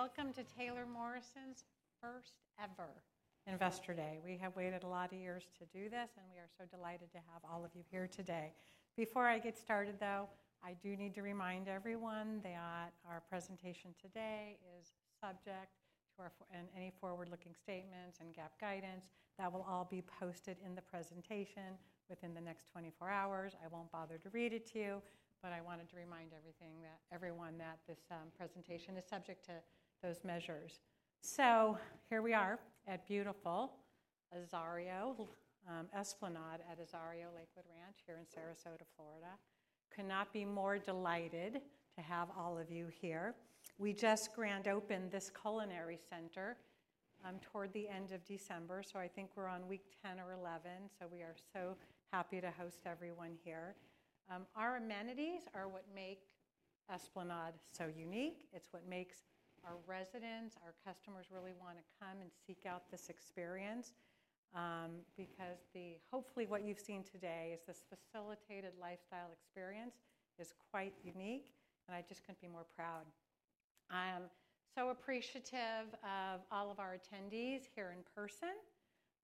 Welcome to Taylor Morrison's first ever Investor Day. We have waited a lot of years to do this, and we are so delighted to have all of you here today. Before I get started, though, I do need to remind everyone that our presentation today is subject to any forward-looking statements and GAAP guidance. That will all be posted in the presentation within the next 24 hours. I won't bother to read it to you, but I wanted to remind everyone that this presentation is subject to those measures, so here we are at beautiful Azario Esplanade at Lakewood Ranch here in Sarasota, Florida. Could not be more delighted to have all of you here. We just grand opened this culinary center toward the end of December, so I think we're on week 10 or 11, so we are so happy to host everyone here. Our amenities are what make Esplanade so unique. It's what makes our residents, our customers really want to come and seek out this experience because hopefully what you've seen today is this facilitated lifestyle experience quite unique, and I just couldn't be more proud. I am so appreciative of all of our attendees here in person.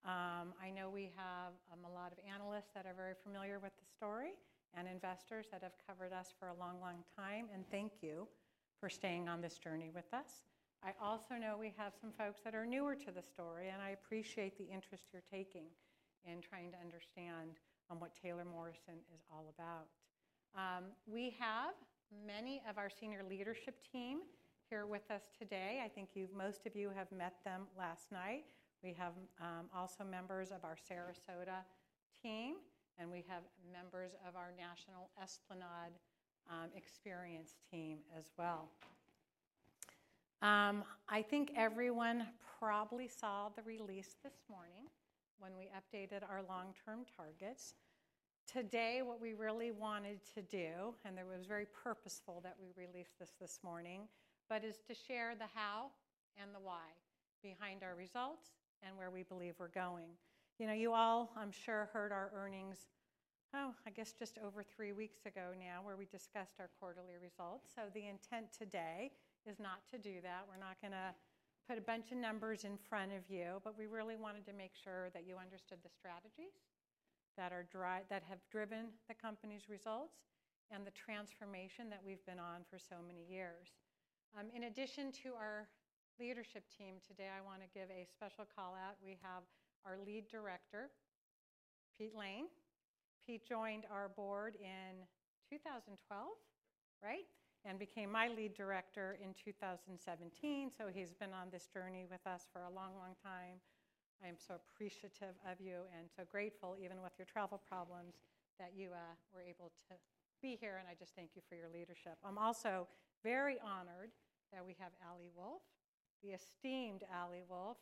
I know we have a lot of analysts that are very familiar with the story and investors that have covered us for a long, long time, and thank you for staying on this journey with us. I also know we have some folks that are newer to the story, and I appreciate the interest you're taking in trying to understand what Taylor Morrison is all about. We have many of our senior leadership team here with us today. I think most of you have met them last night. We have also members of our Sarasota team, and we have members of our National Esplanade Experience team as well. I think everyone probably saw the release this morning when we updated our long-term targets. Today, what we really wanted to do, and it was very purposeful that we released this this morning, is to share the how and the why behind our results and where we believe we're going. You all, I'm sure, heard our earnings, oh, I guess just over three weeks ago now, where we discussed our quarterly results. So the intent today is not to do that. We're not going to put a bunch of numbers in front of you, but we really wanted to make sure that you understood the strategies that have driven the company's results and the transformation that we've been on for so many years. In addition to our leadership team today, I want to give a special call out. We have our Lead Director, Pete Lane. Pete joined our board in 2012, right, and became my Lead Director in 2017. So he's been on this journey with us for a long, long time. I am so appreciative of you and so grateful, even with your travel problems, that you were able to be here. And I just thank you for your leadership. I'm also very honored that we have Ali Wolf, the esteemed Ali Wolf,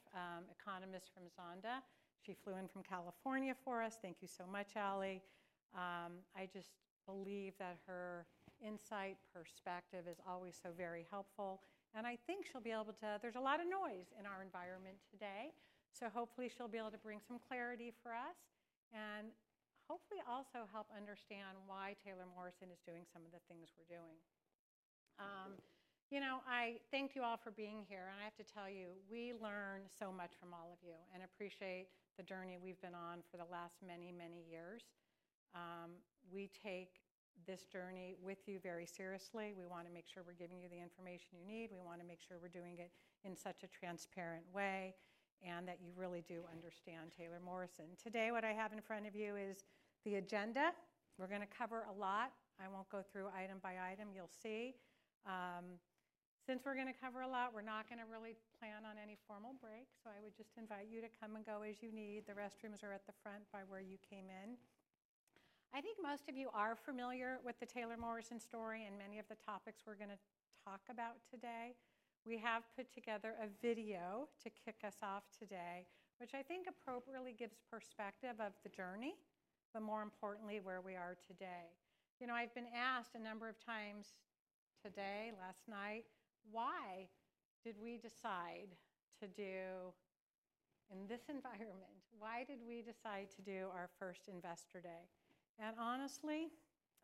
economist from Zonda. She flew in from California for us. Thank you so much, Ali. I just believe that her insight, perspective is always so very helpful. And I think she'll be able to. There's a lot of noise in our environment today. So hopefully she'll be able to bring some clarity for us and hopefully also help understand why Taylor Morrison is doing some of the things we're doing. You know, I thank you all for being here. And I have to tell you, we learn so much from all of you and appreciate the journey we've been on for the last many, many years. We take this journey with you very seriously. We want to make sure we're giving you the information you need. We want to make sure we're doing it in such a transparent way and that you really do understand Taylor Morrison. Today, what I have in front of you is the agenda. We're going to cover a lot. I won't go through item by item. You'll see. Since we're going to cover a lot, we're not going to really plan on any formal break. I would just invite you to come and go as you need. The restrooms are at the front by where you came in. I think most of you are familiar with the Taylor Morrison story and many of the topics we're going to talk about today. We have put together a video to kick us off today, which I think appropriately gives perspective of the journey, but more importantly, where we are today. You know, I've been asked a number of times today, last night, why did we decide to do, in this environment, why did we decide to do our first Investor Day? And honestly,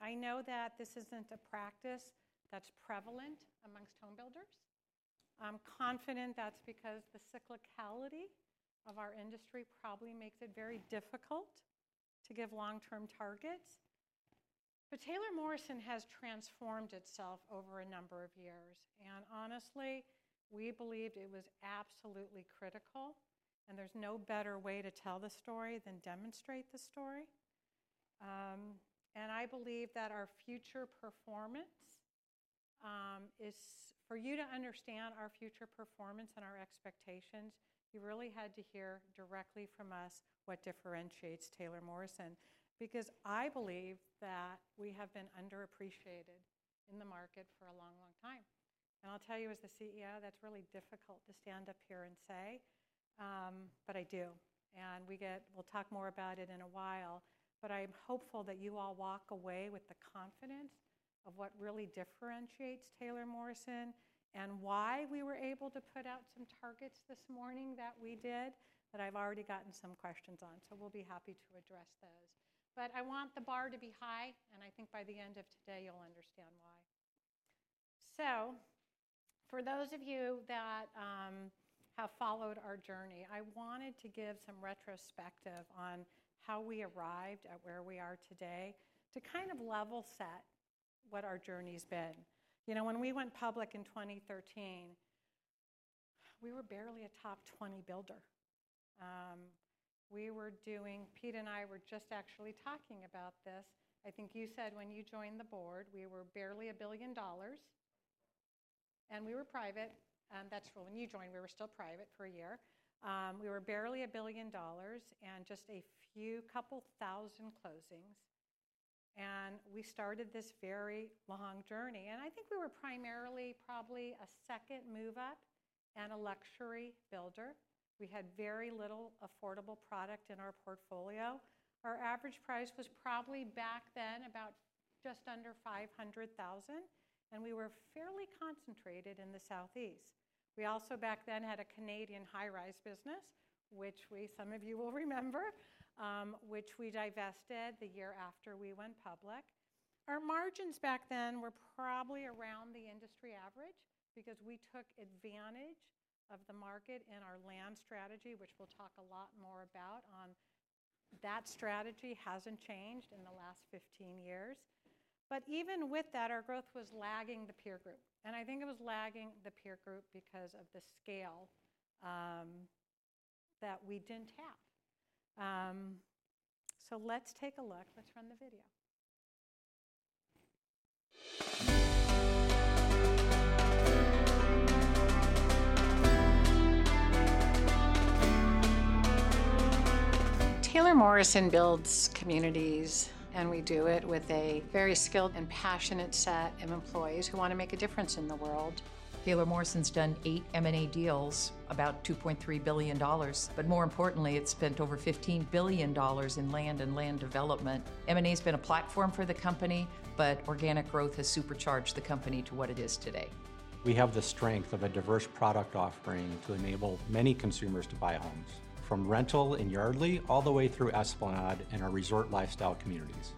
I know that this isn't a practice that's prevalent amongst home builders. I'm confident that's because the cyclicality of our industry probably makes it very difficult to give long-term targets. But Taylor Morrison has transformed itself over a number of years. Honestly, we believed it was absolutely critical. There's no better way to tell the story than demonstrate the story. I believe that our future performance is, for you to understand our future performance and our expectations, you really had to hear directly from us what differentiates Taylor Morrison because I believe that we have been underappreciated in the market for a long, long time. I'll tell you, as the CEO, that's really difficult to stand up here and say, but I do. We'll talk more about it in a while. I am hopeful that you all walk away with the confidence of what really differentiates Taylor Morrison and why we were able to put out some targets this morning that we did that I've already gotten some questions on. We'll be happy to address those. I want the bar to be high. I think by the end of today, you'll understand why. For those of you that have followed our journey, I wanted to give some retrospective on how we arrived at where we are today to kind of level set what our journey's been. You know, when we went public in 2013, we were barely a top 20 builder. We were doing. Pete and I were just actually talking about this. I think you said when you joined the board, we were barely $1 billion. We were private. That's when you joined, we were still private for a year. We were barely $1 billion and just a few couple thousand closings. We started this very long journey. I think we were primarily probably a second move-up and a luxury builder. We had very little affordable product in our portfolio. Our average price was probably back then about just under $500,000, and we were fairly concentrated in the Southeast. We also back then had a Canadian high-rise business, which some of you will remember, which we divested the year after we went public. Our margins back then were probably around the industry average because we took advantage of the market in our land strategy, which we'll talk a lot more about. That strategy hasn't changed in the last 15 years, but even with that, our growth was lagging the peer group, and I think it was lagging the peer group because of the scale that we didn't have, so let's take a look. Let's run the video. Taylor Morrison builds communities, and we do it with a very skilled and passionate set of employees who want to make a difference in the world. Taylor Morrison's done eight M&A deals, about $2.3 billion. But more importantly, it's spent over $15 billion in land and land development. M&A's been a platform for the company, but organic growth has supercharged the company to what it is today. We have the strength of a diverse product offering to enable many consumers to buy homes from rental and Yardly all the way through Esplanade and our resort lifestyle communities.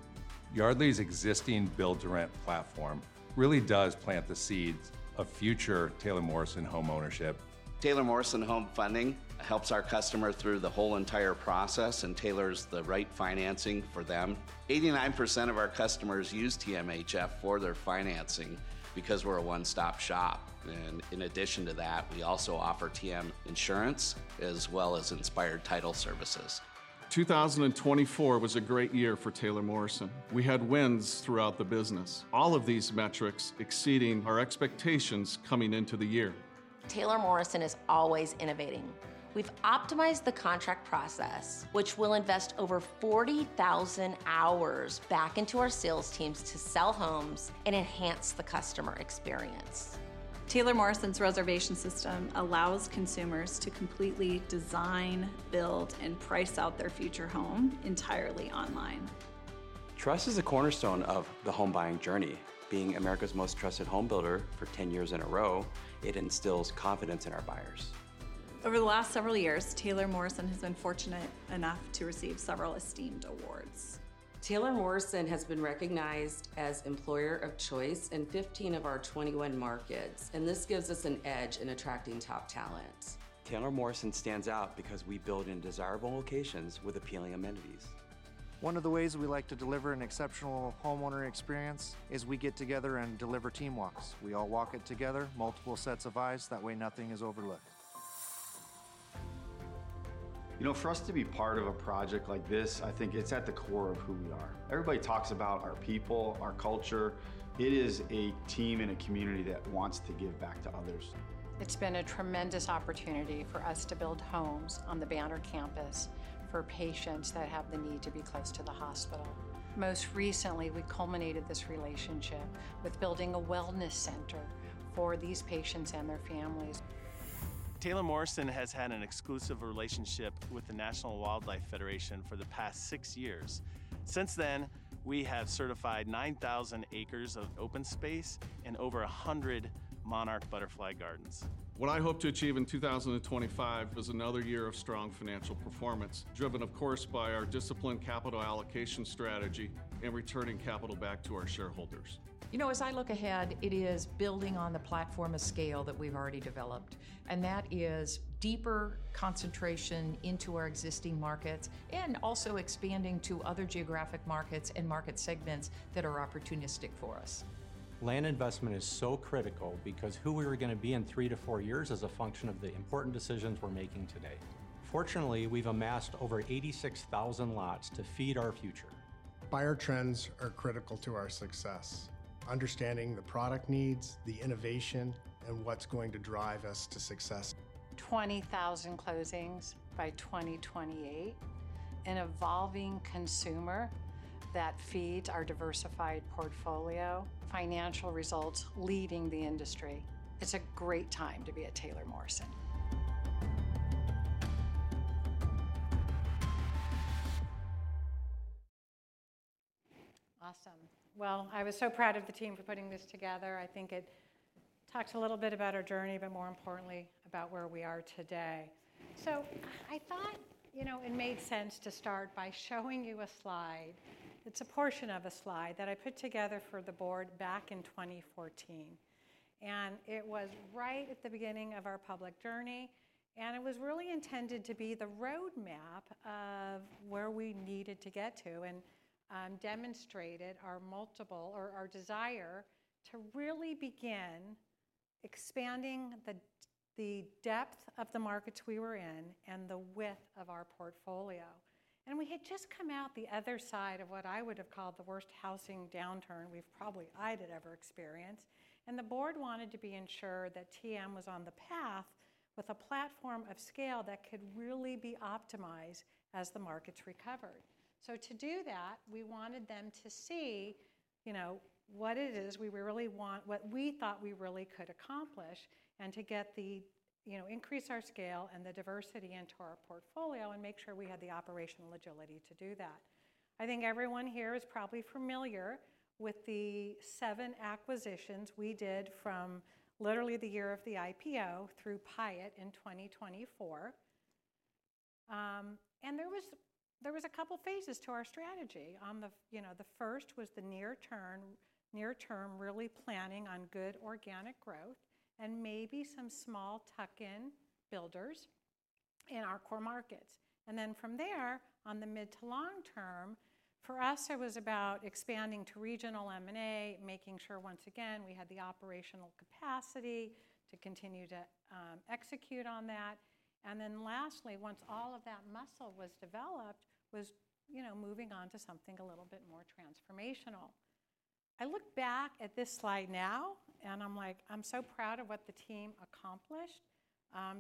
Yardly's existing build-to-rent platform really does plant the seeds of future Taylor Morrison home ownership. Taylor Morrison Home Funding helps our customer through the whole entire process and tailors the right financing for them. 89% of our customers use TMHF for their financing because we're a one-stop shop, and in addition to that, we also offer TM insurance as well as Inspired Title Services. 2024 was a great year for Taylor Morrison. We had wins throughout the business, all of these metrics exceeding our expectations coming into the year. Taylor Morrison is always innovating. We've optimized the contract process, which will invest over 40,000 hours back into our sales teams to sell homes and enhance the customer experience. Taylor Morrison's reservation system allows consumers to completely design, build, and price out their future home entirely online. Trust is a cornerstone of the home buying journey. Being America's most trusted home builder for 10 years in a row, it instills confidence in our buyers. Over the last several years, Taylor Morrison has been fortunate enough to receive several esteemed awards. Taylor Morrison has been recognized as employer of choice in 15 of our 21 markets, and this gives us an edge in attracting top talent. Taylor Morrison stands out because we build in desirable locations with appealing amenities. One of the ways we like to deliver an exceptional homeowner experience is we get together and deliver team walks. We all walk it together, multiple sets of eyes. That way, nothing is overlooked. You know, for us to be part of a project like this, I think it's at the core of who we are. Everybody talks about our people, our culture. It is a team and a community that wants to give back to others. It's been a tremendous opportunity for us to build homes on the Banner campus for patients that have the need to be close to the hospital. Most recently, we culminated this relationship with building a wellness center for these patients and their families. Taylor Morrison has had an exclusive relationship with the National Wildlife Federation for the past six years. Since then, we have certified 9,000 acres of open space and over 100 monarch butterfly gardens. What I hope to achieve in 2025 is another year of strong financial performance, driven, of course, by our disciplined capital allocation strategy and returning capital back to our shareholders. You know, as I look ahead, it is building on the platform of scale that we've already developed. And that is deeper concentration into our existing markets and also expanding to other geographic markets and market segments that are opportunistic for us. Land investment is so critical because who we are going to be in three to four years is a function of the important decisions we're making today. Fortunately, we've amassed over 86,000 lots to feed our future. Buyer trends are critical to our success, understanding the product needs, the innovation, and what's going to drive us to success. 20,000 closings by 2028, an evolving consumer that feeds our diversified portfolio, financial results leading the industry. It's a great time to be at Taylor Morrison. Awesome. Well, I was so proud of the team for putting this together. I think it talks a little bit about our journey, but more importantly, about where we are today. So I thought, you know, it made sense to start by showing you a slide. It's a portion of a slide that I put together for the board back in 2014. And it was right at the beginning of our public journey. And it was really intended to be the roadmap of where we needed to get to and demonstrated our multiple or our desire to really begin expanding the depth of the markets we were in and the width of our portfolio. And we had just come out the other side of what I would have called the worst housing downturn we've probably either ever experienced. The board wanted to be ensured that TM was on the path with a platform of scale that could really be optimized as the markets recovered. To do that, we wanted them to see, you know, what it is we really want, what we thought we really could accomplish, and to get the, you know, increase our scale and the diversity into our portfolio and make sure we had the operational agility to do that. I think everyone here is probably familiar with the seven acquisitions we did from literally the year of the IPO through today in 2024. There was a couple phases to our strategy. You know, the first was the near-term really planning on good organic growth and maybe some small tuck-in builders in our core markets. Then from there, on the mid to long term, for us, it was about expanding to regional M&A, making sure once again we had the operational capacity to continue to execute on that. Then lastly, once all of that muscle was developed, was, you know, moving on to something a little bit more transformational. I look back at this slide now, and I'm like, I'm so proud of what the team accomplished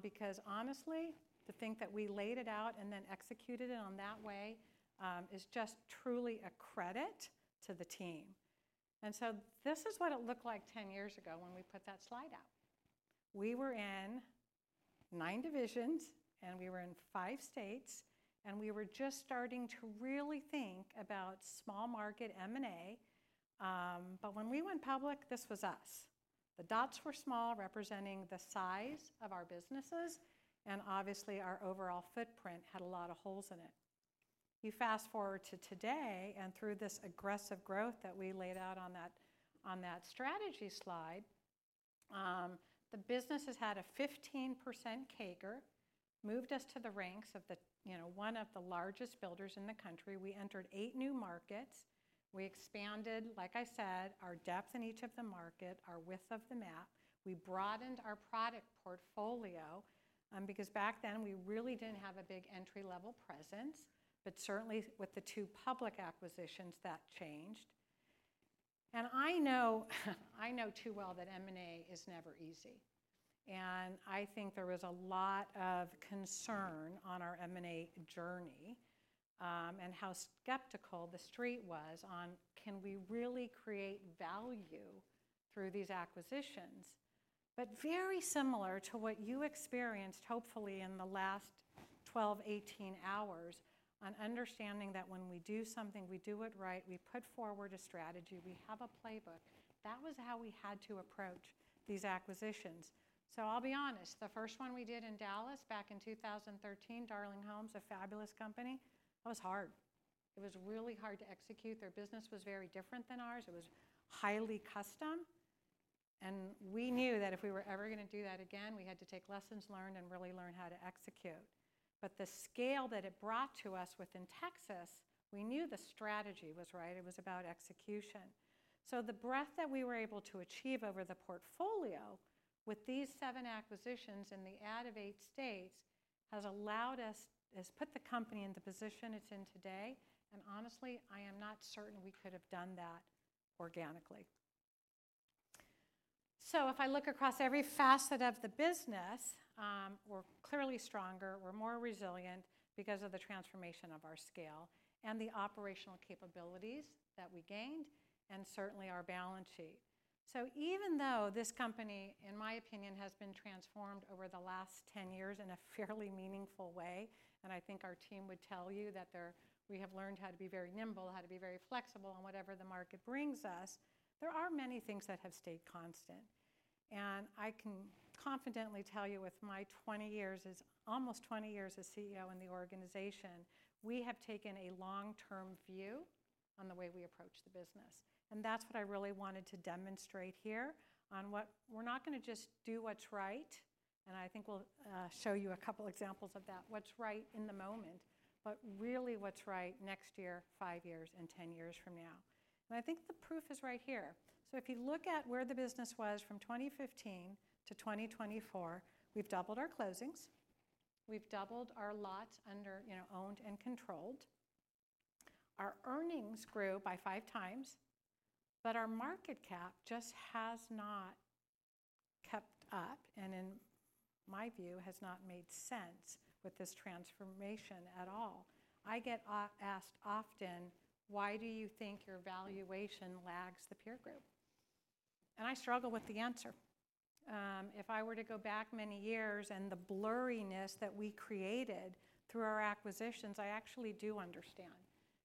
because honestly, to think that we laid it out and then executed it on that way is just truly a credit to the team. This is what it looked like 10 years ago when we put that slide out. We were in nine divisions, and we were in five states. We were just starting to really think about small market M&A. When we went public, this was us. The dots were small, representing the size of our businesses, and obviously, our overall footprint had a lot of holes in it. You fast forward to today and through this aggressive growth that we laid out on that strategy slide, the business has had a 15% CAGR, moved us to the ranks of the, you know, one of the largest builders in the country. We entered eight new markets. We expanded, like I said, our depth in each of the market, our width of the map. We broadened our product portfolio because back then we really didn't have a big entry-level presence. But certainly, with the two public acquisitions, that changed, and I know too well that M&A is never easy. And I think there was a lot of concern on our M&A journey and how skeptical the street was on, can we really create value through these acquisitions? But very similar to what you experienced, hopefully, in the last 12, 18 hours on understanding that when we do something, we do it right, we put forward a strategy, we have a playbook. That was how we had to approach these acquisitions. So I'll be honest, the first one we did in Dallas back in 2013, Darling Homes, a fabulous company, that was hard. It was really hard to execute. Their business was very different than ours. It was highly custom. And we knew that if we were ever going to do that again, we had to take lessons learned and really learn how to execute. But the scale that it brought to us within Texas, we knew the strategy was right. It was about execution. The breadth that we were able to achieve over the portfolio with these seven acquisitions and the add of eight states has allowed us, has put the company in the position it's in today. Honestly, I am not certain we could have done that organically. If I look across every facet of the business, we're clearly stronger. We're more resilient because of the transformation of our scale and the operational capabilities that we gained and certainly our balance sheet. Even though this company, in my opinion, has been transformed over the last 10 years in a fairly meaningful way, and I think our team would tell you that we have learned how to be very nimble, how to be very flexible on whatever the market brings us, there are many things that have stayed constant. I can confidently tell you with my 20 years, almost 20 years as CEO in the organization, we have taken a long-term view on the way we approach the business. That's what I really wanted to demonstrate here on what we're not going to just do what's right. I think we'll show you a couple examples of that, what's right in the moment, but really what's right next year, five years, and 10 years from now. I think the proof is right here. If you look at where the business was from 2015 to 2024, we've doubled our closings. We've doubled our lots under, you know, owned and controlled. Our earnings grew by five times. But our market cap just has not kept up and, in my view, has not made sense with this transformation at all. I get asked often, "Why do you think your valuation lags the peer group?" I struggle with the answer. If I were to go back many years and the blurriness that we created through our acquisitions, I actually do understand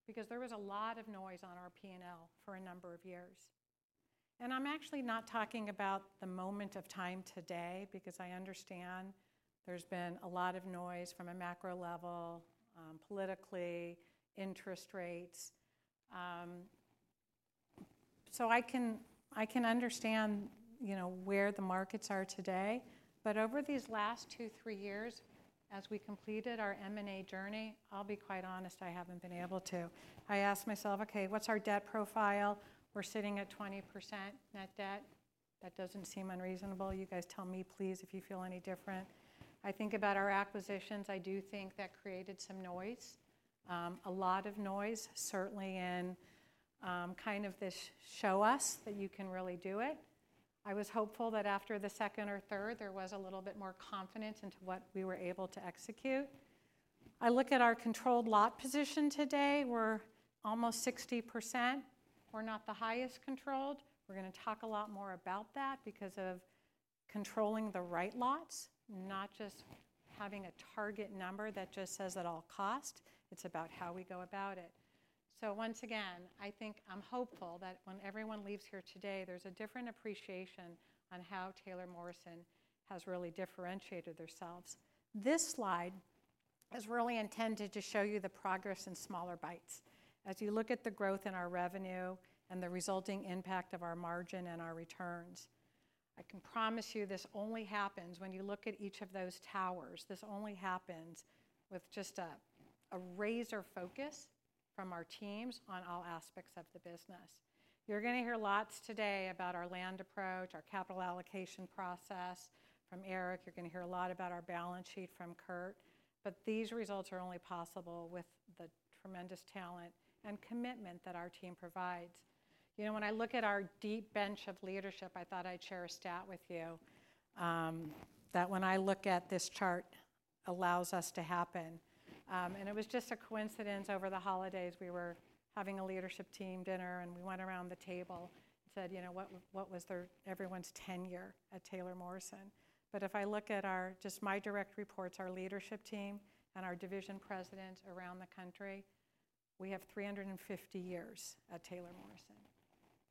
because there was a lot of noise on our P&L for a number of years. I'm actually not talking about the moment of time today because I understand there's been a lot of noise from a macro level, politically, interest rates, so I can understand, you know, where the markets are today. Over these last two, three years, as we completed our M&A journey, I'll be quite honest, I haven't been able to. I asked myself, okay, what's our debt profile? We're sitting at 20% net debt. That doesn't seem unreasonable. You guys tell me, please, if you feel any different. I think about our acquisitions. I do think that created some noise, a lot of noise, certainly in kind of this show us that you can really do it. I was hopeful that after the second or third, there was a little bit more confidence into what we were able to execute. I look at our controlled lot position today. We're almost 60%. We're not the highest controlled. We're going to talk a lot more about that because of controlling the right lots, not just having a target number that just says at all costs. It's about how we go about it. So once again, I think I'm hopeful that when everyone leaves here today, there's a different appreciation on how Taylor Morrison has really differentiated themselves. This slide is really intended to show you the progress in smaller bites. As you look at the growth in our revenue and the resulting impact of our margin and our returns, I can promise you this only happens when you look at each of those towers. This only happens with just a razor focus from our teams on all aspects of the business. You're going to hear lots today about our land approach, our capital allocation process from Erik. You're going to hear a lot about our balance sheet from Curt. But these results are only possible with the tremendous talent and commitment that our team provides. You know, when I look at our deep bench of leadership, I thought I'd share a stat with you that, when I look at this chart, allows us to happen, and it was just a coincidence over the holidays. We were having a leadership team dinner, and we went around the table and said, you know, what was everyone's tenure at Taylor Morrison? But if I look at our, just my direct reports, our leadership team and our division presidents around the country, we have 350 years at Taylor Morrison.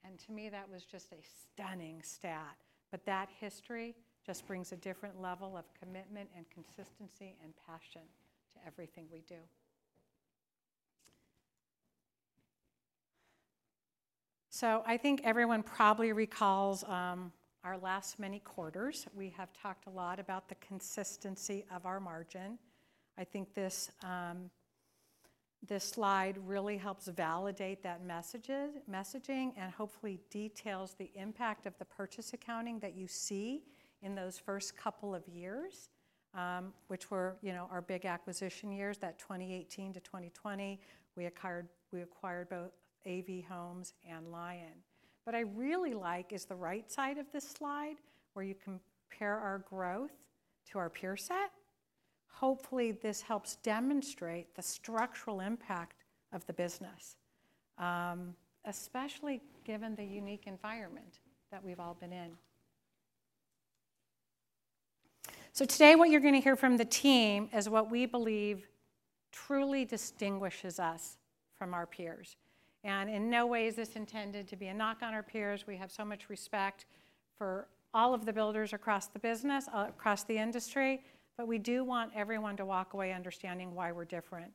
And to me, that was just a stunning stat. But that history just brings a different level of commitment and consistency and passion to everything we do. So I think everyone probably recalls our last many quarters. We have talked a lot about the consistency of our margin. I think this slide really helps validate that messaging and hopefully details the impact of the purchase accounting that you see in those first couple of years, which were, you know, our big acquisition years, that 2018 to 2020. We acquired both AV Homes and Lyon. But I really like is the right side of this slide where you compare our growth to our peer set. Hopefully, this helps demonstrate the structural impact of the business, especially given the unique environment that we've all been in. So today, what you're going to hear from the team is what we believe truly distinguishes us from our peers. And in no way is this intended to be a knock on our peers. We have so much respect for all of the builders across the business, across the industry, but we do want everyone to walk away understanding why we're different.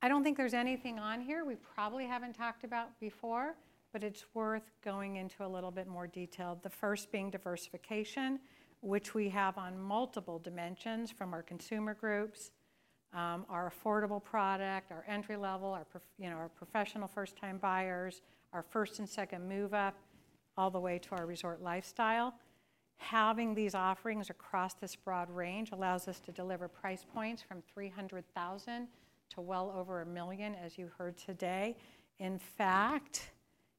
I don't think there's anything on here we probably haven't talked about before, but it's worth going into a little bit more detail, the first being diversification, which we have on multiple dimensions from our consumer groups, our affordable product, our entry level, our professional first-time buyers, our first and second move-up, all the way to our resort lifestyle. Having these offerings across this broad range allows us to deliver price points from $300,000 to well over $1 million, as you heard today. In fact,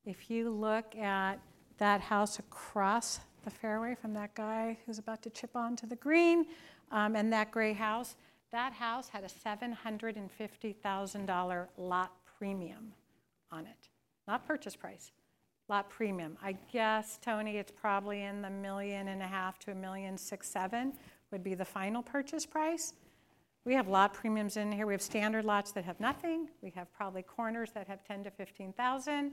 if you look at that house across the fairway from that guy who's about to chip on to the green and that gray house, that house had a $750,000 lot premium on it, not purchase price, lot premium. I guess, Tony, it's probably in the $1.5 million-$1.67 million would be the final purchase price. We have lot premiums in here. We have standard lots that have nothing. We have probably corners that have $10,000-$15,000.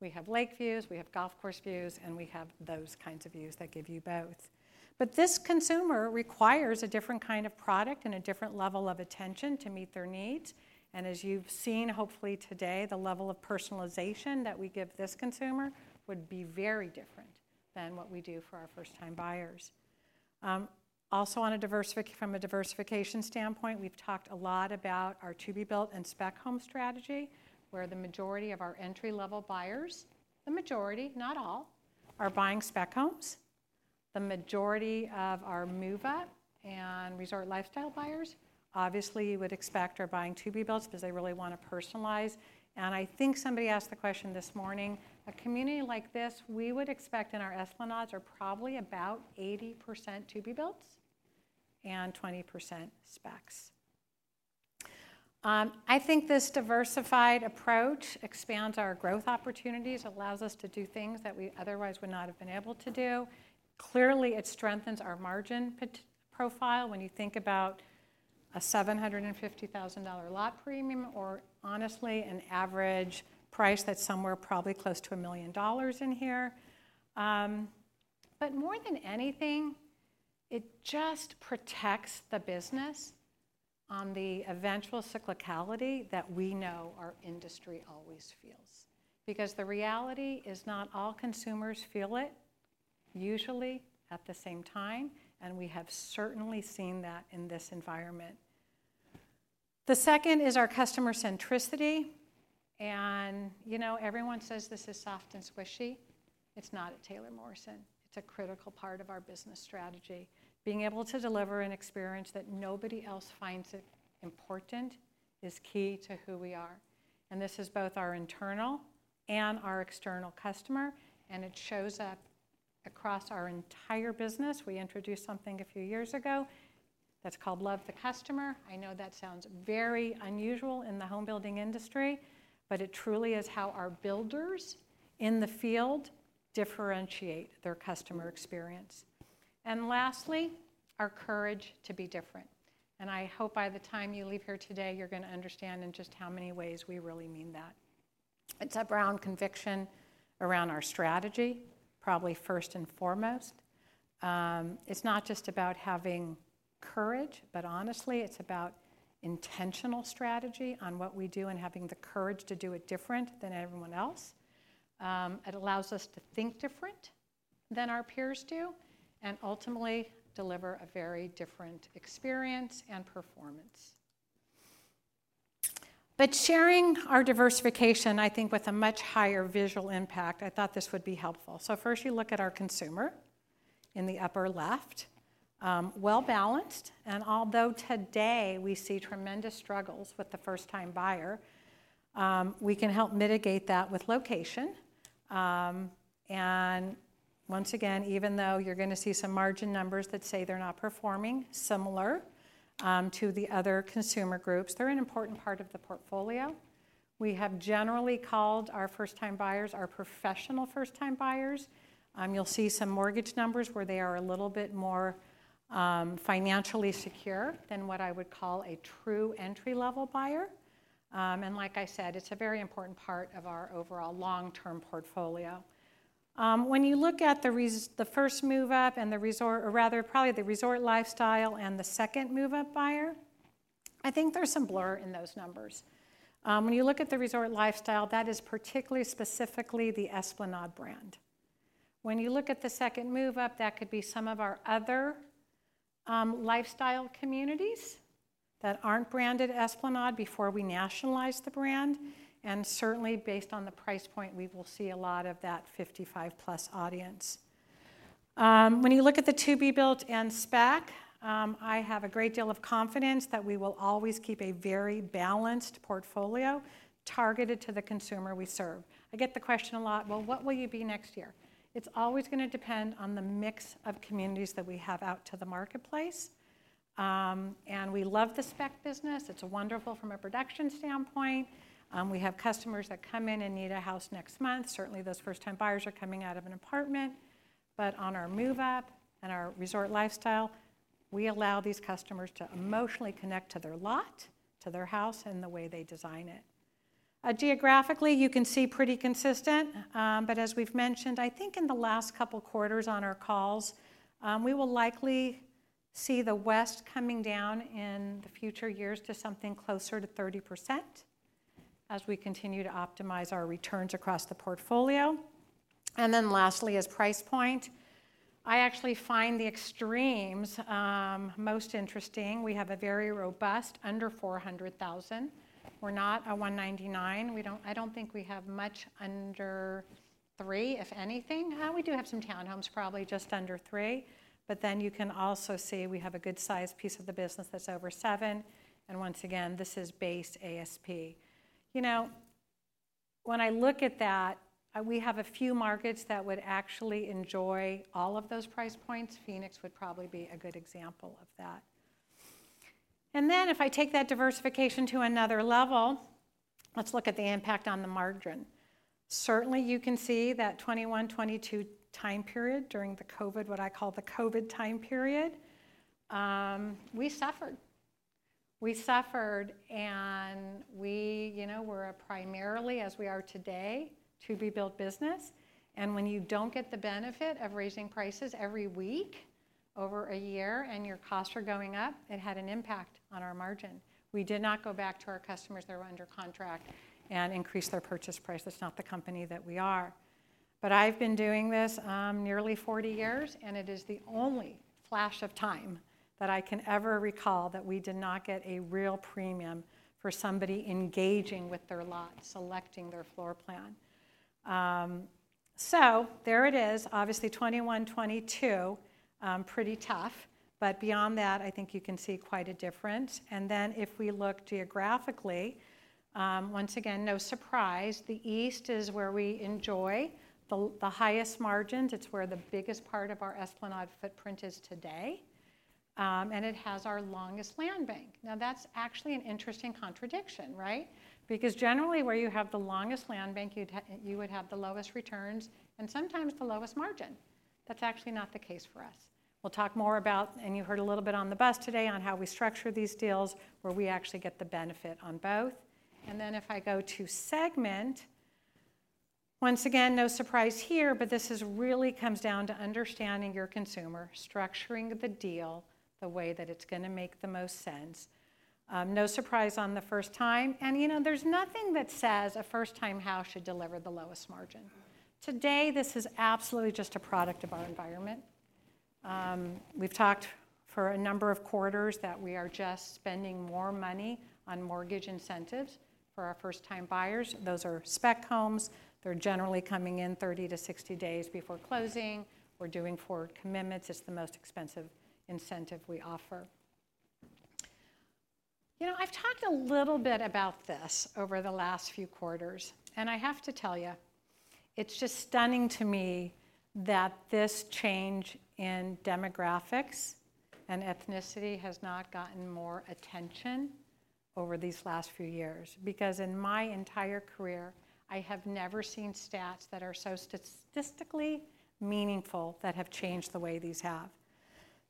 We have lake views. We have golf course views. And we have those kinds of views that give you both. But this consumer requires a different kind of product and a different level of attention to meet their needs. And as you've seen, hopefully today, the level of personalization that we give this consumer would be very different than what we do for our first-time buyers. Also, from a diversification standpoint, we've talked a lot about our to-be-built and spec home strategy, where the majority of our entry-level buyers, the majority, not all, are buying spec homes. The majority of our move-up and resort lifestyle buyers, obviously, you would expect are buying to-be-built because they really want to personalize. And I think somebody asked the question this morning. A community like this, we would expect in our Esplanades are probably about 80% to-be-built and 20% specs. I think this diversified approach expands our growth opportunities, allows us to do things that we otherwise would not have been able to do. Clearly, it strengthens our margin profile when you think about a $750,000 lot premium or, honestly, an average price that's somewhere probably close to $1 million in here. But more than anything, it just protects the business on the eventual cyclicality that we know our industry always feels because the reality is not all consumers feel it usually at the same time. And we have certainly seen that in this environment. The second is our customer centricity, and, you know, everyone says this is soft and squishy. It's not at Taylor Morrison. It's a critical part of our business strategy. Being able to deliver an experience that nobody else finds important is key to who we are. And this is both our internal and our external customer. And it shows up across our entire business. We introduced something a few years ago that's called Love the Customer. I know that sounds very unusual in the home building industry, but it truly is how our builders in the field differentiate their customer experience. And lastly, our courage to be different. And I hope by the time you leave here today, you're going to understand in just how many ways we really mean that. It's a profound conviction around our strategy, probably first and foremost. It's not just about having courage, but honestly, it's about intentional strategy on what we do and having the courage to do it different than everyone else. It allows us to think different than our peers do and ultimately deliver a very different experience and performance, but sharing our diversification, I think, with a much higher visual impact, I thought this would be helpful, so first, you look at our consumer in the upper left, well-balanced, and although today we see tremendous struggles with the first-time buyer, we can help mitigate that with location, and once again, even though you're going to see some margin numbers that say they're not performing similar to the other consumer groups, they're an important part of the portfolio. We have generally called our first-time buyers our professional first-time buyers. You'll see some mortgage numbers where they are a little bit more financially secure than what I would call a true entry-level buyer, and like I said, it's a very important part of our overall long-term portfolio. When you look at the first move-up and the resort, or rather probably the resort lifestyle and the second move-up buyer, I think there's some blur in those numbers. When you look at the resort lifestyle, that is particularly specifically the Esplanade brand. When you look at the second move-up, that could be some of our other lifestyle communities that aren't branded Esplanade before we nationalize the brand. And certainly, based on the price point, we will see a lot of that 55-plus audience. When you look at the to-be-built and spec, I have a great deal of confidence that we will always keep a very balanced portfolio targeted to the consumer we serve. I get the question a lot, well, what will you be next year? It's always going to depend on the mix of communities that we have out to the marketplace. And we love the spec business. It's wonderful from a production standpoint. We have customers that come in and need a house next month. Certainly, those first-time buyers are coming out of an apartment. But on our move-up and our resort lifestyle, we allow these customers to emotionally connect to their lot, to their house, and the way they design it. Geographically, you can see pretty consistent. But as we've mentioned, I think in the last couple of quarters on our calls, we will likely see the West coming down in the future years to something closer to 30% as we continue to optimize our returns across the portfolio. And then lastly, as price point, I actually find the extremes most interesting. We have a very robust under $400,000. We're not a $199. I don't think we have much under $300,000, if anything. We do have some townhomes, probably just under $300,000. But then you can also see we have a good sized piece of the business that's over seven. And once again, this is based ASP. You know, when I look at that, we have a few markets that would actually enjoy all of those price points. Phoenix would probably be a good example of that. And then if I take that diversification to another level, let's look at the impact on the margin. Certainly, you can see that 2021, 2022 time period during the COVID, what I call the COVID time period, we suffered. We suffered. And we, you know, were a primarily, as we are today, to-be-built business. And when you don't get the benefit of raising prices every week over a year and your costs are going up, it had an impact on our margin. We did not go back to our customers that were under contract and increase their purchase price. That's not the company that we are. But I've been doing this nearly 40 years, and it is the only flash of time that I can ever recall that we did not get a real premium for somebody engaging with their lot, selecting their floor plan. So there it is, obviously 2021, 2022, pretty tough. But beyond that, I think you can see quite a difference. And then if we look geographically, once again, no surprise, the east is where we enjoy the highest margins. It's where the biggest part of our Esplanade footprint is today. And it has our longest land bank. Now, that's actually an interesting contradiction, right? Because generally, where you have the longest land bank, you would have the lowest returns and sometimes the lowest margin. That's actually not the case for us. We'll talk more about, and you heard a little bit on the bus today on how we structure these deals where we actually get the benefit on both, and then if I go to segment, once again, no surprise here, but this really comes down to understanding your consumer, structuring the deal the way that it's going to make the most sense. No surprise on the first-time. And, you know, there's nothing that says a first-time house should deliver the lowest margin. Today, this is absolutely just a product of our environment. We've talked for a number of quarters that we are just spending more money on mortgage incentives for our first-time buyers. Those are spec homes. They're generally coming in 30 to 60 days before closing. We're doing forward commitments. It's the most expensive incentive we offer. You know, I've talked a little bit about this over the last few quarters, and I have to tell you, it's just stunning to me that this change in demographics and ethnicity has not gotten more attention over these last few years because in my entire career, I have never seen stats that are so statistically meaningful that have changed the way these have.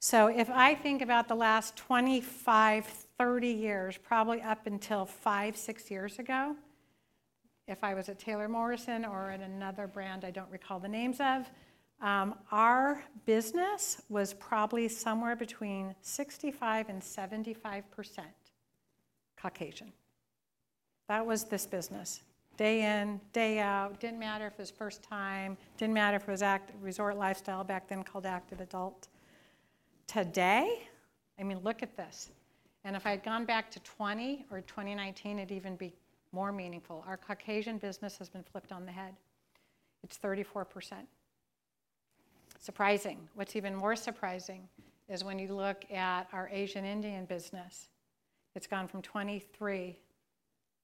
So if I think about the last 25, 30 years, probably up until five, six years ago, if I was at Taylor Morrison or at another brand I don't recall the names of, our business was probably somewhere between 65%-75% Caucasian. That was this business, day in, day out. Didn't matter if it was first time. Didn't matter if it was resort lifestyle, back then called active adult. Today, I mean, look at this. And if I had gone back to 2020 or 2019, it'd even be more meaningful. Our Caucasian business has been flipped on the head. It's 34%. Surprising. What's even more surprising is when you look at our Asian Indian business, it's gone from 23%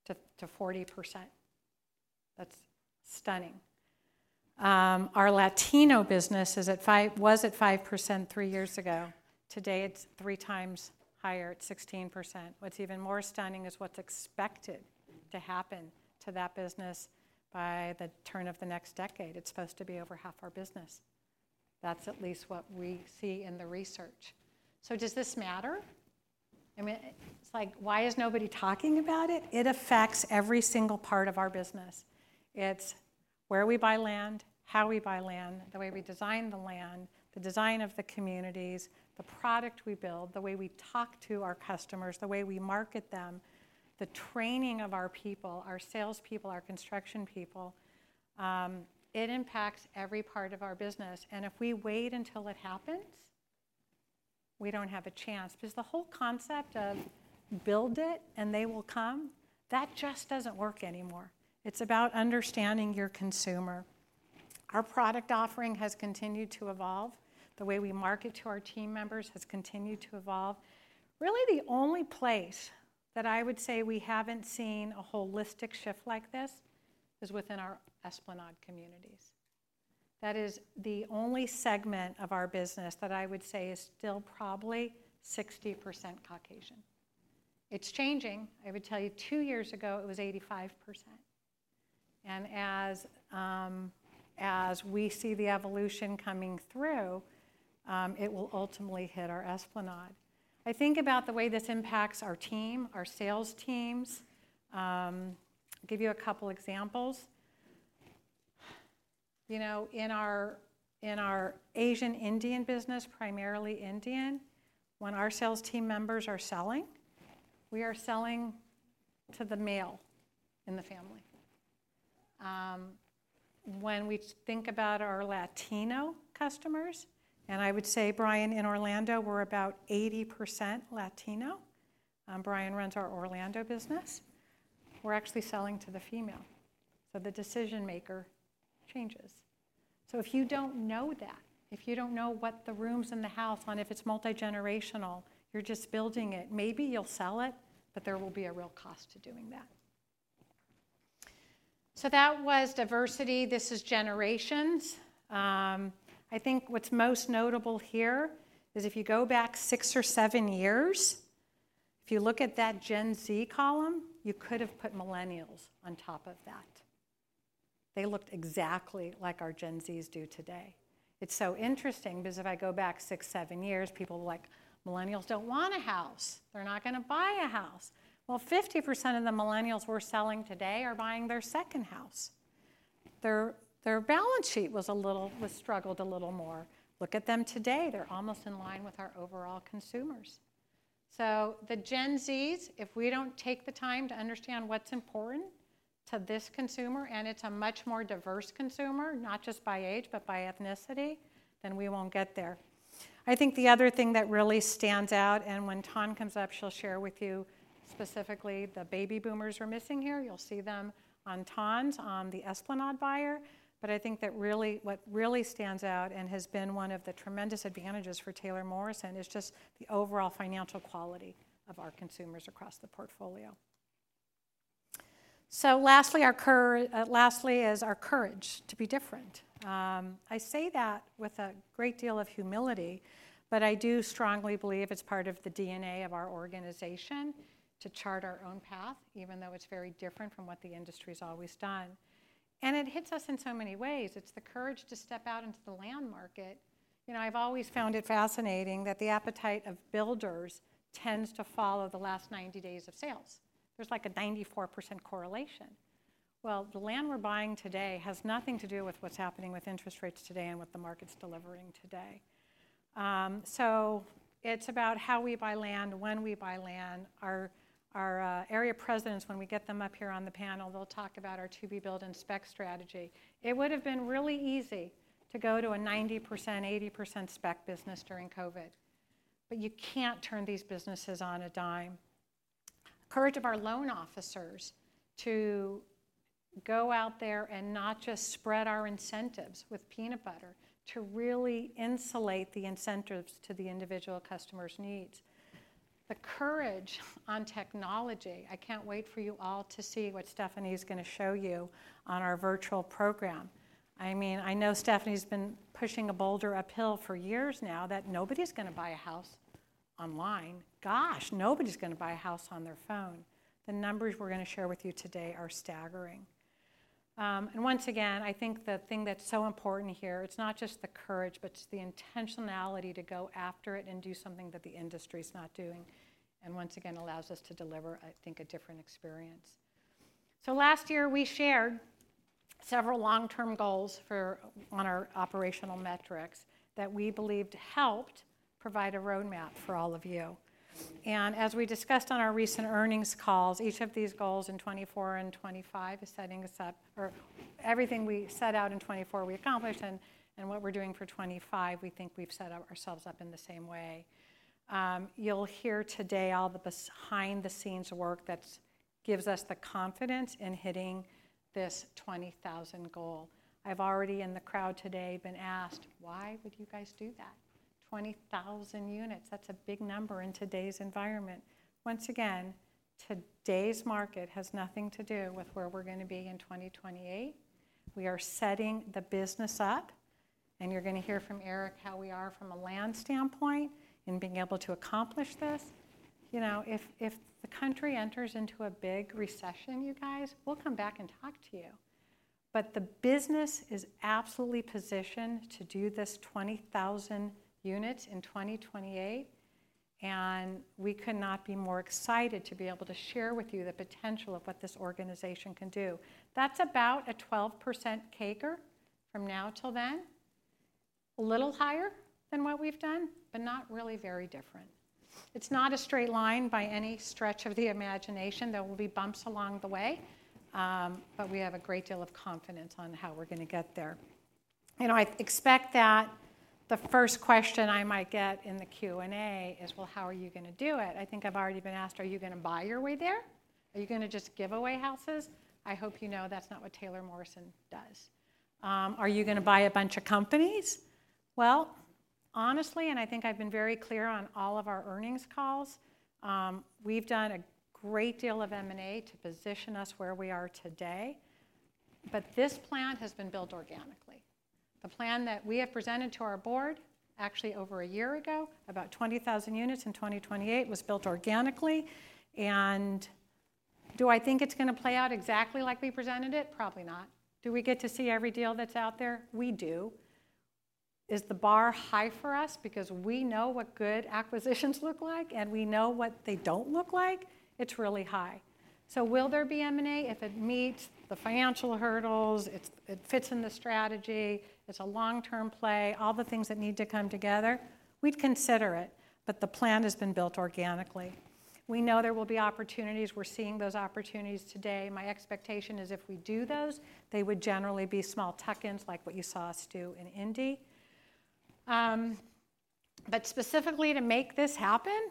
to 40%. That's stunning. Our Latino business was at 5% three years ago. Today, it's three times higher. It's 16%. What's even more stunning is what's expected to happen to that business by the turn of the next decade. It's supposed to be over half our business. That's at least what we see in the research. So does this matter? I mean, it's like, why is nobody talking about it? It affects every single part of our business. It's where we buy land, how we buy land, the way we design the land, the design of the communities, the product we build, the way we talk to our customers, the way we market them, the training of our people, our salespeople, our construction people. It impacts every part of our business, and if we wait until it happens, we don't have a chance because the whole concept of build it and they will come, that just doesn't work anymore. It's about understanding your consumer. Our product offering has continued to evolve. The way we market to our team members has continued to evolve. Really, the only place that I would say we haven't seen a holistic shift like this is within our Esplanade communities. That is the only segment of our business that I would say is still probably 60% Caucasian. It's changing. I would tell you two years ago, it was 85%, and as we see the evolution coming through, it will ultimately hit our Esplanade. I think about the way this impacts our team, our sales teams. I'll give you a couple of examples. You know, in our Asian Indian business, primarily Indian, when our sales team members are selling, we are selling to the male in the family. When we think about our Latino customers, and I would say Brian in Orlando, we're about 80% Latino. Brian runs our Orlando business. We're actually selling to the female. So the decision maker changes, so if you don't know that, if you don't know what the rooms in the house are for, if it's multi-generational, you're just building it, maybe you'll sell it, but there will be a real cost to doing that. So that was diversity. This is generations. I think what's most notable here is if you go back six or seven years, if you look at that Gen Z column, you could have put millennials on top of that. They looked exactly like our Gen Zs do today. It's so interesting because if I go back six, seven years, people were like, "Millennials don't want a house. They're not going to buy a house." Well, 50% of the millennials we're selling today are buying their second house. Their balance sheet was a little, was struggled a little more. Look at them today. They're almost in line with our overall consumers. So the Gen Zs, if we don't take the time to understand what's important to this consumer, and it's a much more diverse consumer, not just by age, but by ethnicity, then we won't get there. I think the other thing that really stands out, and when Tawn comes up, she'll share with you specifically the baby boomers are missing here. You'll see them on Tawn's, on the Esplanade buyer. But I think that really what stands out and has been one of the tremendous advantages for Taylor Morrison is just the overall financial quality of our consumers across the portfolio. So lastly, our courage is our courage to be different. I say that with a great deal of humility, but I do strongly believe it's part of the DNA of our organization to chart our own path, even though it's very different from what the industry has always done, and it hits us in so many ways. It's the courage to step out into the land market. You know, I've always found it fascinating that the appetite of builders tends to follow the last 90 days of sales. There's like a 94% correlation. Well, the land we're buying today has nothing to do with what's happening with interest rates today and what the market's delivering today. So it's about how we buy land, when we buy land. Our area presidents, when we get them up here on the panel, they'll talk about our to-be-built and spec strategy. It would have been really easy to go to a 90%, 80% spec business during COVID. But you can't turn these businesses on a dime. Courage of our loan officers to go out there and not just spread our incentives with peanut butter to really insulate the incentives to the individual customer's needs. The courage on technology. I can't wait for you all to see what Stephanie is going to show you on our virtual program. I mean, I know Stephanie's been pushing a boulder uphill for years now that nobody's going to buy a house online. Gosh, nobody's going to buy a house on their phone. The numbers we're going to share with you today are staggering. And once again, I think the thing that's so important here, it's not just the courage, but it's the intentionality to go after it and do something that the industry is not doing. And once again, it allows us to deliver, I think, a different experience. So last year, we shared several long-term goals for on our operational metrics that we believed helped provide a roadmap for all of you. As we discussed on our recent earnings calls, each of these goals in 2024 and 2025 is setting us up or everything we set out in 2024, we accomplished. And what we're doing for 2025, we think we've set ourselves up in the same way. You'll hear today all the behind-the-scenes work that gives us the confidence in hitting this 20,000 goal. I've already in the crowd today been asked, "Why would you guys do that? 20,000 units. That's a big number in today's environment." Once again, today's market has nothing to do with where we're going to be in 2028. We are setting the business up. And you're going to hear from Erik how we are from a land standpoint in being able to accomplish this. You know, if the country enters into a big recession, you guys, we'll come back and talk to you. But the business is absolutely positioned to do this 20,000 units in 2028. And we could not be more excited to be able to share with you the potential of what this organization can do. That's about a 12% CAGR from now till then, a little higher than what we've done, but not really very different. It's not a straight line by any stretch of the imagination. There will be bumps along the way. But we have a great deal of confidence on how we're going to get there. You know, I expect that the first question I might get in the Q&A is, "Well, how are you going to do it?" I think I've already been asked, "Are you going to buy your way there? Are you going to just give away houses?" I hope you know that's not what Taylor Morrison does. Are you going to buy a bunch of companies? Well, honestly, and I think I've been very clear on all of our earnings calls, we've done a great deal of M&A to position us where we are today. But this plan has been built organically. The plan that we have presented to our board actually over a year ago, about 20,000 units in 2028, was built organically. And do I think it's going to play out exactly like we presented it? Probably not. Do we get to see every deal that's out there? We do. Is the bar high for us because we know what good acquisitions look like and we know what they don't look like? It's really high. So will there be M&A if it meets the financial hurdles? It fits in the strategy. It's a long-term play. All the things that need to come together, we'd consider it. But the plan has been built organically. We know there will be opportunities. We're seeing those opportunities today. My expectation is if we do those, they would generally be small tuck-ins like what you saw us do in Indy. But specifically to make this happen,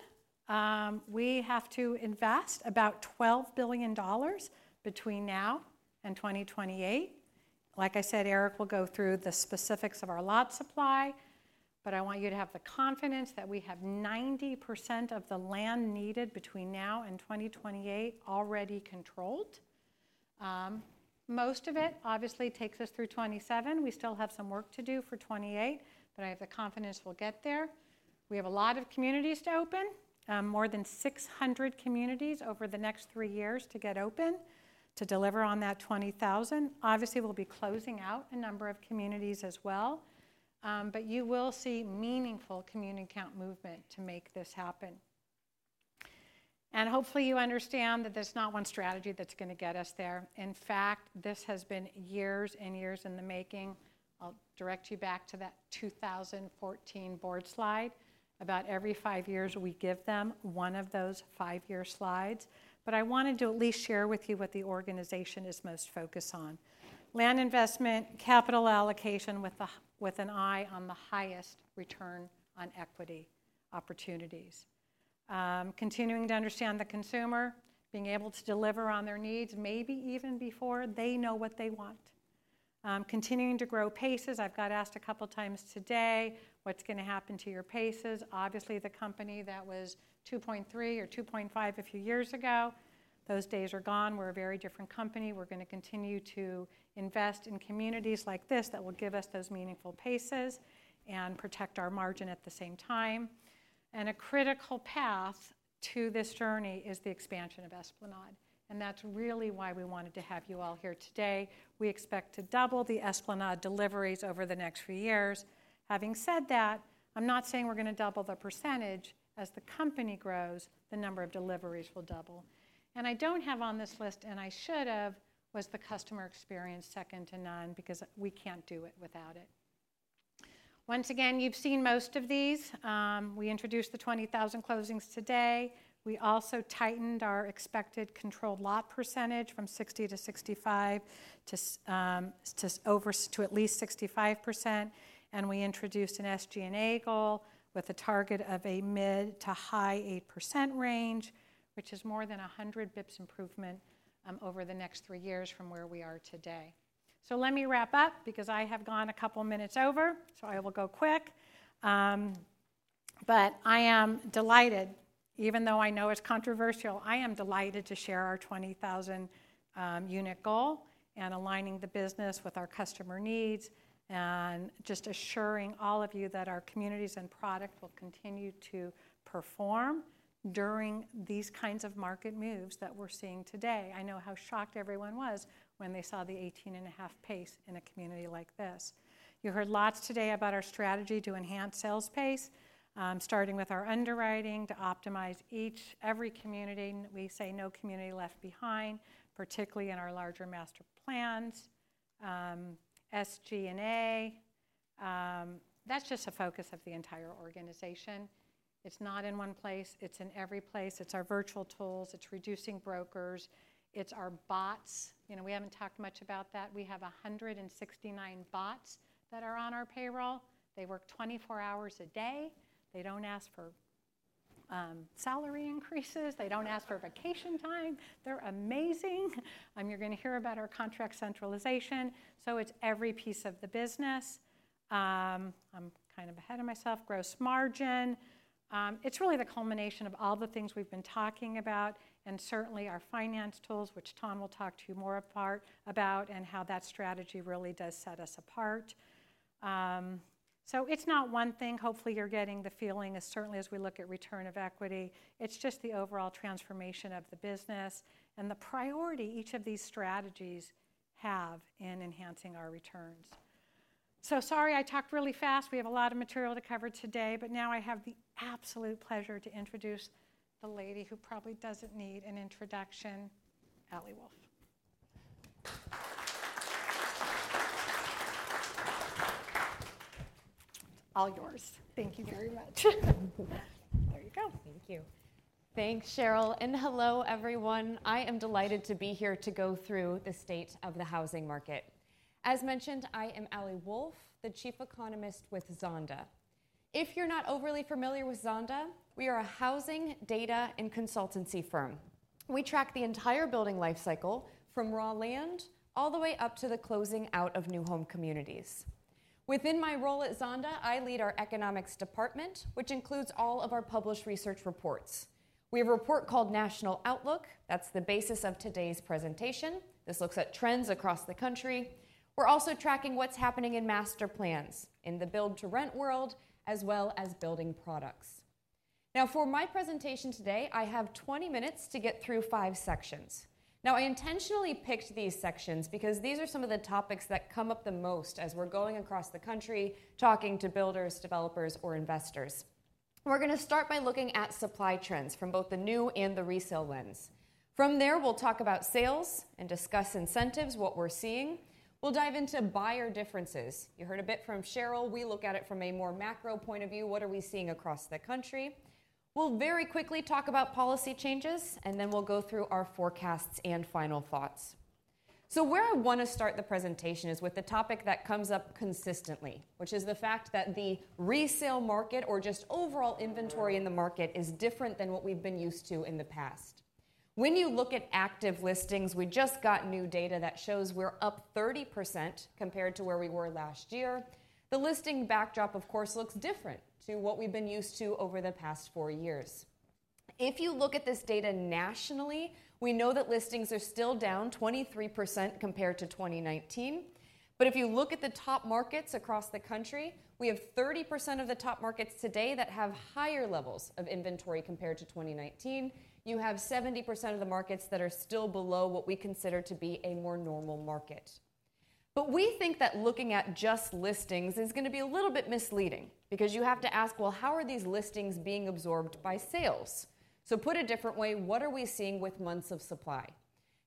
we have to invest about $12 billion between now and 2028. Like I said, Erik will go through the specifics of our lot supply. But I want you to have the confidence that we have 90% of the land needed between now and 2028 already controlled. Most of it obviously takes us through 2027. We still have some work to do for 2028, but I have the confidence we'll get there. We have a lot of communities to open, more than 600 communities over the next three years to get open to deliver on that 20,000. Obviously, we'll be closing out a number of communities as well. But you will see meaningful community count movement to make this happen. And hopefully you understand that there's not one strategy that's going to get us there. In fact, this has been years and years in the making. I'll direct you back to that 2014 board slide. About every five years, we give them one of those five-year slides. But I wanted to at least share with you what the organization is most focused on: land investment, capital allocation with an eye on the highest return on equity opportunities. Continuing to understand the consumer, being able to deliver on their needs, maybe even before they know what they want. Continuing to grow paces. I've been asked a couple of times today, "What's going to happen to your paces?" Obviously, the company that was 2.3 or 2.5 a few years ago, those days are gone. We're a very different company. We're going to continue to invest in communities like this that will give us those meaningful paces and protect our margin at the same time. A critical path to this journey is the expansion of Esplanade. That's really why we wanted to have you all here today. We expect to double the Esplanade deliveries over the next few years. Having said that, I'm not saying we're going to double the percentage. As the company grows, the number of deliveries will double. I don't have on this list, and I should have, the customer experience second to none because we can't do it without it. Once again, you've seen most of these. We introduced the 20,000 closings today. We also tightened our expected controlled lot percentage from 60%-65% to at least 65%. We introduced an SG&A goal with a target of a mid- to high-8% range, which is more than 100 basis points improvement over the next three years from where we are today, so let me wrap up because I have gone a couple of minutes over, so I will go quick. I am delighted, even though I know it's controversial, I am delighted to share our 20,000 unit goal and aligning the business with our customer needs and just assuring all of you that our communities and product will continue to perform during these kinds of market moves that we're seeing today. I know how shocked everyone was when they saw the 18.5 pace in a community like this. You heard lots today about our strategy to enhance sales pace, starting with our underwriting to optimize each every community. We say no community left behind, particularly in our larger master plans, SG&A. That's just a focus of the entire organization. It's not in one place. It's in every place. It's our virtual tools. It's reducing brokers. It's our bots. You know, we haven't talked much about that. We have 169 bots that are on our payroll. They work 24 hours a day. They don't ask for salary increases. They don't ask for vacation time. They're amazing. You're going to hear about our contract centralization. So it's every piece of the business. I'm kind of ahead of myself. Gross margin. It's really the culmination of all the things we've been talking about and certainly our finance tools, which Tawn will talk to you more about and how that strategy really does set us apart. So it's not one thing. Hopefully you're getting the feeling as certainly as we look at return on equity. It's just the overall transformation of the business and the priority each of these strategies have in enhancing our returns. So sorry, I talked really fast. We have a lot of material to cover today, but now I have the absolute pleasure to introduce the lady who probably doesn't need an introduction, Ali Wolf. All yours. Thank you very much. There you go. Thank you. Thanks, Sheryl, and hello, everyone. I am delighted to be here to go through the state of the housing market. As mentioned, I am Ali Wolf, the Chief Economist with Zonda. If you're not overly familiar with Zonda, we are a housing data and consultancy firm. We track the entire building lifecycle from raw land all the way up to the closing out of new home communities. Within my role at Zonda, I lead our economics department, which includes all of our published research reports. We have a report called National Outlook. That's the basis of today's presentation. This looks at trends across the country. We're also tracking what's happening in master plans in the build-to-rent world as well as building products. Now, for my presentation today, I have 20 minutes to get through five sections. Now, I intentionally picked these sections because these are some of the topics that come up the most as we're going across the country talking to builders, developers, or investors. We're going to start by looking at supply trends from both the new and the resale lens. From there, we'll talk about sales and discuss incentives, what we're seeing. We'll dive into buyer differences. You heard a bit from Sheryl. We look at it from a more macro point of view. What are we seeing across the country? We'll very quickly talk about policy changes, and then we'll go through our forecasts and final thoughts, so where I want to start the presentation is with the topic that comes up consistently, which is the fact that the resale market or just overall inventory in the market is different than what we've been used to in the past. When you look at active listings, we just got new data that shows we're up 30% compared to where we were last year. The listing backdrop, of course, looks different to what we've been used to over the past four years. If you look at this data nationally, we know that listings are still down 23% compared to 2019. But if you look at the top markets across the country, we have 30% of the top markets today that have higher levels of inventory compared to 2019. You have 70% of the markets that are still below what we consider to be a more normal market. But we think that looking at just listings is going to be a little bit misleading because you have to ask, "Well, how are these listings being absorbed by sales?" So put a different way, what are we seeing with months of supply?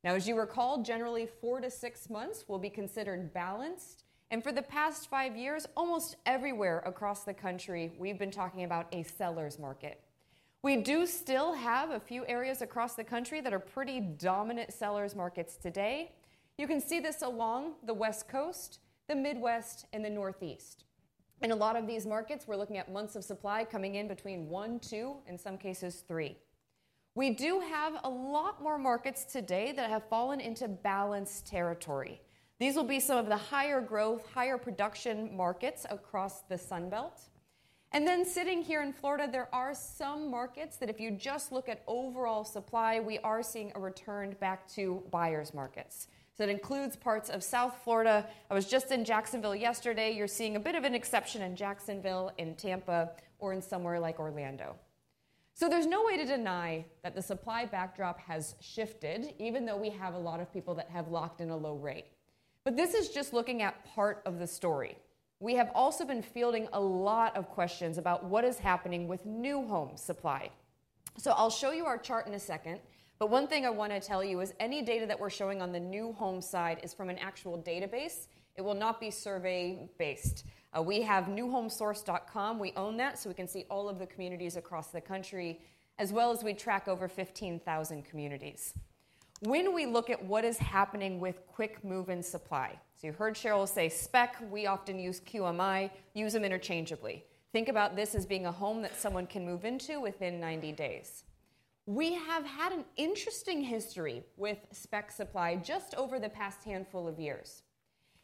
Now, as you recall, generally four to six months will be considered balanced. And for the past five years, almost everywhere across the country, we've been talking about a seller's market. We do still have a few areas across the country that are pretty dominant seller's markets today. You can see this along the West Coast, the Midwest, and the Northeast. In a lot of these markets, we're looking at months of supply coming in between one, two, in some cases three. We do have a lot more markets today that have fallen into balanced territory. These will be some of the higher growth, higher production markets across the Sunbelt. And then sitting here in Florida, there are some markets that if you just look at overall supply, we are seeing a return back to buyer's markets. So that includes parts of South Florida. I was just in Jacksonville yesterday. You're seeing a bit of an exception in Jacksonville, in Tampa, or in somewhere like Orlando, so there's no way to deny that the supply backdrop has shifted, even though we have a lot of people that have locked in a low rate, but this is just looking at part of the story. We have also been fielding a lot of questions about what is happening with new home supply, so I'll show you our chart in a second, but one thing I want to tell you is any data that we're showing on the new home side is from an actual database. It will not be survey-based. We have NewHomeSource.com. We own that so we can see all of the communities across the country, as well as we track over 15,000 communities. When we look at what is happening with quick move-in supply, so you heard Sheryl say spec, we often use QMI, use them interchangeably. Think about this as being a home that someone can move into within 90 days. We have had an interesting history with spec supply just over the past handful of years.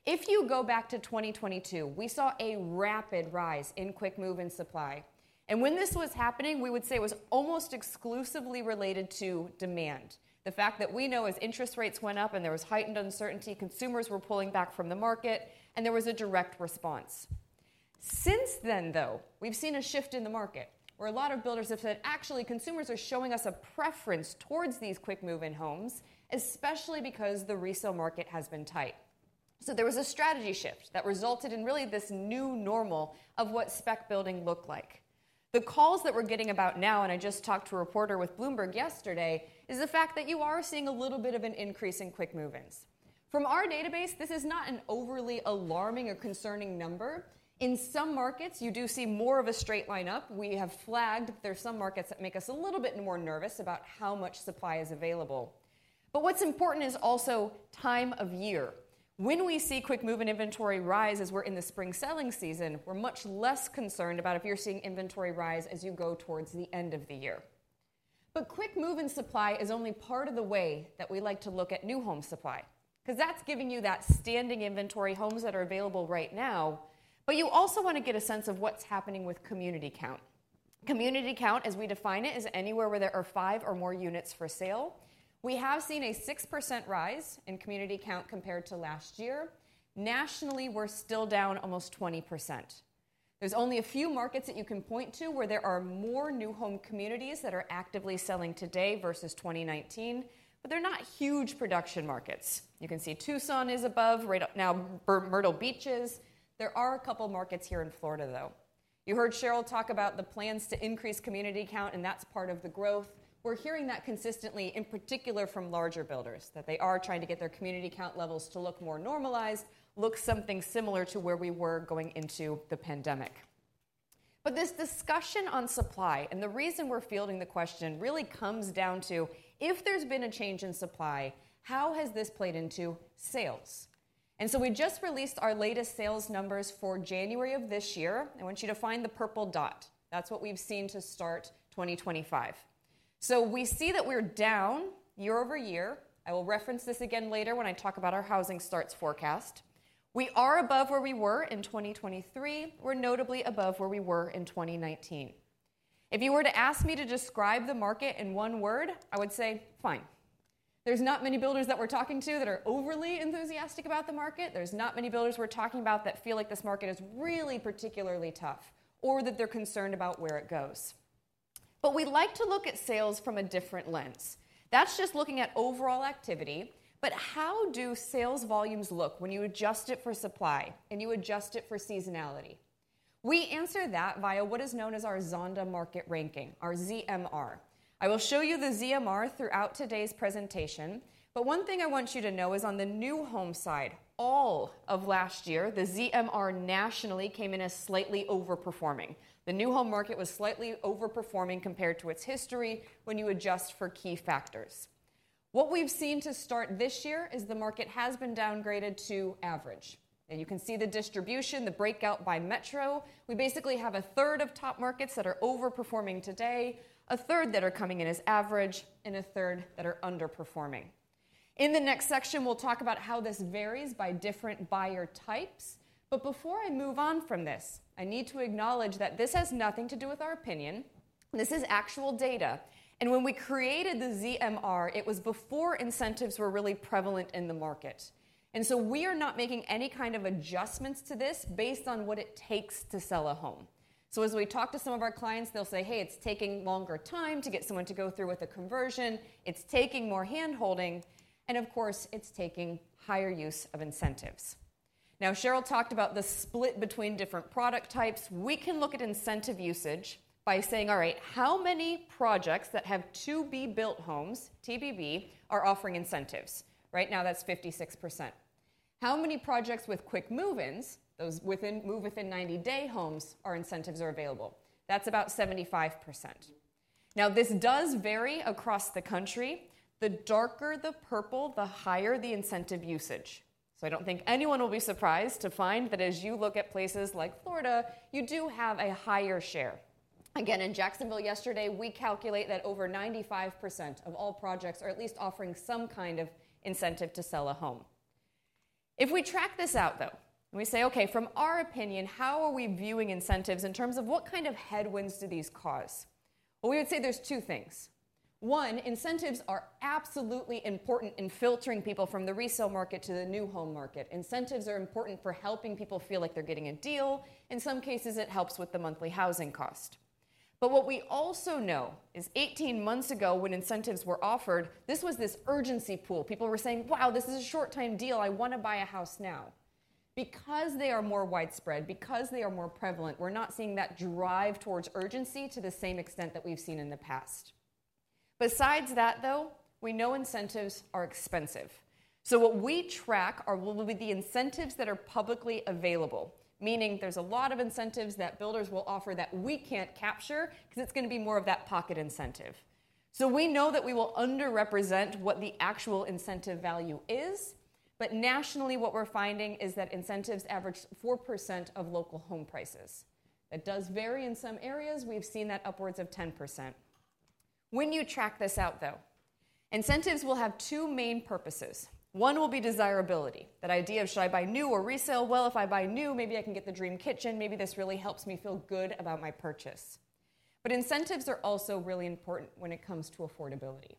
If you go back to 2022, we saw a rapid rise in quick move-in supply, and when this was happening, we would say it was almost exclusively related to demand. The fact that we know as interest rates went up and there was heightened uncertainty, consumers were pulling back from the market, and there was a direct response. Since then, though, we've seen a shift in the market where a lot of builders have said, "Actually, consumers are showing us a preference towards these quick move-in homes, especially because the resale market has been tight." So there was a strategy shift that resulted in really this new normal of what spec building looked like. The calls that we're getting about now, and I just talked to a reporter with Bloomberg yesterday, is the fact that you are seeing a little bit of an increase in quick move-ins. From our database, this is not an overly alarming or concerning number. In some markets, you do see more of a straight line up. We have flagged there's some markets that make us a little bit more nervous about how much supply is available. But what's important is also time of year. When we see quick move-in inventory rise as we're in the spring selling season, we're much less concerned about if you're seeing inventory rise as you go towards the end of the year. But quick move-in supply is only part of the way that we like to look at new home supply because that's giving you that standing inventory, homes that are available right now. But you also want to get a sense of what's happening with community count. Community count, as we define it, is anywhere where there are five or more units for sale. We have seen a 6% rise in community count compared to last year. Nationally, we're still down almost 20%. There's only a few markets that you can point to where there are more new home communities that are actively selling today versus 2019, but they're not huge production markets. You can see Tucson is above right now, Myrtle Beach. There are a couple of markets here in Florida, though. You heard Sheryl talk about the plans to increase community count, and that's part of the growth. We're hearing that consistently, in particular from larger builders, that they are trying to get their community count levels to look more normalized, look something similar to where we were going into the pandemic. But this discussion on supply and the reason we're fielding the question really comes down to if there's been a change in supply, how has this played into sales? And so we just released our latest sales numbers for January of this year. I want you to find the purple dot. That's what we've seen to start 2025. So we see that we're down year over year. I will reference this again later when I talk about our housing starts forecast. We are above where we were in 2023. We're notably above where we were in 2019. If you were to ask me to describe the market in one word, I would say fine. There's not many builders that we're talking to that are overly enthusiastic about the market. There's not many builders we're talking about that feel like this market is really particularly tough or that they're concerned about where it goes. But we like to look at sales from a different lens. That's just looking at overall activity. But how do sales volumes look when you adjust it for supply and you adjust it for seasonality? We answer that via what is known as our Zonda Market Ranking, our ZMR. I will show you the ZMR throughout today's presentation. But one thing I want you to know is on the new home side, all of last year, the ZMR nationally came in as slightly overperforming. The new home market was slightly overperforming compared to its history when you adjust for key factors. What we've seen to start this year is the market has been downgraded to average. And you can see the distribution, the breakout by metro. We basically have a third of top markets that are overperforming today, a third that are coming in as average, and a third that are underperforming. In the next section, we'll talk about how this varies by different buyer types. But before I move on from this, I need to acknowledge that this has nothing to do with our opinion. This is actual data. And when we created the ZMR, it was before incentives were really prevalent in the market. We are not making any kind of adjustments to this based on what it takes to sell a home. So as we talk to some of our clients, they'll say, "Hey, it's taking longer time to get someone to go through with a conversion. It's taking more handholding. And of course, it's taking higher use of incentives." Now, Sheryl talked about the split between different product types. We can look at incentive usage by saying, "All right, how many projects that have to-be-built homes, TBB, are offering incentives?" Right now, that's 56%. How many projects with quick move-ins, those within 90-day homes, are incentives available? That's about 75%. Now, this does vary across the country. The darker the purple, the higher the incentive usage. I don't think anyone will be surprised to find that as you look at places like Florida, you do have a higher share. Again, in Jacksonville yesterday, we calculate that over 95% of all projects are at least offering some kind of incentive to sell a home. If we track this out, though, and we say, "Okay, from our opinion, how are we viewing incentives in terms of what kind of headwinds do these cause?" Well, we would say there's two things. One, incentives are absolutely important in filtering people from the resale market to the new home market. Incentives are important for helping people feel like they're getting a deal. In some cases, it helps with the monthly housing cost. But what we also know is 18 months ago when incentives were offered, this was this urgency pool. People were saying, "Wow, this is a short-time deal. I want to buy a house now." Because they are more widespread, because they are more prevalent, we're not seeing that drive towards urgency to the same extent that we've seen in the past. Besides that, though, we know incentives are expensive. So what we track are the incentives that are publicly available, meaning there's a lot of incentives that builders will offer that we can't capture because it's going to be more of that pocket incentive. So we know that we will underrepresent what the actual incentive value is. But nationally, what we're finding is that incentives average 4% of local home prices. That does vary in some areas. We've seen that upwards of 10%. When you track this out, though, incentives will have two main purposes. One will be desirability, that idea of, "Should I buy new or resale?" Well, if I buy new, maybe I can get the dream kitchen. Maybe this really helps me feel good about my purchase. But incentives are also really important when it comes to affordability.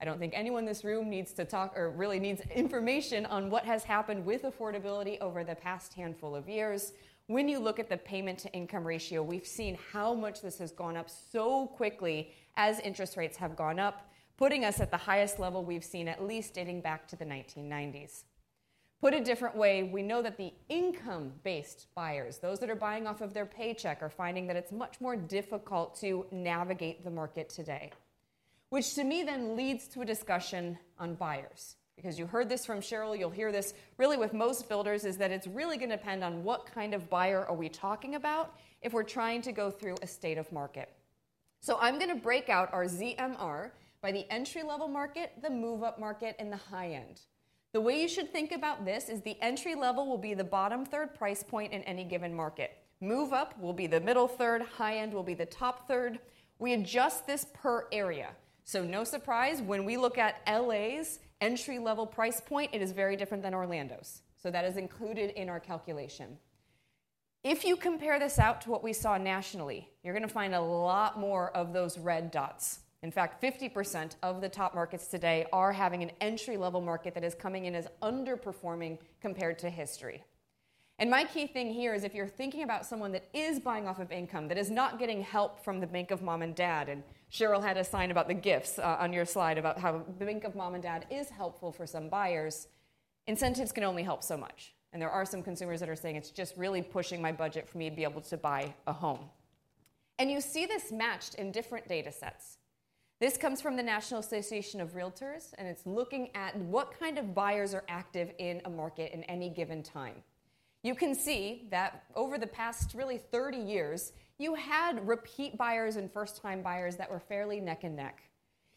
I don't think anyone in this room needs to talk or really needs information on what has happened with affordability over the past handful of years. When you look at the payment-to-income ratio, we've seen how much this has gone up so quickly as interest rates have gone up, putting us at the highest level we've seen at least dating back to the 1990s. Put a different way, we know that the income-based buyers, those that are buying off of their paycheck, are finding that it's much more difficult to navigate the market today, which to me then leads to a discussion on buyers. Because you heard this from Sheryl, you'll hear this really with most builders: is that it's really going to depend on what kind of buyer are we talking about if we're trying to go through the state of the market. So I'm going to break out our ZMR by the entry-level market, the move-up market, and the high-end. The way you should think about this is the entry level will be the bottom third price point in any given market. Move-up will be the middle third. High-end will be the top third. We adjust this per area. So no surprise, when we look at LA's entry-level price point, it is very different than Orlando's. So that is included in our calculation. If you compare this out to what we saw nationally, you're going to find a lot more of those red dots. In fact, 50% of the top markets today are having an entry-level market that is coming in as underperforming compared to history. And my key thing here is if you're thinking about someone that is buying off of income, that is not getting help from the Bank of Mom and Dad, and Sheryl had a sign about the gifts on your slide about how the Bank of Mom and Dad is helpful for some buyers, incentives can only help so much. And there are some consumers that are saying, "It's just really pushing my budget for me to be able to buy a home." And you see this matched in different data sets. This comes from the National Association of Realtors, and it's looking at what kind of buyers are active in a market in any given time. You can see that over the past really 30 years, you had repeat buyers and first-time buyers that were fairly neck and neck.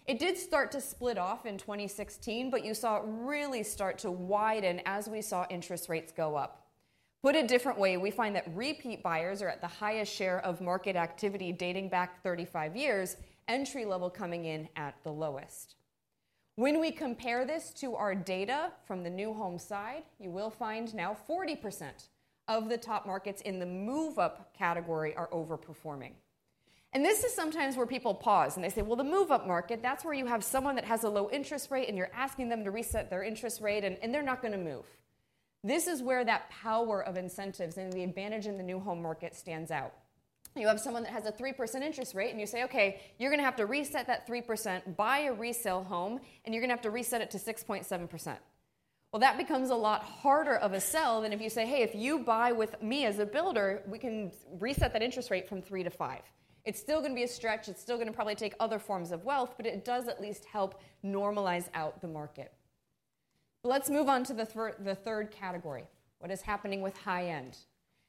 It did start to split off in 2016, but you saw it really start to widen as we saw interest rates go up. Put a different way, we find that repeat buyers are at the highest share of market activity dating back 35 years, entry-level coming in at the lowest. When we compare this to our data from the new home side, you will find now 40% of the top markets in the move-up category are overperforming. This is sometimes where people pause and they say, "Well, the move-up market, that's where you have someone that has a low interest rate and you're asking them to reset their interest rate and they're not going to move." This is where that power of incentives and the advantage in the new home market stands out. You have someone that has a 3% interest rate and you say, "Okay, you're going to have to reset that 3%, buy a resale home, and you're going to have to reset it to 6.7%." That becomes a lot harder of a sell than if you say, "Hey, if you buy with me as a builder, we can reset that interest rate from 3% to 5%." It's still going to be a stretch. It's still going to probably take other forms of wealth, but it does at least help normalize out the market. Let's move on to the third category. What is happening with high-end?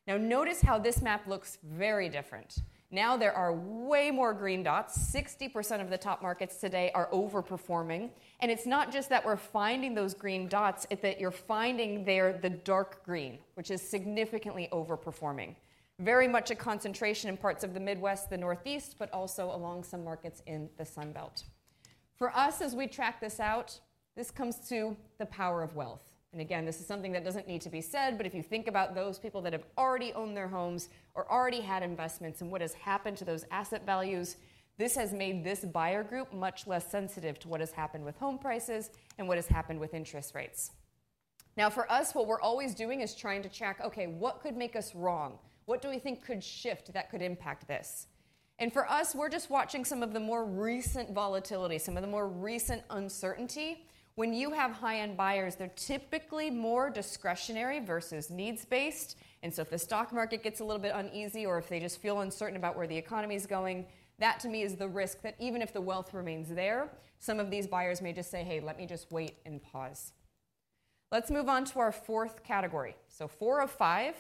Now, notice how this map looks very different. Now there are way more green dots. 60% of the top markets today are overperforming, and it's not just that we're finding those green dots, it's that you're finding there the dark green, which is significantly overperforming. Very much a concentration in parts of the Midwest, the Northeast, but also along some markets in the Sunbelt. For us, as we track this out, this comes to the power of wealth. And again, this is something that doesn't need to be said, but if you think about those people that have already owned their homes or already had investments and what has happened to those asset values, this has made this buyer group much less sensitive to what has happened with home prices and what has happened with interest rates. Now, for us, what we're always doing is trying to track, "Okay, what could make us wrong? What do we think could shift that could impact this?" And for us, we're just watching some of the more recent volatility, some of the more recent uncertainty. When you have high-end buyers, they're typically more discretionary versus needs-based. And so if the stock market gets a little bit uneasy or if they just feel uncertain about where the economy is going, that to me is the risk that even if the wealth remains there, some of these buyers may just say, "Hey, let me just wait and pause." Let's move on to our fourth category. So four of five,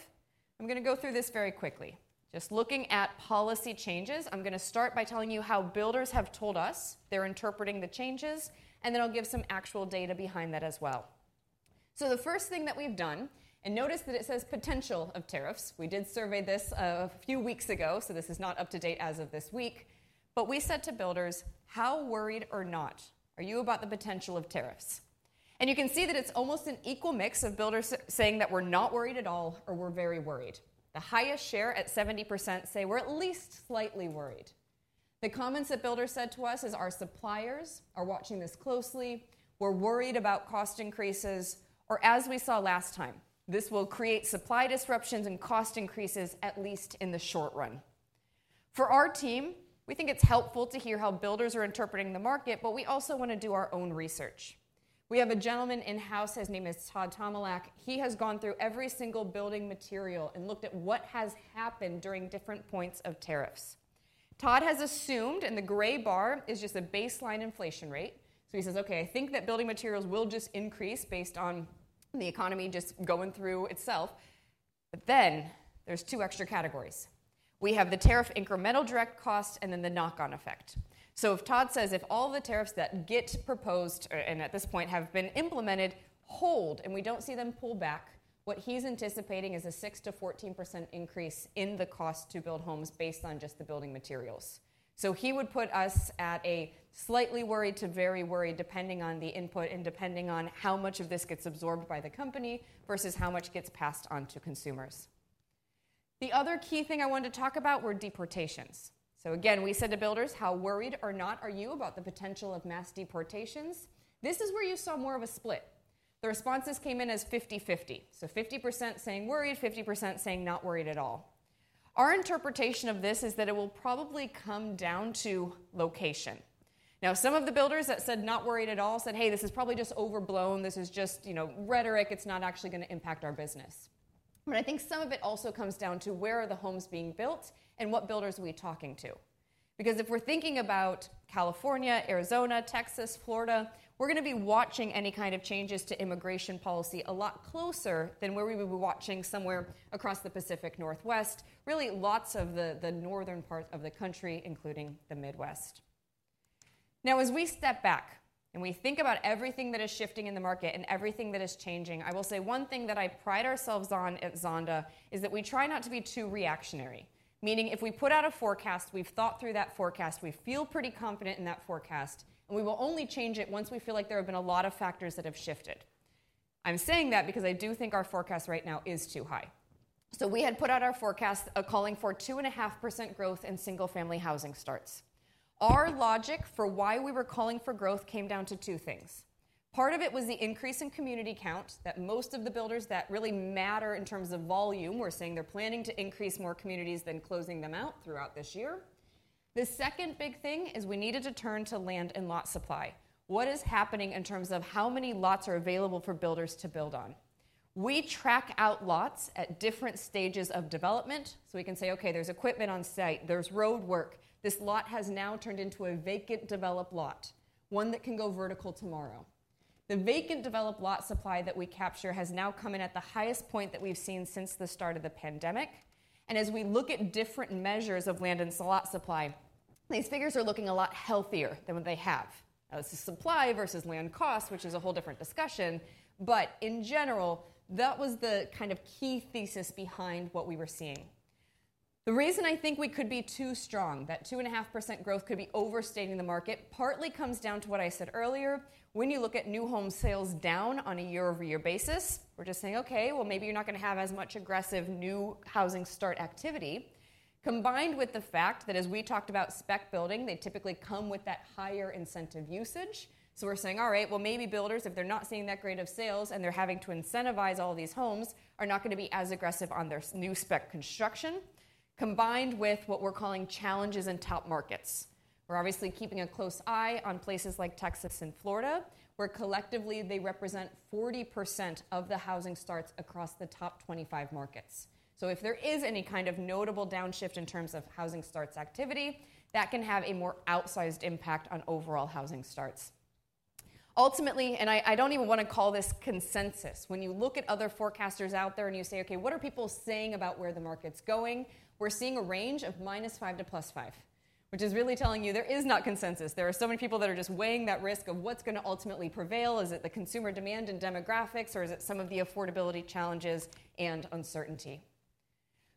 I'm going to go through this very quickly. Just looking at policy changes, I'm going to start by telling you how builders have told us they're interpreting the changes, and then I'll give some actual data behind that as well. So the first thing that we've done, and notice that it says potential of tariffs. We did survey this a few weeks ago, so this is not up to date as of this week, but we said to builders, "How worried or not are you about the potential of tariffs?" And you can see that it's almost an equal mix of builders saying that we're not worried at all or we're very worried. The highest share at 70% say we're at least slightly worried. The comments that builders said to us is our suppliers are watching this closely. We're worried about cost increases, or as we saw last time, this will create supply disruptions and cost increases at least in the short run. For our team, we think it's helpful to hear how builders are interpreting the market, but we also want to do our own research. We have a gentleman in-house, his name is Todd Tomilak. He has gone through every single building material and looked at what has happened during different points of tariffs. Todd has assumed, and the gray bar is just a baseline inflation rate. So he says, "Okay, I think that building materials will just increase based on the economy just going through itself." But then there's two extra categories. We have the tariff incremental direct cost and then the knock-on effect. So if Todd says all the tariffs that get proposed and at this point have been implemented hold and we don't see them pull back, what he's anticipating is a 6%-14% increase in the cost to build homes based on just the building materials. So he would put us at a slightly worried to very worried depending on the input and depending on how much of this gets absorbed by the company versus how much gets passed on to consumers. The other key thing I wanted to talk about were deportations. So again, we said to builders, "How worried or not are you about the potential of mass deportations?" This is where you saw more of a split. The responses came in as 50/50. So 50% saying worried, 50% saying not worried at all. Our interpretation of this is that it will probably come down to location. Now, some of the builders that said not worried at all said, "Hey, this is probably just overblown. This is just rhetoric. It's not actually going to impact our business." But I think some of it also comes down to where are the homes being built and what builders are we talking to? Because if we're thinking about California, Arizona, Texas, Florida, we're going to be watching any kind of changes to immigration policy a lot closer than where we would be watching somewhere across the Pacific Northwest, really lots of the northern part of the country, including the Midwest. Now, as we step back and we think about everything that is shifting in the market and everything that is changing, I will say one thing that I pride ourselves on at Zonda is that we try not to be too reactionary. Meaning if we put out a forecast, we've thought through that forecast, we feel pretty confident in that forecast, and we will only change it once we feel like there have been a lot of factors that have shifted. I'm saying that because I do think our forecast right now is too high. So we had put out our forecast calling for 2.5% growth in single-family housing starts. Our logic for why we were calling for growth came down to two things. Part of it was the increase in community count that most of the builders that really matter in terms of volume were saying they're planning to increase more communities than closing them out throughout this year. The second big thing is we needed to turn to land and lot supply. What is happening in terms of how many lots are available for builders to build on? We track out lots at different stages of development. So we can say, "Okay, there's equipment on site. There's roadwork. This lot has now turned into a vacant developed lot, one that can go vertical tomorrow." The vacant developed lot supply that we capture has now come in at the highest point that we've seen since the start of the pandemic, and as we look at different measures of land and lot supply, these figures are looking a lot healthier than what they have. Now, this is supply versus land cost, which is a whole different discussion, but in general, that was the kind of key thesis behind what we were seeing. The reason I think we could be too strong, that 2.5% growth could be overstating the market, partly comes down to what I said earlier. When you look at new home sales down on a year-over-year basis, we're just saying, "Okay, well, maybe you're not going to have as much aggressive new housing start activity." Combined with the fact that as we talked about spec building, they typically come with that higher incentive usage. So we're saying, "All right, well, maybe builders, if they're not seeing that grade of sales and they're having to incentivize all these homes, are not going to be as aggressive on their new spec construction." Combined with what we're calling challenges in top markets. We're obviously keeping a close eye on places like Texas and Florida, where collectively they represent 40% of the housing starts across the top 25 markets. So if there is any kind of notable downshift in terms of housing starts activity, that can have a more outsized impact on overall housing starts. Ultimately, and I don't even want to call this consensus. When you look at other forecasters out there and you say, "Okay, what are people saying about where the market's going?" We're seeing a range of -5 to +5, which is really telling you there is not consensus. There are so many people that are just weighing that risk of what's going to ultimately prevail. Is it the consumer demand and demographics, or is it some of the affordability challenges and uncertainty?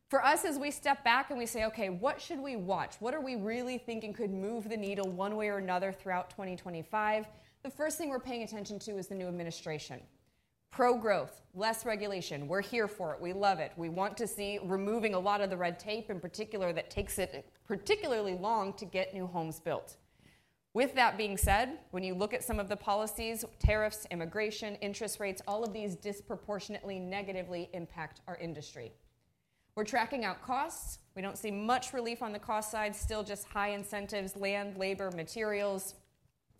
For us, as we step back and we say, "Okay, what should we watch? What are we really thinking could move the needle one way or another throughout 2025?" The first thing we're paying attention to is the new administration. Pro growth, less regulation. We're here for it. We love it. We want to see removing a lot of the red tape in particular that takes it particularly long to get new homes built. With that being said, when you look at some of the policies, tariffs, immigration, interest rates, all of these disproportionately negatively impact our industry. We're tracking our costs. We don't see much relief on the cost side, still just high incentives, land, labor, materials,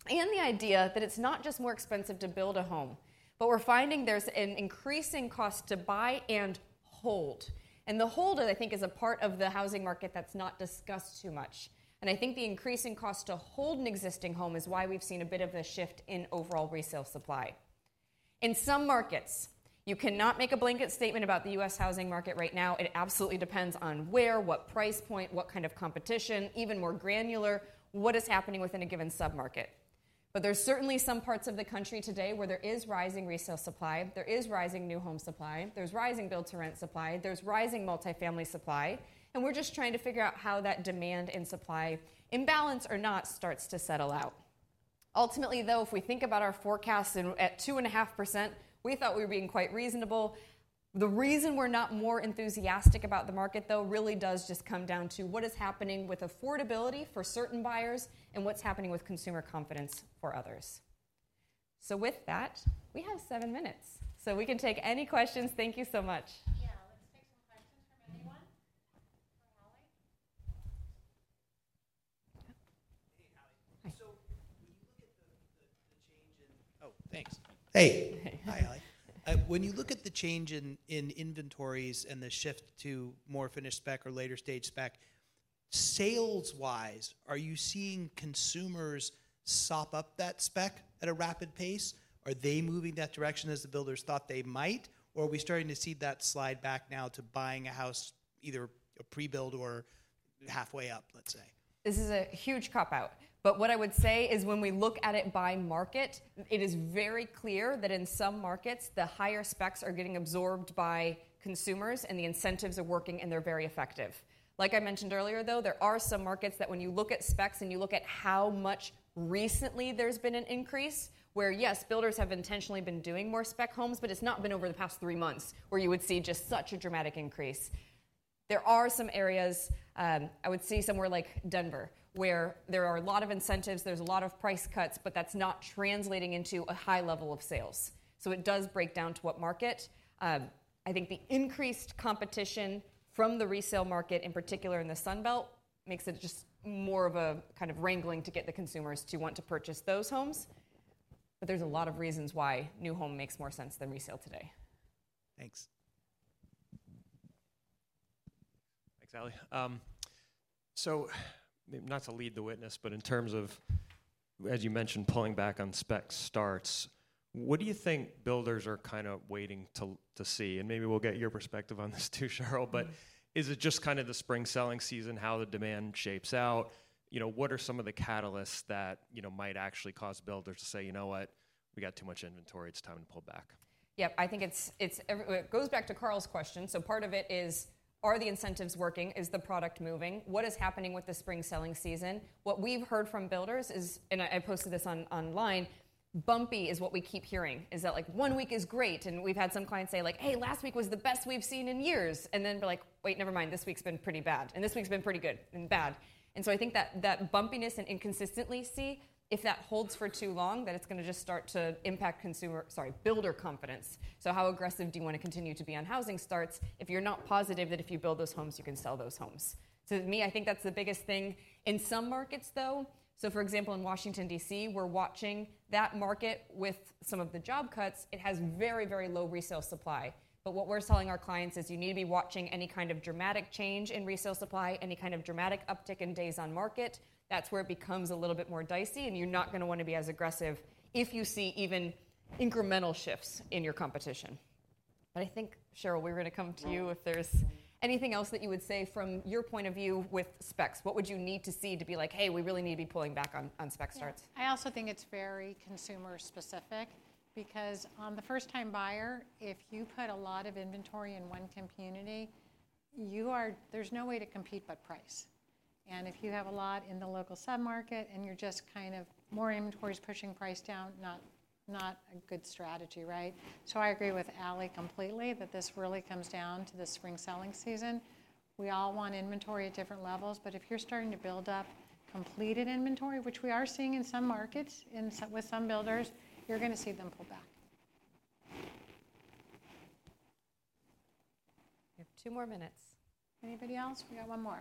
and the idea that it's not just more expensive to build a home, but we're finding there's an increasing cost to buy and hold, and the hold, I think, is a part of the housing market that's not discussed too much, and I think the increasing cost to hold an existing home is why we've seen a bit of a shift in overall resale supply. In some markets, you cannot make a blanket statement about the U.S. housing market right now. It absolutely depends on where, what price point, what kind of competition, even more granular, what is happening within a given submarket. But there's certainly some parts of the country today where there is rising resale supply, there is rising new home supply, there's rising build-to-rent supply, there's rising multifamily supply, and we're just trying to figure out how that demand and supply imbalance or not starts to settle out. Ultimately, though, if we think about our forecasts at 2.5%, we thought we were being quite reasonable. The reason we're not more enthusiastic about the market, though, really does just come down to what is happening with affordability for certain buyers and what's happening with consumer confidence for others. So with that, we have seven minutes. So we can take any questions. Thank you so much. Yeah, let's take some questions from anyone. Hey, Ali. So when you look at the change in. Oh, thanks. Hey. Hi, Ali. When you look at the change in inventories and the shift to more finished spec or later stage spec, sales-wise, are you seeing consumers sop up that spec at a rapid pace? Are they moving that direction as the builders thought they might? Or are we starting to see that slide back now to buying a house, either a pre-build or halfway up, let's say? This is a huge cop-out. But what I would say is when we look at it by market, it is very clear that in some markets, the higher specs are getting absorbed by consumers and the incentives are working and they're very effective. Like I mentioned earlier, though, there are some markets that when you look at specs and you look at how much recently there's been an increase, where yes, builders have intentionally been doing more spec homes, but it's not been over the past three months where you would see just such a dramatic increase. There are some areas. I would see somewhere like Denver, where there are a lot of incentives, there's a lot of price cuts, but that's not translating into a high level of sales. So it does break down to what market. I think the increased competition from the resale market, in particular in the Sunbelt, makes it just more of a kind of wrangling to get the consumers to want to purchase those homes. But there's a lot of reasons why new home makes more sense than resale today. Thanks. Thanks, Ali. So not to lead the witness, but in terms of, as you mentioned, pulling back on spec starts, what do you think builders are kind of waiting to see? And maybe we'll get your perspective on this too, Sheryl, but is it just kind of the spring selling season, how the demand shapes out? What are some of the catalysts that might actually cause builders to say, "You know what? We got too much inventory. It's time to pull back"? Yep. I think it goes back to Carl's question. So part of it is, are the incentives working? Is the product moving? What is happening with the spring selling season? What we've heard from builders is, and I posted this online, bumpy is what we keep hearing. Is that one week great, and we've had some clients say, "Hey, last week was the best we've seen in years," and then be like, "Wait, never mind. This week's been pretty bad. And this week's been pretty good and bad." And so I think that bumpiness and inconsistency see, if that holds for too long, that it's going to just start to impact consumer, sorry, builder confidence. So how aggressive do you want to continue to be on housing starts if you're not positive that if you build those homes, you can sell those homes? So to me, I think that's the biggest thing. In some markets, though, so for example, in Washington, D.C., we're watching that market with some of the job cuts. It has very, very low resale supply. But what we're telling our clients is you need to be watching any kind of dramatic change in resale supply, any kind of dramatic uptick in days on market. That's where it becomes a little bit more dicey, and you're not going to want to be as aggressive if you see even incremental shifts in your competition. But I think, Sheryl, we were going to come to you if there's anything else that you would say from your point of view with specs. What would you need to see to be like, "Hey, we really need to be pulling back on spec starts"? I also think it's very consumer-specific because on the first-time buyer, if you put a lot of inventory in one community, there's no way to compete but price. If you have a lot in the local submarket and you're just kind of more inventories pushing price down, not a good strategy, right? So I agree with Ali completely that this really comes down to the spring selling season. We all want inventory at different levels, but if you're starting to build up completed inventory, which we are seeing in some markets with some builders, you're going to see them pull back. We have two more minutes. Anybody else? We got one more.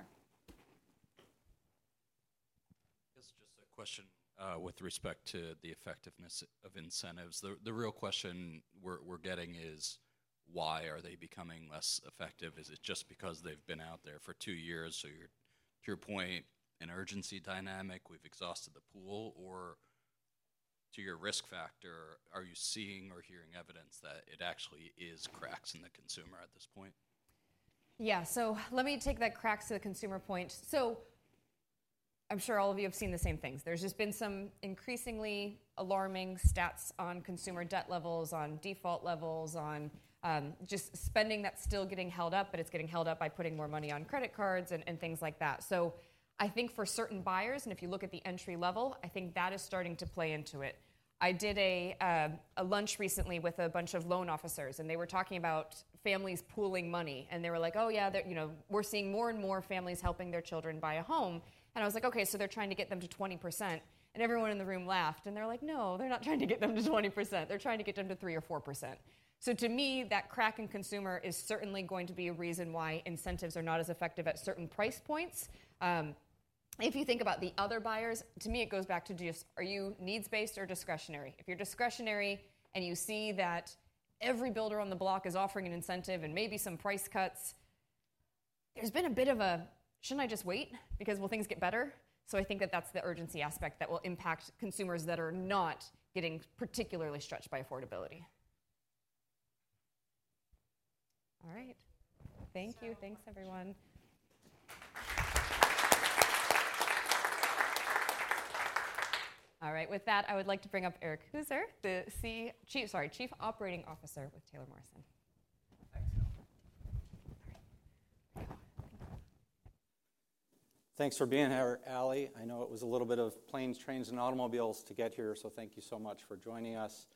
Just a question with respect to the effectiveness of incentives. The real question we're getting is why are they becoming less effective? Is it just because they've been out there for two years? So to your point, an urgency dynamic, we've exhausted the pool, or to your risk factor, are you seeing or hearing evidence that it actually is cracks in the consumer at this point? Yeah. So let me take that cracks in the consumer point. So I'm sure all of you have seen the same things. There's just been some increasingly alarming stats on consumer debt levels, on default levels, on just spending that's still getting held up, but it's getting held up by putting more money on credit cards and things like that. So I think for certain buyers, and if you look at the entry level, I think that is starting to play into it. I did a lunch recently with a bunch of loan officers, and they were talking about families pooling money, and they were like, "Oh yeah, we're seeing more and more families helping their children buy a home." And I was like, "Okay, so they're trying to get them to 20%." And everyone in the room laughed, and they're like, "No, they're not trying to get them to 20%. They're trying to get them to 3% or 4%." So to me, that crack in consumer is certainly going to be a reason why incentives are not as effective at certain price points. If you think about the other buyers, to me, it goes back to just, are you needs-based or discretionary? If you're discretionary and you see that every builder on the block is offering an incentive and maybe some price cuts, there's been a bit of a, "Shouldn't I just wait because will things get better?" So I think that that's the urgency aspect that will impact consumers that are not getting particularly stretched by affordability. All right. Thank you. Thanks, everyone. All right. With that, I would like to bring up Erik Heuser, Chief Operating Officer with Taylor Morrison. Thanks for being here, Ali. I know it was a little bit of planes, trains, and automobiles to get here, so thank you so much for joining us.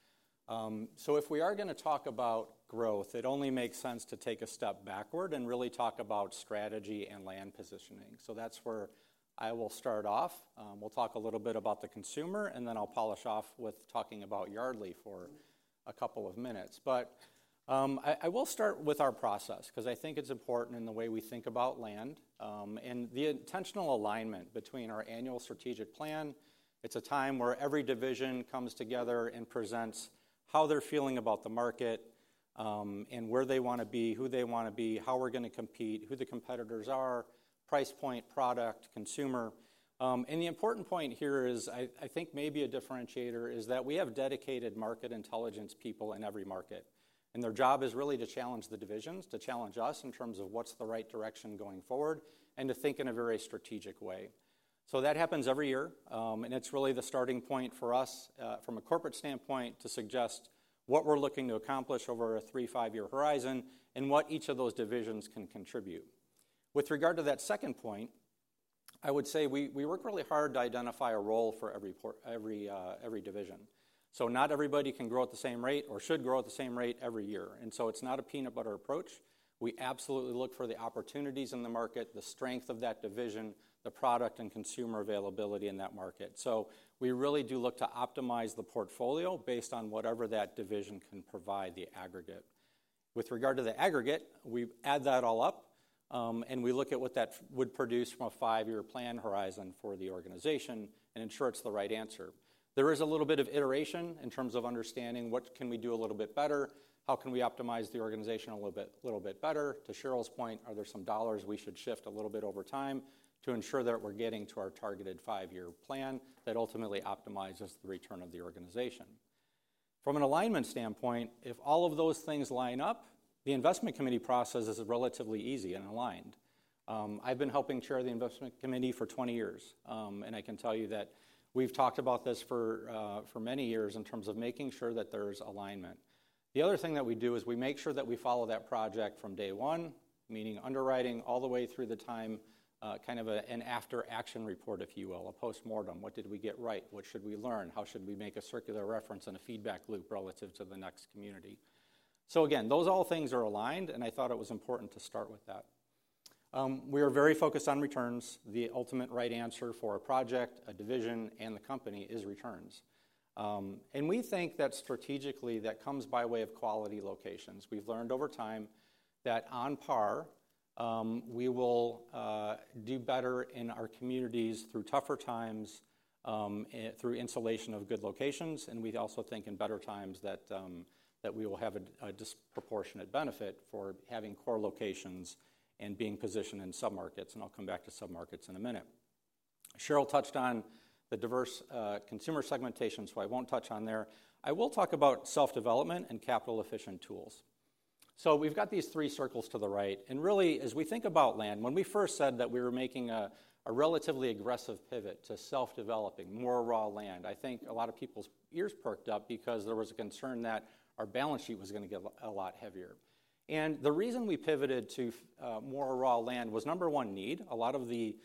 So if we are going to talk about growth, it only makes sense to take a step backward and really talk about strategy and land positioning. So that's where I will start off. We'll talk a little bit about the consumer, and then I'll polish off with talking about Yardly for a couple of minutes. But I will start with our process because I think it's important in the way we think about land and the intentional alignment between our annual strategic plan. It's a time where every division comes together and presents how they're feeling about the market and where they want to be, who they want to be, how we're going to compete, who the competitors are, price point, product, consumer. And the important point here is, I think maybe a differentiator is that we have dedicated market intelligence people in every market, and their job is really to challenge the divisions, to challenge us in terms of what's the right direction going forward, and to think in a very strategic way. So that happens every year, and it's really the starting point for us from a corporate standpoint to suggest what we're looking to accomplish over a three, five-year horizon and what each of those divisions can contribute. With regard to that second point, I would say we work really hard to identify a role for every division. So not everybody can grow at the same rate or should grow at the same rate every year. And so it's not a peanut butter approach. We absolutely look for the opportunities in the market, the strength of that division, the product and consumer availability in that market. So we really do look to optimize the portfolio based on whatever that division can provide the aggregate. With regard to the aggregate, we add that all up, and we look at what that would produce from a five-year plan horizon for the organization and ensure it's the right answer. There is a little bit of iteration in terms of understanding what can we do a little bit better, how can we optimize the organization a little bit better. To Sheryl's point, are there some dollars we should shift a little bit over time to ensure that we're getting to our targeted five-year plan that ultimately optimizes the return of the organization? From an alignment standpoint, if all of those things line up, the investment committee process is relatively easy and aligned. I've been helping chair the investment committee for 20 years, and I can tell you that we've talked about this for many years in terms of making sure that there's alignment. The other thing that we do is we make sure that we follow that project from day one, meaning underwriting all the way through the time, kind of an after-action report, if you will, a postmortem. What did we get right? What should we learn? How should we make a circular reference and a feedback loop relative to the next community? So again, those all things are aligned, and I thought it was important to start with that. We are very focused on returns. The ultimate right answer for a project, a division, and the company is returns. And we think that strategically that comes by way of quality locations. We've learned over time that on par, we will do better in our communities through tougher times, through insulation of good locations, and we also think in better times that we will have a disproportionate benefit for having core locations and being positioned in submarkets. And I'll come back to submarkets in a minute. Sheryl touched on the diverse consumer segmentation, so I won't touch on there. I will talk about self-development and capital-efficient tools. So we've got these three circles to the right. And really, as we think about land, when we first said that we were making a relatively aggressive pivot to self-developing, more raw land, I think a lot of people's ears perked up because there was a concern that our balance sheet was going to get a lot heavier. And the reason we pivoted to more raw land was, number one, need. A lot of the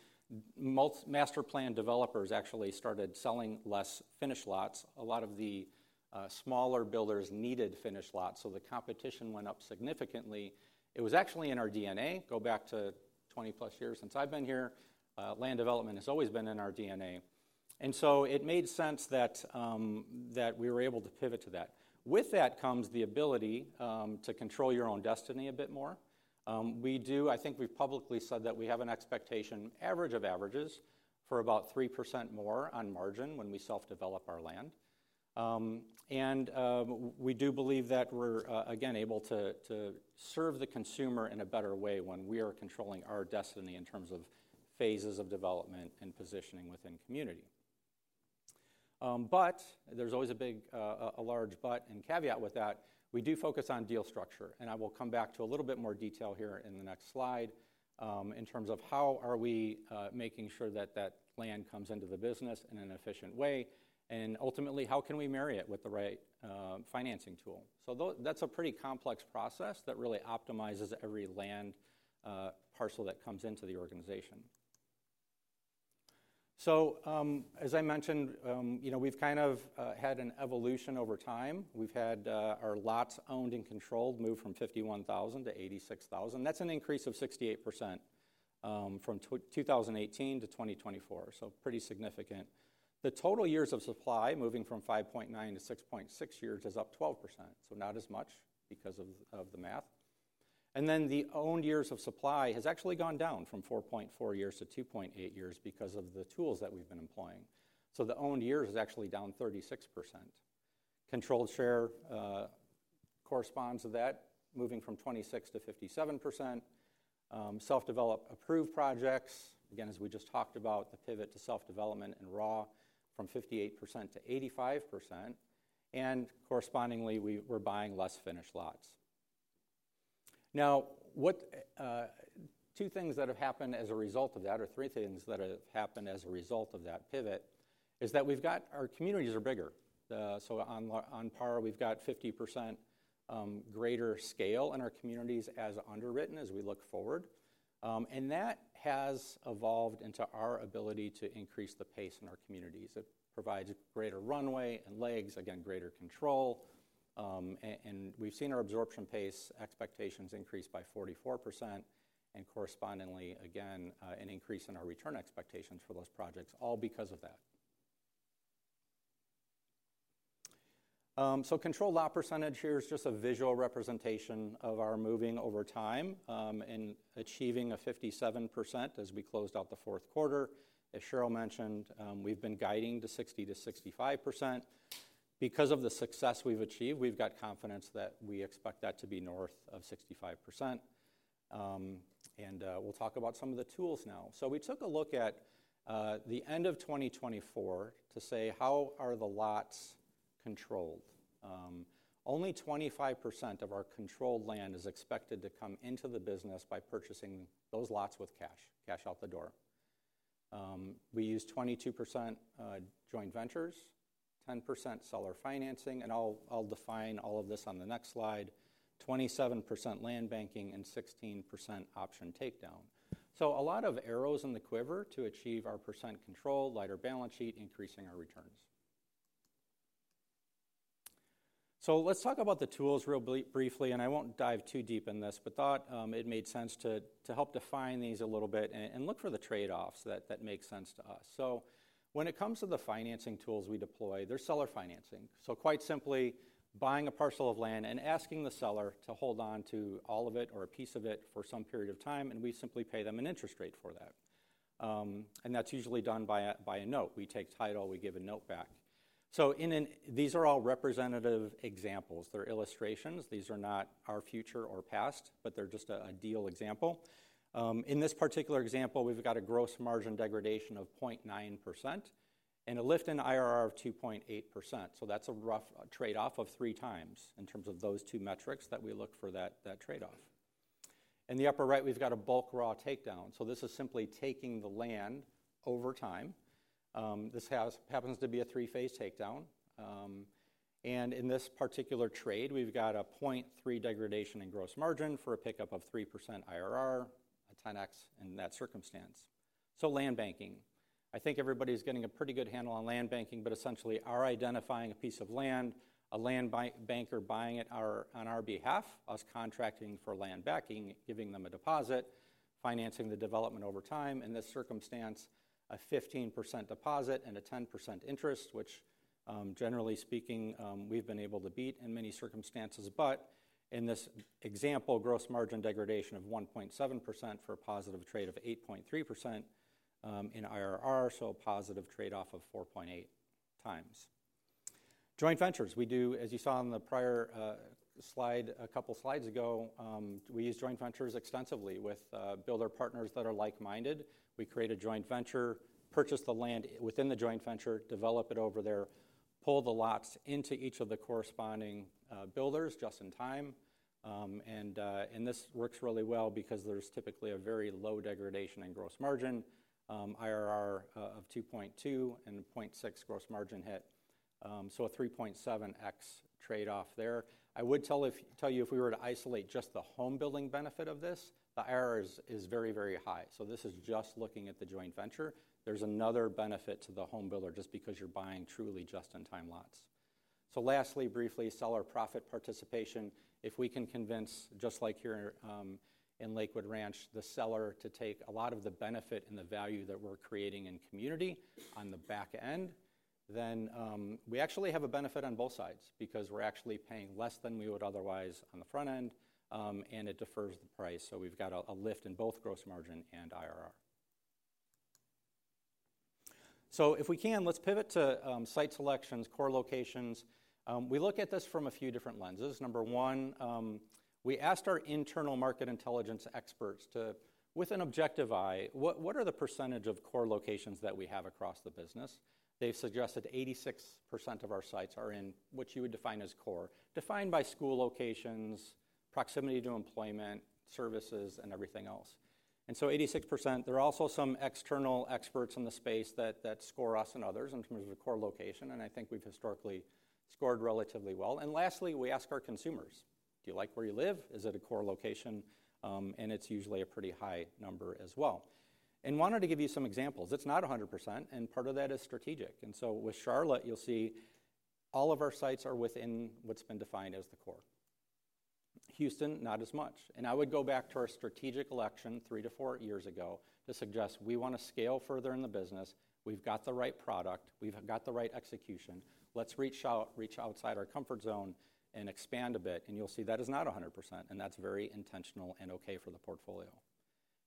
master plan developers actually started selling less finished lots. A lot of the smaller builders needed finished lots, so the competition went up significantly. It was actually in our DNA. Go back to 20+ years since I've been here, land development has always been in our DNA. And so it made sense that we were able to pivot to that. With that comes the ability to control your own destiny a bit more. I think we've publicly said that we have an expectation average of averages for about 3% more on margin when we self-develop our land. And we do believe that we're, again, able to serve the consumer in a better way when we are controlling our destiny in terms of phases of development and positioning within community. But there's always a large but and caveat with that. We do focus on deal structure, and I will come back to a little bit more detail here in the next slide in terms of how are we making sure that that land comes into the business in an efficient way, and ultimately, how can we marry it with the right financing tool. So that's a pretty complex process that really optimizes every land parcel that comes into the organization. So as I mentioned, we've kind of had an evolution over time. We've had our lots owned and controlled move from 51,000 to 86,000. That's an increase of 68% from 2018 to 2024, so pretty significant. The total years of supply moving from 5.9 to 6.6 years is up 12%, so not as much because of the math. And then the owned years of supply has actually gone down from 4.4 years to 2.8 years because of the tools that we've been employing. So the owned years is actually down 36%. Controlled share corresponds to that, moving from 26%-57%. Self-developed approved projects, again, as we just talked about, the pivot to self-development and now from 58% to 85%. And correspondingly, we're buying less finished lots. Now, two things that have happened as a result of that, or three things that have happened as a result of that pivot, is that we've got our communities are bigger. So on par, we've got 50% greater scale in our communities as underwritten as we look forward. And that has evolved into our ability to increase the pace in our communities. It provides greater runway and legs, again, greater control. And we've seen our absorption pace expectations increase by 44%, and correspondingly, again, an increase in our return expectations for those projects, all because of that. So, control lot percentage here is just a visual representation of our moving over time and achieving a 57% as we closed out the fourth quarter. As Sheryl mentioned, we've been guiding to 60%-65%. Because of the success we've achieved, we've got confidence that we expect that to be north of 65%. And we'll talk about some of the tools now. So, we took a look at the end of 2024 to say how are the lots controlled. Only 25% of our controlled land is expected to come into the business by purchasing those lots with cash, cash out the door. We use 22% joint ventures, 10% seller financing, and I'll define all of this on the next slide, 27% land banking, and 16% option takedown. So a lot of arrows in the quiver to achieve our percent control, lighter balance sheet, increasing our returns. So let's talk about the tools real briefly, and I won't dive too deep in this, but thought it made sense to help define these a little bit and look for the trade-offs that make sense to us. So when it comes to the financing tools we deploy, there's seller financing. So quite simply, buying a parcel of land and asking the seller to hold on to all of it or a piece of it for some period of time, and we simply pay them an interest rate for that. And that's usually done by a note. We take title, we give a note back. These are all representative examples. They're illustrations. These are not our future or past, but they're just a deal example. In this particular example, we've got a gross margin degradation of 0.9% and a lift in IRR of 2.8%. That's a rough trade-off of three times in terms of those two metrics that we look for that trade-off. In the upper right, we've got a bulk land takedown. This is simply taking the land over time. This happens to be a three-phase takedown. In this particular trade, we've got a 0.3% degradation in gross margin for a pickup of 3% IRR, a 10X in that circumstance. Land banking. I think everybody's getting a pretty good handle on land banking, but essentially, we're identifying a piece of land, a land banker buying it on our behalf, us contracting for land banking, giving them a deposit, financing the development over time. In this circumstance, a 15% deposit and a 10% interest, which generally speaking, we've been able to beat in many circumstances. But in this example, gross margin degradation of 1.7% for a positive trade of 8.3% in IRR, so a positive trade-off of 4.8x. Joint ventures. We do, as you saw on the prior slide a couple slides ago, we use joint ventures extensively with builder partners that are like-minded. We create a joint venture, purchase the land within the joint venture, develop it over there, pull the lots into each of the corresponding builders just in time. This works really well because there's typically a very low degradation in gross margin, IRR of 2.2 and 0.6 gross margin hit. A 3.7X trade-off there. I would tell you if we were to isolate just the home building benefit of this, the IRR is very, very high. This is just looking at the joint venture. There's another benefit to the home builder just because you're buying truly just-in-time lots. Lastly, briefly, seller profit participation. If we can convince, just like here in Lakewood Ranch, the seller to take a lot of the benefit and the value that we're creating in community on the back end, then we actually have a benefit on both sides because we're actually paying less than we would otherwise on the front end, and it defers the price. We've got a lift in both gross margin and IRR. So if we can, let's pivot to site selections, core locations. We look at this from a few different lenses. Number one, we asked our internal market intelligence experts with an objective eye, what are the percentage of core locations that we have across the business? They've suggested 86% of our sites are in what you would define as core, defined by school locations, proximity to employment, services, and everything else. And so 86%. There are also some external experts in the space that score us and others in terms of core location, and I think we've historically scored relatively well. And lastly, we ask our consumers, "Do you like where you live? Is it a core location?" And it's usually a pretty high number as well, and wanted to give you some examples. It's not 100%, and part of that is strategic. With Charlotte, you'll see all of our sites are within what's been defined as the core. Houston, not as much. I would go back to our strategic decision three to four years ago to suggest we want to scale further in the business. We've got the right product. We've got the right execution. Let's reach outside our comfort zone and expand a bit. You'll see that is not 100%, and that's very intentional and okay for the portfolio.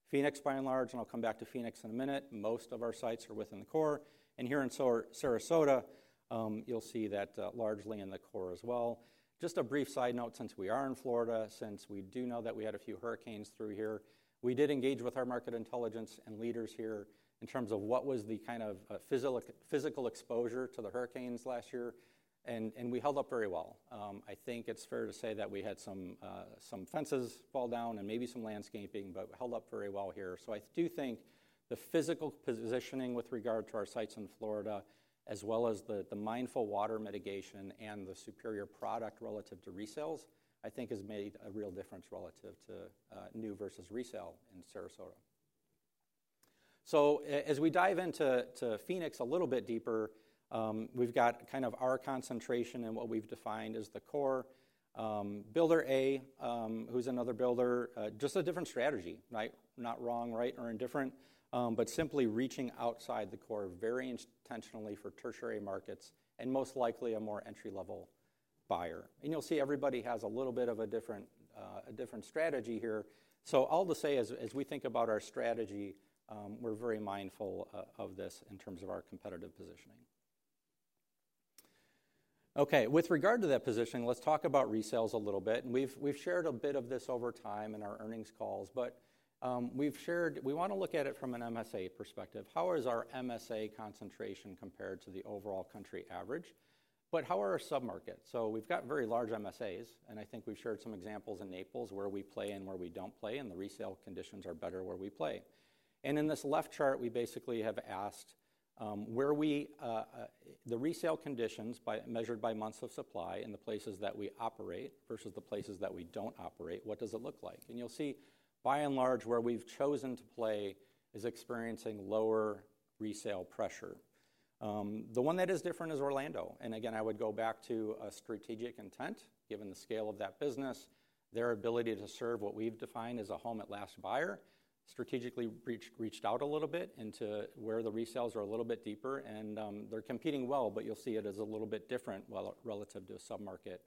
Phoenix, by and large, and I'll come back to Phoenix in a minute. Most of our sites are within the core. Here in Sarasota, you'll see that largely in the core as well. Just a brief side note, since we are in Florida, since we do know that we had a few hurricanes through here, we did engage with our market intelligence and leaders here in terms of what was the kind of physical exposure to the hurricanes last year. And we held up very well. I think it's fair to say that we had some fences fall down and maybe some landscaping, but we held up very well here. So I do think the physical positioning with regard to our sites in Florida, as well as the mindful water mitigation and the superior product relative to resales, I think has made a real difference relative to new versus resale in Sarasota. So as we dive into Phoenix a little bit deeper, we've got kind of our concentration and what we've defined as the core. Builder A, who's another builder, just a different strategy, right? Not wrong, right, or indifferent, but simply reaching outside the core very intentionally for tertiary markets and most likely a more entry-level buyer. And you'll see everybody has a little bit of a different strategy here. So all to say, as we think about our strategy, we're very mindful of this in terms of our competitive positioning. Okay. With regard to that positioning, let's talk about resales a little bit. And we've shared a bit of this over time in our earnings calls, but we want to look at it from an MSA perspective. How is our MSA concentration compared to the overall country average, but how are our submarkets? So we've got very large MSAs, and I think we've shared some examples in Naples where we play and where we don't play, and the resale conditions are better where we play. And in this left chart, we basically have asked where the resale conditions measured by months of supply in the places that we operate versus the places that we don't operate, what does it look like? And you'll see, by and large, where we've chosen to play is experiencing lower resale pressure. The one that is different is Orlando. Again, I would go back to a strategic intent, given the scale of that business, their ability to serve what we've defined as a home-at-last buyer, strategically reached out a little bit into where the resales are a little bit deeper, and they're competing well, but you'll see it as a little bit different relative to a submarket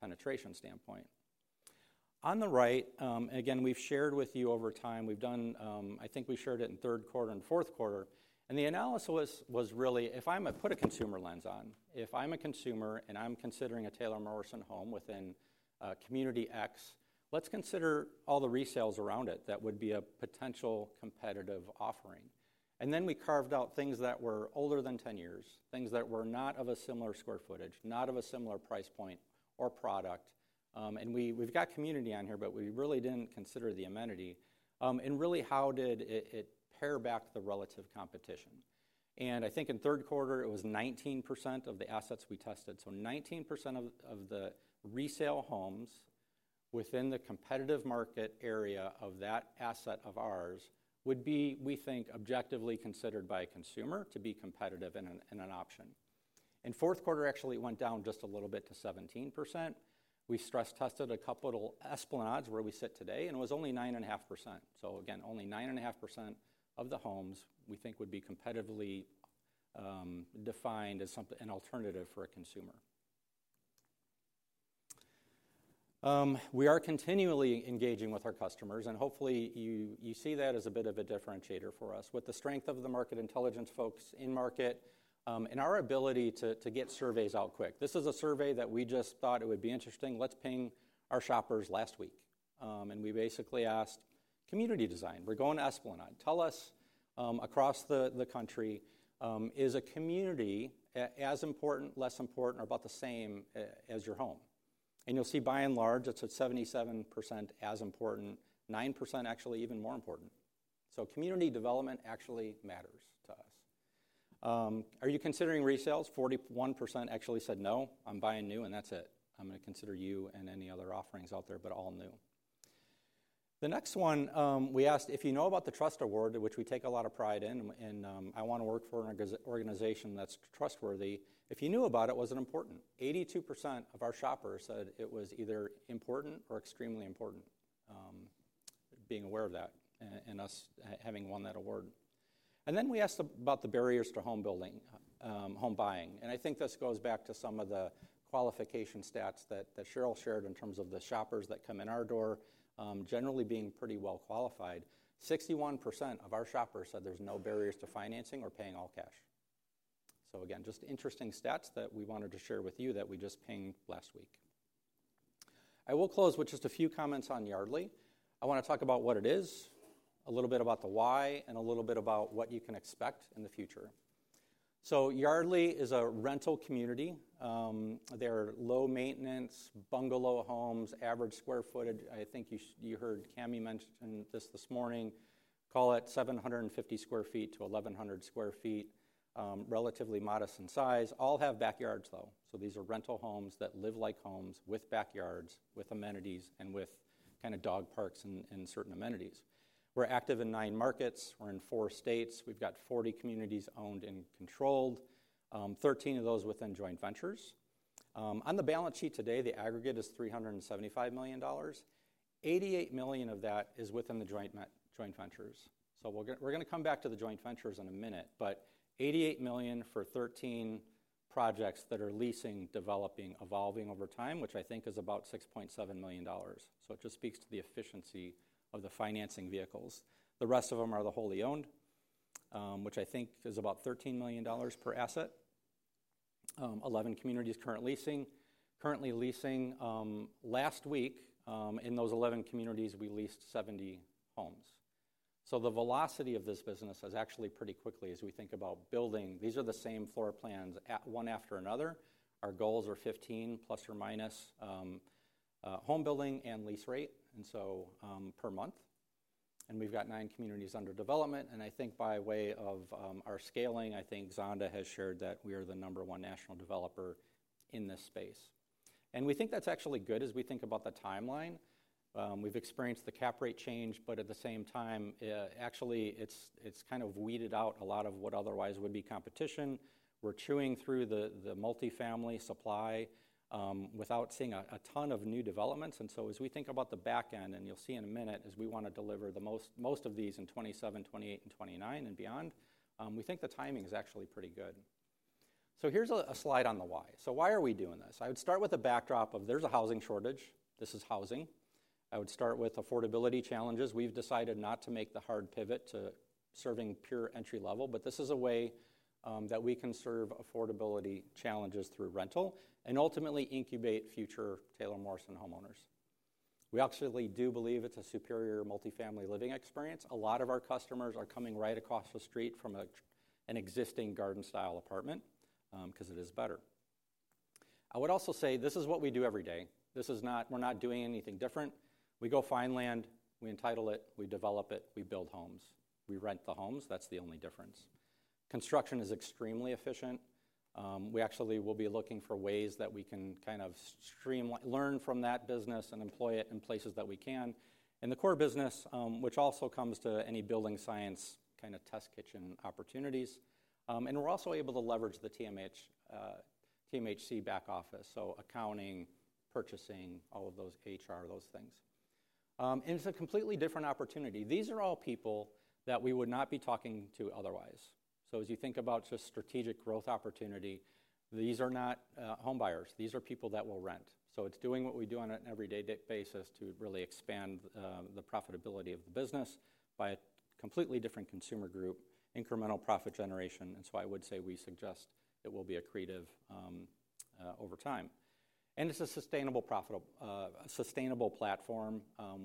penetration standpoint. On the right, again, we've shared with you over time. I think we shared it in third quarter and fourth quarter. The analysis was really, if I'm going to put a consumer lens on, if I'm a consumer and I'm considering a Taylor Morrison home within community X, let's consider all the resales around it that would be a potential competitive offering. Then we carved out things that were older than 10 years, things that were not of a similar square footage, not of a similar price point or product. And we've got community on here, but we really didn't consider the amenity. And really, how did it pare back the relative competition? And I think in third quarter, it was 19% of the assets we tested. So 19% of the resale homes within the competitive market area of that asset of ours would be, we think, objectively considered by a consumer to be competitive in an option. And fourth quarter actually went down just a little bit to 17%. We stress-tested a couple of Esplanades where we sit today, and it was only 9.5%. So again, only 9.5% of the homes we think would be competitively defined as an alternative for a consumer. We are continually engaging with our customers, and hopefully, you see that as a bit of a differentiator for us. With the strength of the market intelligence folks in market and our ability to get surveys out quick, this is a survey that we just thought it would be interesting. Let's ping our shoppers last week, and we basically asked community design. We're going to Esplanade. Tell us, across the country, is a community as important, less important, or about the same as your home, and you'll see, by and large, it's at 77% as important, 9% actually even more important, so community development actually matters to us. Are you considering resales? 41% actually said, "No, I'm buying new and that's it. I'm going to consider you and any other offerings out there, but all new." The next one, we asked, "If you know about the trust award, which we take a lot of pride in, and I want to work for an organization that's trustworthy, if you knew about it, was it important?" 82% of our shoppers said it was either important or extremely important, being aware of that and us having won that award. Then we asked about the barriers to home buying. I think this goes back to some of the qualification stats that Sheryl shared in terms of the shoppers that come in our door generally being pretty well qualified. 61% of our shoppers said there's no barriers to financing or paying all cash. So again, just interesting stats that we wanted to share with you that we just pinged last week. I will close with just a few comments on Yardly. I want to talk about what it is, a little bit about the why, and a little bit about what you can expect in the future. So Yardly is a rental community. They are low-maintenance bungalow homes, average square footage. I think you heard Cammie mention this this morning. Call it 750 sq ft-1,100 sq ft, relatively modest in size. All have backyards, though. So these are rental homes that live like homes with backyards, with amenities, and with kind of dog parks and certain amenities. We're active in nine markets. We're in four states. We've got 40 communities owned and controlled, 13 of those within joint ventures. On the balance sheet today, the aggregate is $375 million. $88 million of that is within the joint ventures. So we're going to come back to the joint ventures in a minute, but $88 million for 13 projects that are leasing, developing, evolving over time, which I think is about $6.7 million. So it just speaks to the efficiency of the financing vehicles. The rest of them are the wholly owned, which I think is about $13 million per asset. 11 communities currently leasing. Last week, in those 11 communities, we leased 70 homes. So the velocity of this business has actually pretty quickly as we think about building. These are the same floor plans one after another. Our goals are 15 plus or minus home building and lease rate, and so per month. And we've got nine communities under development. And I think by way of our scaling, I think Zonda has shared that we are the number one national developer in this space. We think that's actually good as we think about the timeline. We've experienced the cap rate change, but at the same time, actually, it's kind of weeded out a lot of what otherwise would be competition. We're chewing through the multifamily supply without seeing a ton of new developments. And so as we think about the back end, and you'll see in a minute, as we want to deliver the most of these in 2027, 2028, and 2029 and beyond, we think the timing is actually pretty good. Here's a slide on the why. Why are we doing this? I would start with a backdrop of there's a housing shortage. This is housing. I would start with affordability challenges. We've decided not to make the hard pivot to serving pure entry-level, but this is a way that we can serve affordability challenges through rental and ultimately incubate future Taylor Morrison homeowners. We actually do believe it's a superior multifamily living experience. A lot of our customers are coming right across the street from an existing garden-style apartment because it is better. I would also say this is what we do every day. We're not doing anything different. We go find land, we entitle it, we develop it, we build homes. We rent the homes. That's the only difference. Construction is extremely efficient. We actually will be looking for ways that we can kind of learn from that business and employ it in places that we can. And the core business, which also comes to any building science kind of test kitchen opportunities. We’re also able to leverage the TMHC back office, so accounting, purchasing, all of those HR, those things. It’s a completely different opportunity. These are all people that we would not be talking to otherwise. As you think about just strategic growth opportunity, these are not homebuyers. These are people that will rent. It’s doing what we do on an everyday basis to really expand the profitability of the business by a completely different consumer group, incremental profit generation. I would say we suggest it will be accretive over time. It’s a sustainable platform.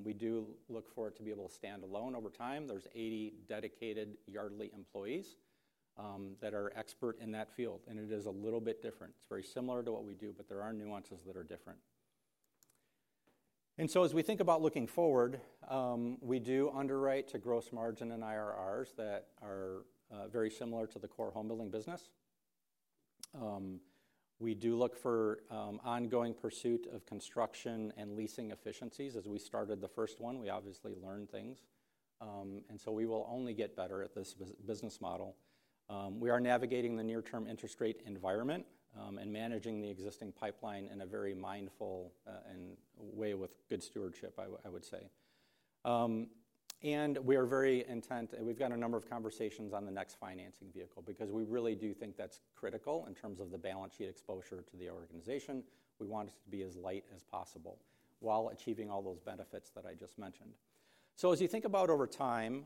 We do look forward to being able to stand alone over time. There’s 80 dedicated Yardly employees that are expert in that field. It is a little bit different. It’s very similar to what we do, but there are nuances that are different. And so as we think about looking forward, we do underwrite to gross margin and IRRs that are very similar to the core home building business. We do look for ongoing pursuit of construction and leasing efficiencies. As we started the first one, we obviously learned things. And so we will only get better at this business model. We are navigating the near-term interest rate environment and managing the existing pipeline in a very mindful way with good stewardship, I would say. And we are very intent. We've got a number of conversations on the next financing vehicle because we really do think that's critical in terms of the balance sheet exposure to the organization. We want it to be as light as possible while achieving all those benefits that I just mentioned. So as you think about over time,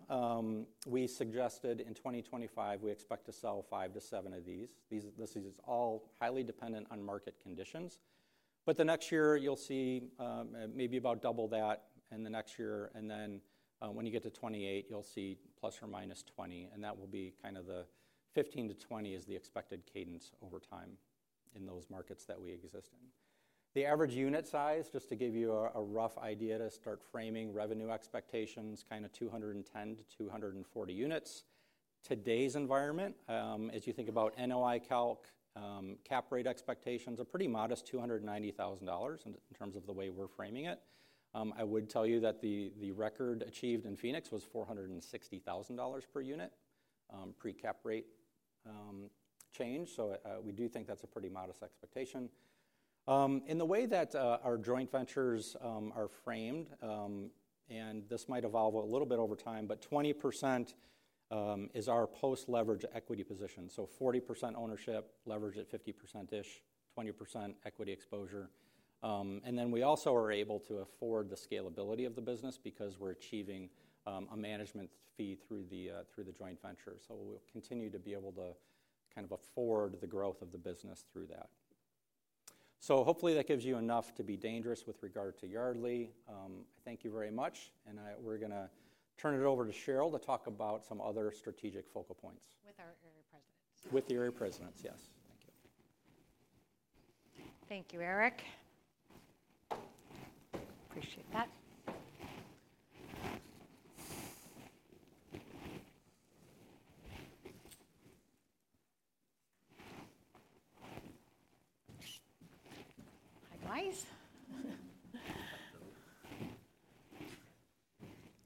we suggested in 2025, we expect to sell five to seven of these. This is all highly dependent on market conditions. But the next year, you'll see maybe about double that in the next year. And then when you get to 2028, you'll see plus or minus 20. And that will be kind of the 15-20 is the expected cadence over time in those markets that we exist in. The average unit size, just to give you a rough idea to start framing revenue expectations, kind of 210-240 units. Today's environment, as you think about NOI calc, cap rate expectations are pretty modest, $290,000 in terms of the way we're framing it. I would tell you that the record achieved in Phoenix was $460,000 per unit pre-cap rate change. So we do think that's a pretty modest expectation. In the way that our joint ventures are framed, and this might evolve a little bit over time, but 20% is our post-leverage equity position. So 40% ownership, leverage at 50%-ish, 20% equity exposure. And then we also are able to afford the scalability of the business because we're achieving a management fee through the joint venture. So we'll continue to be able to kind of afford the growth of the business through that. So hopefully, that gives you enough to be dangerous with regard to Yardly. Thank you very much. And we're going to turn it over to Sheryl to talk about some other strategic focal points. With our area presidents. With the area presidents, yes. Thank you. Thank you, Erik. Appreciate that. Hi, guys.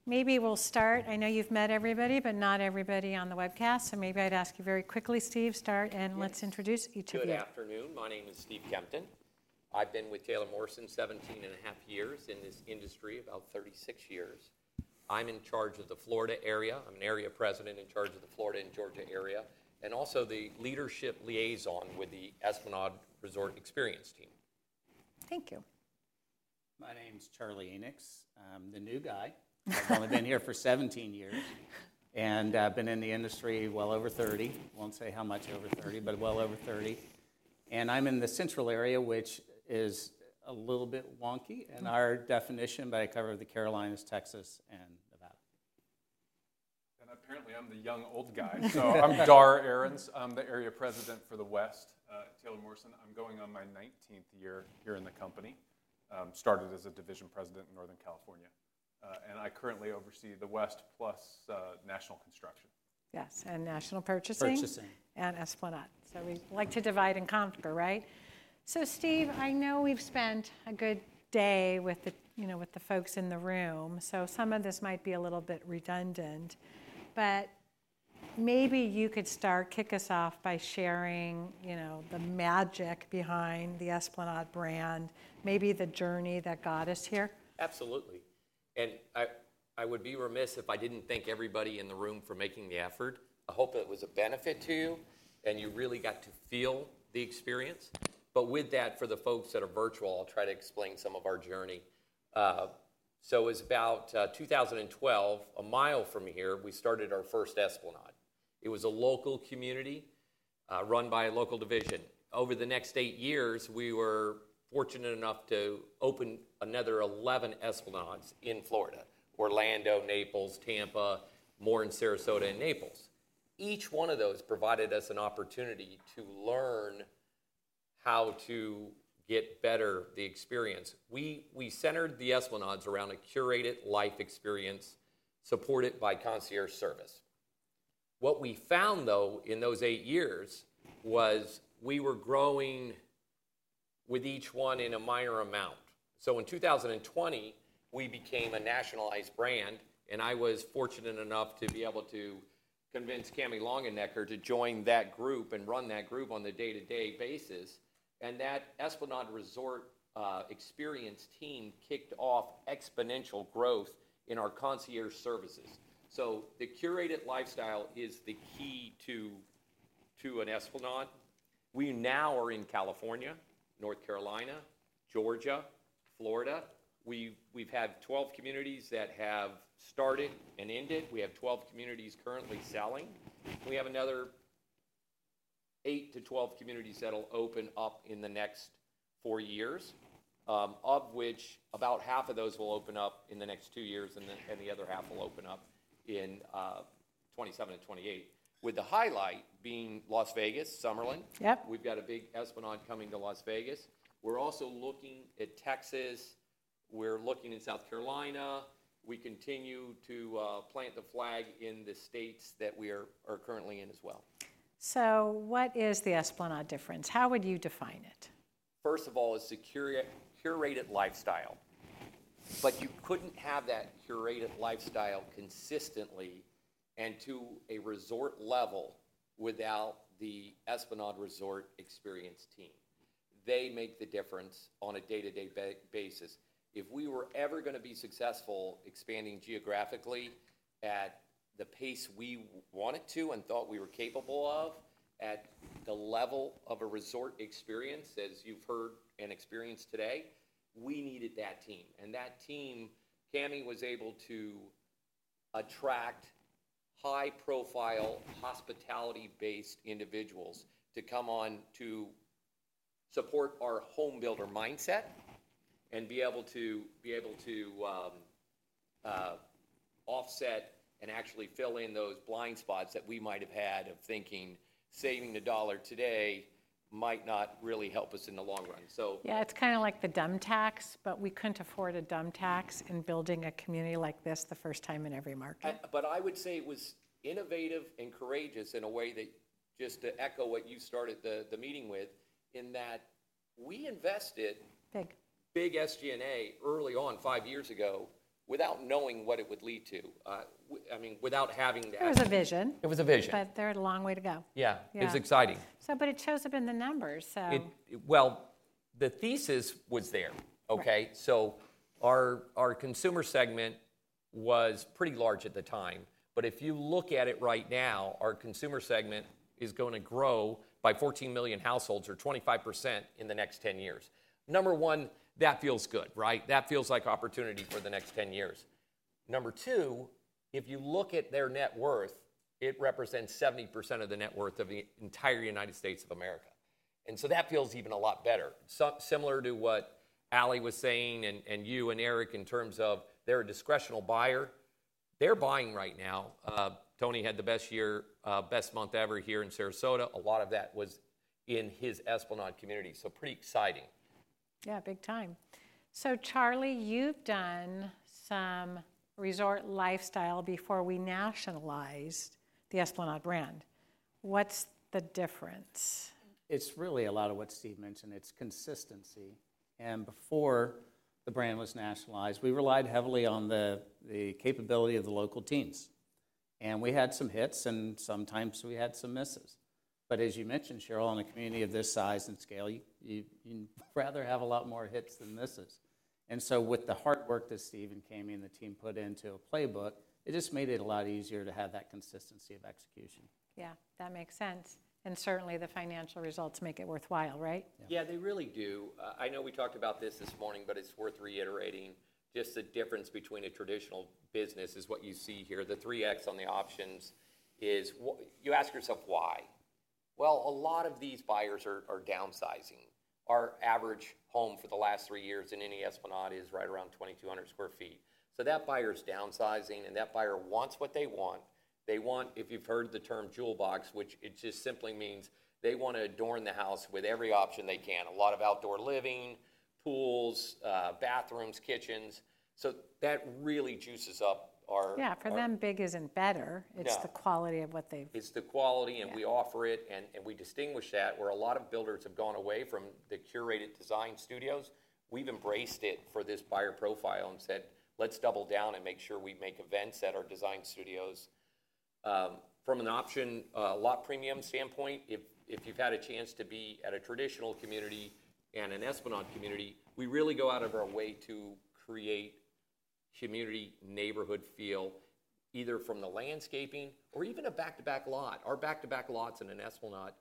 Maybe we'll start. I know you've met everybody, but not everybody on the webcast. So maybe I'd ask you very quickly, Steve, start, and let's introduce each other. Good afternoon. My name is Steve Kempton. I've been with Taylor Morrison 17 and a half years in this industry, about 36 years. I'm in charge of the Florida area. I'm an area president in charge of the Florida and Georgia area, and also the leadership liaison with the Esplanade Resort Experience team. Thank you. My name's Charlie Enochs. I'm the new guy. I've only been here for 17 years, and I've been in the industry well over 30. I won't say how much over 30, but well over 30. And I'm in the central area, which is a little bit wonky. And our defined area covers the Carolinas, Texas, and Nevada. And apparently, I'm the young old guy. So I'm Dar Ahrens. I'm the area president for the West at Taylor Morrison. I'm going on my 19th year here in the company. Started as a division president in Northern California. And I currently oversee the West plus National Construction. Yes. And National Purchasing. Purchasing. And Esplanade. So we like to divide and conquer, right? So Steve, I know we've spent a good day with the folks in the room. So some of this might be a little bit redundant, but maybe you could start, kick us off by sharing the magic behind the Esplanade brand, maybe the journey that got us here. Absolutely. And I would be remiss if I didn't thank everybody in the room for making the effort. I hope it was a benefit to you, and you really got to feel the experience. But with that, for the folks that are virtual, I'll try to explain some of our journey. So it was about 2012, a mile from here, we started our first Esplanade. It was a local community run by a local division. Over the next eight years, we were fortunate enough to open another 11 Esplanades in Florida: Orlando, Naples, Tampa, Fort Myers, Sarasota, and Naples. Each one of those provided us an opportunity to learn how to get better the experience. We centered the Esplanades around a curated life experience supported by concierge service. What we found, though, in those eight years was we were growing with each one in a minor amount. So in 2020, we became a nationalized brand, and I was fortunate enough to be able to convince Cammie Longenecker to join that group and run that group on a day-to-day basis. And that Esplanade Resort Experience team kicked off exponential growth in our concierge services. So the curated lifestyle is the key to an Esplanade. We now are in California, North Carolina, Georgia, Florida. We've had 12 communities that have started and ended. We have 12 communities currently selling. We have another eight to 12 communities that will open up in the next four years, of which about half of those will open up in the next two years, and the other half will open up in 2027 and 2028, with the highlight being Las Vegas, Summerlin. We've got a big Esplanade coming to Las Vegas. We're also looking at Texas. We're looking at South Carolina. We continue to plant the flag in the states that we are currently in as well. So what is the Esplanade difference? How would you define it? First of all, it's a curated lifestyle, but you couldn't have that curated lifestyle consistently and to a resort level without the Esplanade Resort Experience team. They make the difference on a day-to-day basis. If we were ever going to be successful expanding geographically at the pace we wanted to and thought we were capable of at the level of a resort experience, as you've heard and experienced today, we needed that team, and that team, Cammie was able to attract high-profile hospitality-based individuals to come on to support our homebuilder mindset and be able to offset and actually fill in those blind spots that we might have had of thinking saving the dollar today might not really help us in the long run. So yeah, it's kind of like the dumb tax, but we couldn't afford a dumb tax in building a community like this the first time in every market. But I would say it was innovative and courageous in a way that just to echo what you started the meeting with in that we invested big SG&A early on five years ago without knowing what it would lead to. I mean, without having to ask for it. It was a vision. It was a vision. But there's a long way to go. Yeah. It was exciting. But it shows up in the numbers, so. Well, the thesis was there, okay? So our consumer segment was pretty large at the time. But if you look at it right now, our consumer segment is going to grow by 14 million households or 25% in the next 10 years. Number one, that feels good, right? That feels like opportunity for the next 10 years. Number two, if you look at their net worth, it represents 70% of the net worth of the entire United States of America. And so that feels even a lot better. Similar to what Ali was saying and you and Erik in terms of they're a discretionary buyer. They're buying right now. Tony had the best year, best month ever here in Sarasota. A lot of that was in his Esplanade community. So pretty exciting. Yeah, big time. So Charlie, you've done some resort lifestyle before we nationalized the Esplanade brand. What's the difference? It's really a lot of what Steve mentioned. It's consistency. And before the brand was nationalized, we relied heavily on the capability of the local teams. And we had some hits, and sometimes we had some misses. But as you mentioned, Sheryl, in a community of this size and scale, you'd rather have a lot more hits than misses. And so with the hard work that Steve and Cammy and the team put into a playbook, it just made it a lot easier to have that consistency of execution. Yeah, that makes sense. And certainly, the financial results make it worthwhile, right? Yeah, they really do. I know we talked about this this morning, but it's worth reiterating. Just the difference between a traditional business is what you see here. The 3X on the options is you ask yourself, why? Well, a lot of these buyers are downsizing. Our average home for the last three years in any Esplanade is right around 2,200 sq ft. So that buyer is downsizing, and that buyer wants what they want. If you've heard the term jewel box, which it just simply means they want to adorn the house with every option they can: a lot of outdoor living, pools, bathrooms, kitchens. So that really juices up our business. Yeah, for them, big isn't better. It's the quality of what they've. It's the quality, and we offer it, and we distinguish that. Where a lot of builders have gone away from the curated design studios, we've embraced it for this buyer profile and said, let's double down and make sure we make events at our design studios. From an option lot premium standpoint, if you've had a chance to be at a traditional community and an Esplanade community, we really go out of our way to create community neighborhood feel, either from the landscaping or even a back-to-back lot. Our back-to-back lots in an Esplanade,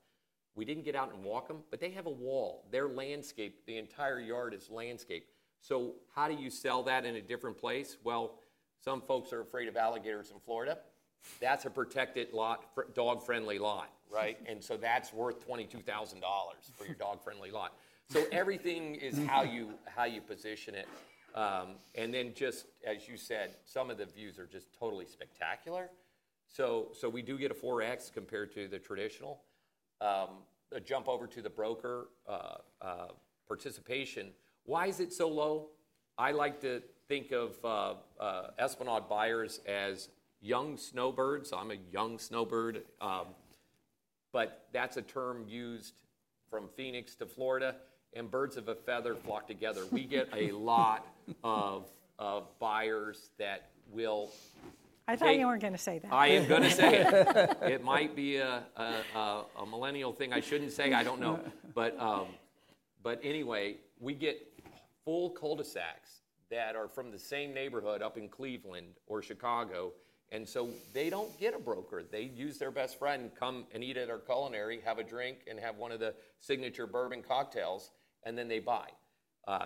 we didn't get out and walk them, but they have a wall. Their landscape, the entire yard is landscape. So how do you sell that in a different place? Well, some folks are afraid of alligators in Florida. That's a protected dog-friendly lot, right? And so that's worth $22,000 for your dog-friendly lot. So everything is how you position it. And then just as you said, some of the views are just totally spectacular. So we do get a 4X compared to the traditional. A jump over to the broker participation. Why is it so low? I like to think of Esplanade buyers as young snowbirds. I'm a young snowbird. But that's a term used from Phoenix to Florida, and birds of a feather flock together. We get a lot of buyers that will. I thought you weren't going to say that. I am going to say it. It might be a millennial thing. I shouldn't say, I don't know. But anyway, we get full cul-de-sacs that are from the same neighborhood up in Cleveland or Chicago, and so they don't get a broker. They use their best friend, come and eat at our culinary, have a drink, and have one of the signature bourbon cocktails, and then they buy.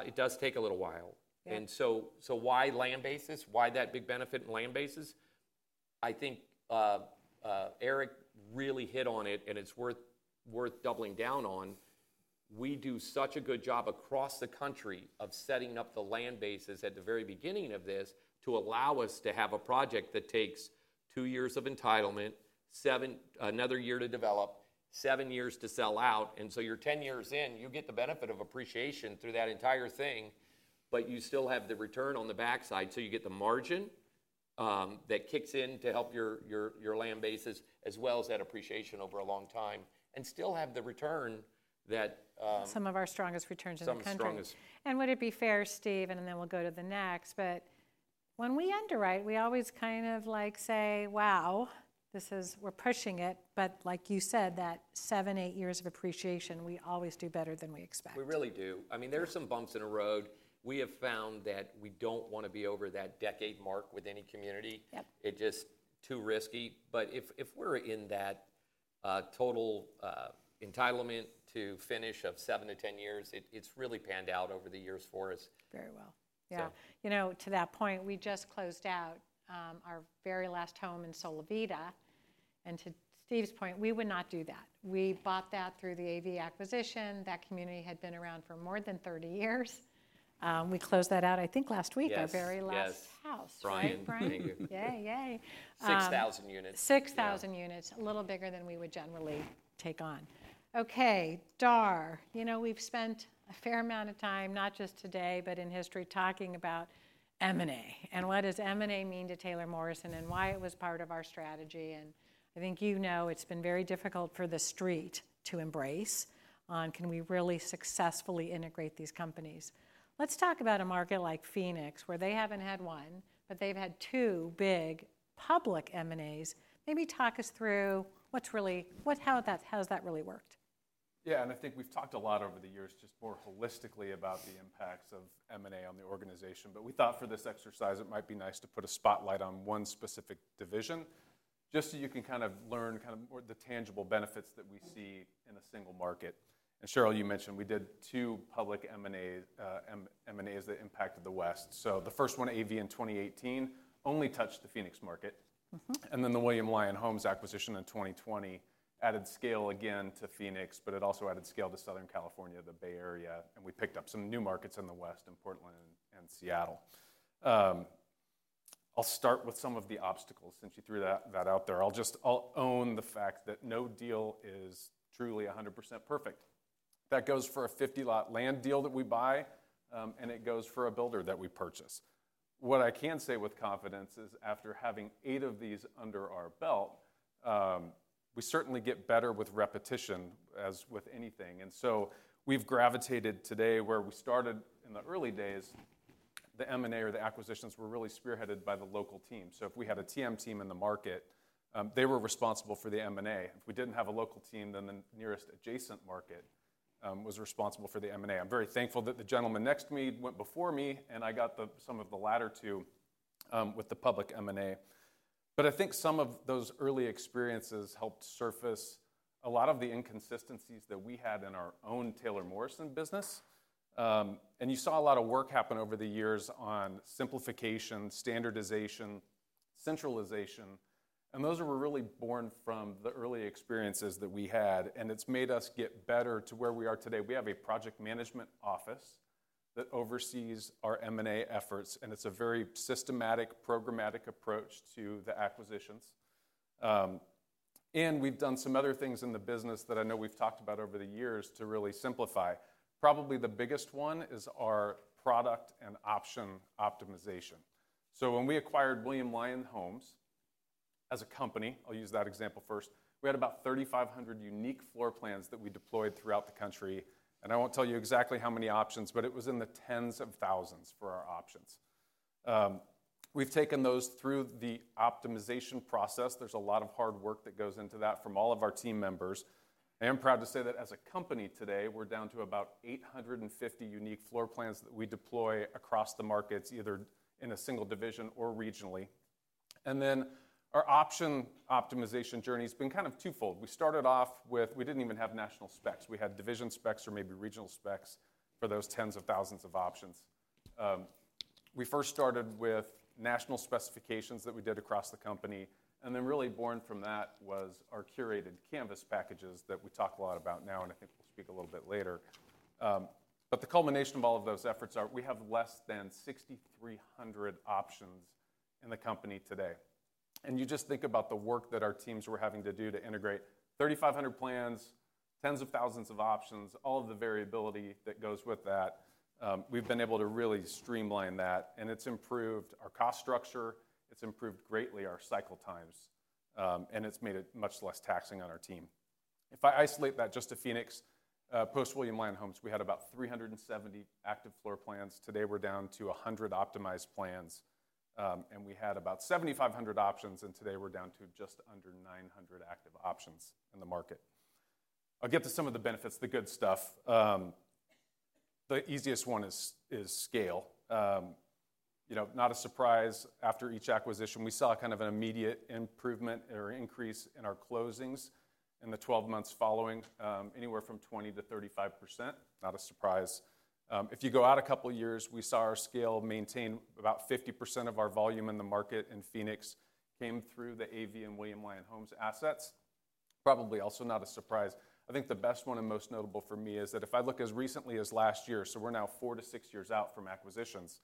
It does take a little while, and so why land banks? Why that big benefit in land banks? I think Erik really hit on it, and it's worth doubling down on. We do such a good job across the country of setting up the land banks at the very beginning of this to allow us to have a project that takes two years of entitlement, another year to develop, seven years to sell out. You're 10 years in, you get the benefit of appreciation through that entire thing, but you still have the return on the backside. So you get the margin that kicks in to help your land bases, as well as that appreciation over a long time, and still have the return that. Some of our strongest returns in the country. Some of our strongest. Would it be fair, Steve, and then we'll go to the next, but when we underwrite, we always kind of say, wow, we're pushing it. But like you said, that seven, eight years of appreciation, we always do better than we expect. We really do. I mean, there are some bumps in the road. We have found that we don't want to be over that decade mark with any community. It's just too risky. But if we're in that total entitlement to finish of seven to 10 years, it's really panned out over the years for us. Very well. Yeah. To that point, we just closed out our very last home in Solovita. And to Steve's point, we would not do that. We bought that through the AV acquisition. That community had been around for more than 30 years. We closed that out, I think, last week, our very last house. Yes. Brian. Thank you. Yeah, yeah. 6,000 units. 6,000 units, a little bigger than we would generally take on. Okay. Dar, we've spent a fair amount of time, not just today, but in history, talking about M&A. And what does M&A mean to Taylor Morrison and why it was part of our strategy? I think you know it's been very difficult for the street to embrace on can we really successfully integrate these companies. Let's talk about a market like Phoenix, where they haven't had one, but they've had two big public M&As. Maybe talk us through how has that really worked? Yeah. I think we've talked a lot over the years, just more holistically, about the impacts of M&A on the organization. But we thought for this exercise, it might be nice to put a spotlight on one specific division, just so you can kind of learn kind of the tangible benefits that we see in a single market. And Sheryl, you mentioned we did two public M&As that impacted the West. So the first one, AV, in 2018, only touched the Phoenix market. And then the William Lyon Homes acquisition in 2020 added scale again to Phoenix, but it also added scale to Southern California, the Bay Area. And we picked up some new markets in the West, in Portland and Seattle. I'll start with some of the obstacles since you threw that out there. I'll own the fact that no deal is truly 100% perfect. That goes for a 50-lot land deal that we buy, and it goes for a builder that we purchase. What I can say with confidence is after having eight of these under our belt, we certainly get better with repetition as with anything. And so we've gravitated today where we started in the early days, the M&A or the acquisitions were really spearheaded by the local team. So if we had a TM team in the market, they were responsible for the M&A. If we didn't have a local team, then the nearest adjacent market was responsible for the M&A. I'm very thankful that the gentleman next to me went before me, and I got some of the latter two with the public M&A. But I think some of those early experiences helped surface a lot of the inconsistencies that we had in our own Taylor Morrison business. And you saw a lot of work happen over the years on simplification, standardization, centralization. And those were really born from the early experiences that we had. And it's made us get better to where we are today. We have a project management office that oversees our M&A efforts. And it's a very systematic, programmatic approach to the acquisitions. And we've done some other things in the business that I know we've talked about over the years to really simplify. Probably the biggest one is our product and option optimization. So when we acquired William Lyon Homes as a company, I'll use that example first, we had about 3,500 unique floor plans that we deployed throughout the country. And I won't tell you exactly how many options, but it was in the tens of thousands for our options. We've taken those through the optimization process. There's a lot of hard work that goes into that from all of our team members. I am proud to say that as a company today, we're down to about 850 unique floor plans that we deploy across the markets, either in a single division or regionally. And then our option optimization journey has been kind of twofold. We started off with we didn't even have national specs. We had division specs or maybe regional specs for those tens of thousands of options. We first started with national specifications that we did across the company, and then really born from that was our curated Canvas packages that we talk a lot about now, and I think we'll speak a little bit later, but the culmination of all of those efforts are we have less than 6,300 options in the company today. And you just think about the work that our teams were having to do to integrate 3,500 plans, tens of thousands of options, all of the variability that goes with that. We've been able to really streamline that. And it's improved our cost structure. It's improved greatly our cycle times. And it's made it much less taxing on our team. If I isolate that just to Phoenix, post-William Lyon Homes, we had about 370 active floor plans. Today, we're down to 100 optimized plans. And we had about 7,500 options. Today, we're down to just under 900 active options in the market. I'll get to some of the benefits, the good stuff. The easiest one is scale. Not a surprise. After each acquisition, we saw kind of an immediate improvement or increase in our closings in the 12 months following, anywhere from 20%-35%. Not a surprise. If you go out a couple of years, we saw our scale maintain about 50% of our volume in the market in Phoenix came through the AV Homes and William Lyon Homes assets. Probably also not a surprise. I think the best one and most notable for me is that if I look as recently as last year, so we're now four to six years out from acquisitions,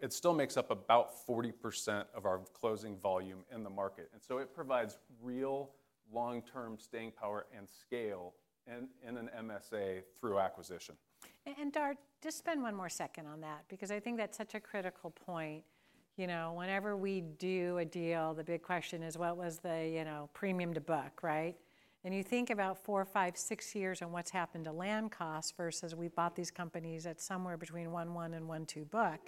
it still makes up about 40% of our closing volume in the market. It provides real long-term staying power and scale in an MSA through acquisition. Dar, just spend one more second on that, because I think that's such a critical point. Whenever we do a deal, the big question is, what was the premium to book, right? You think about four, five, six years and what's happened to land costs versus we bought these companies at somewhere between 1.1 and 1.2 book.